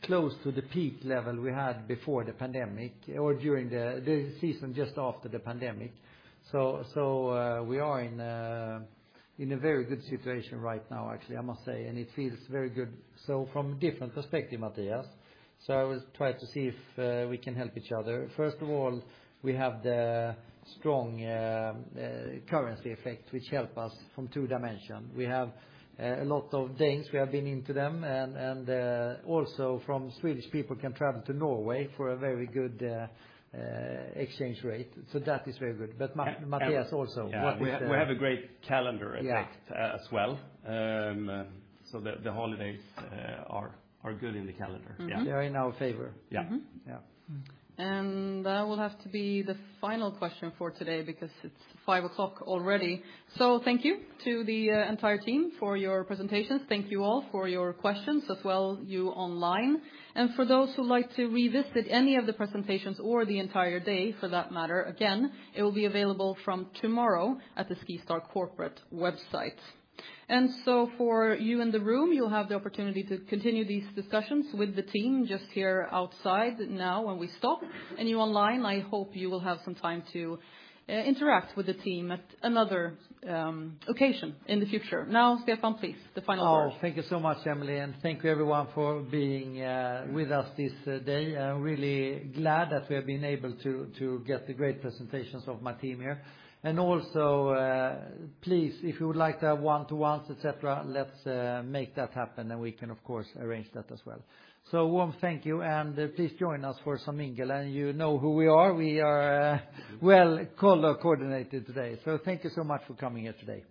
close to the peak level we had before the pandemic or during the season just after the pandemic. We are in a very good situation right now, actually, I must say. It feels very good. From a different perspective, Mathias, so I will try to see if we can help each other. First of all, we have the strong currency effect, which helps us from two dimensions. We have a lot of Danes. We have been into them. Also from Swedish people can travel to Norway for a very good exchange rate. That is very good. But Mathias also, we have a great calendar effect as well. The holidays are good in the calendar. Yeah. They're in our favor. Yeah, yeah. That will have to be the final question for today because it's 5:00 P.M. already. So thank you to the entire team for your presentations. Thank you all for your questions as well, you online. And for those who like to revisit any of the presentations or the entire day for that matter, again, it will be available from tomorrow at the SkiStar corporate website. And so for you in the room, you'll have the opportunity to continue these discussions with the team just here outside now when we stop. And you online, I hope you will have some time to interact with the team at another occasion in the future. Now, Stefan, please, the final word. Oh, thank you so much, Emelie. And thank you everyone for being with us this day. I'm really glad that we have been able to get the great presentations of my team here. And also, please, if you would like to have one-to-ones, etc., let's make that happen. And we can, of course, arrange that as well. So a warm thank you. And please join us for some mingle. And you know who we are. We are well color coordinated today. So thank you so much for coming here today.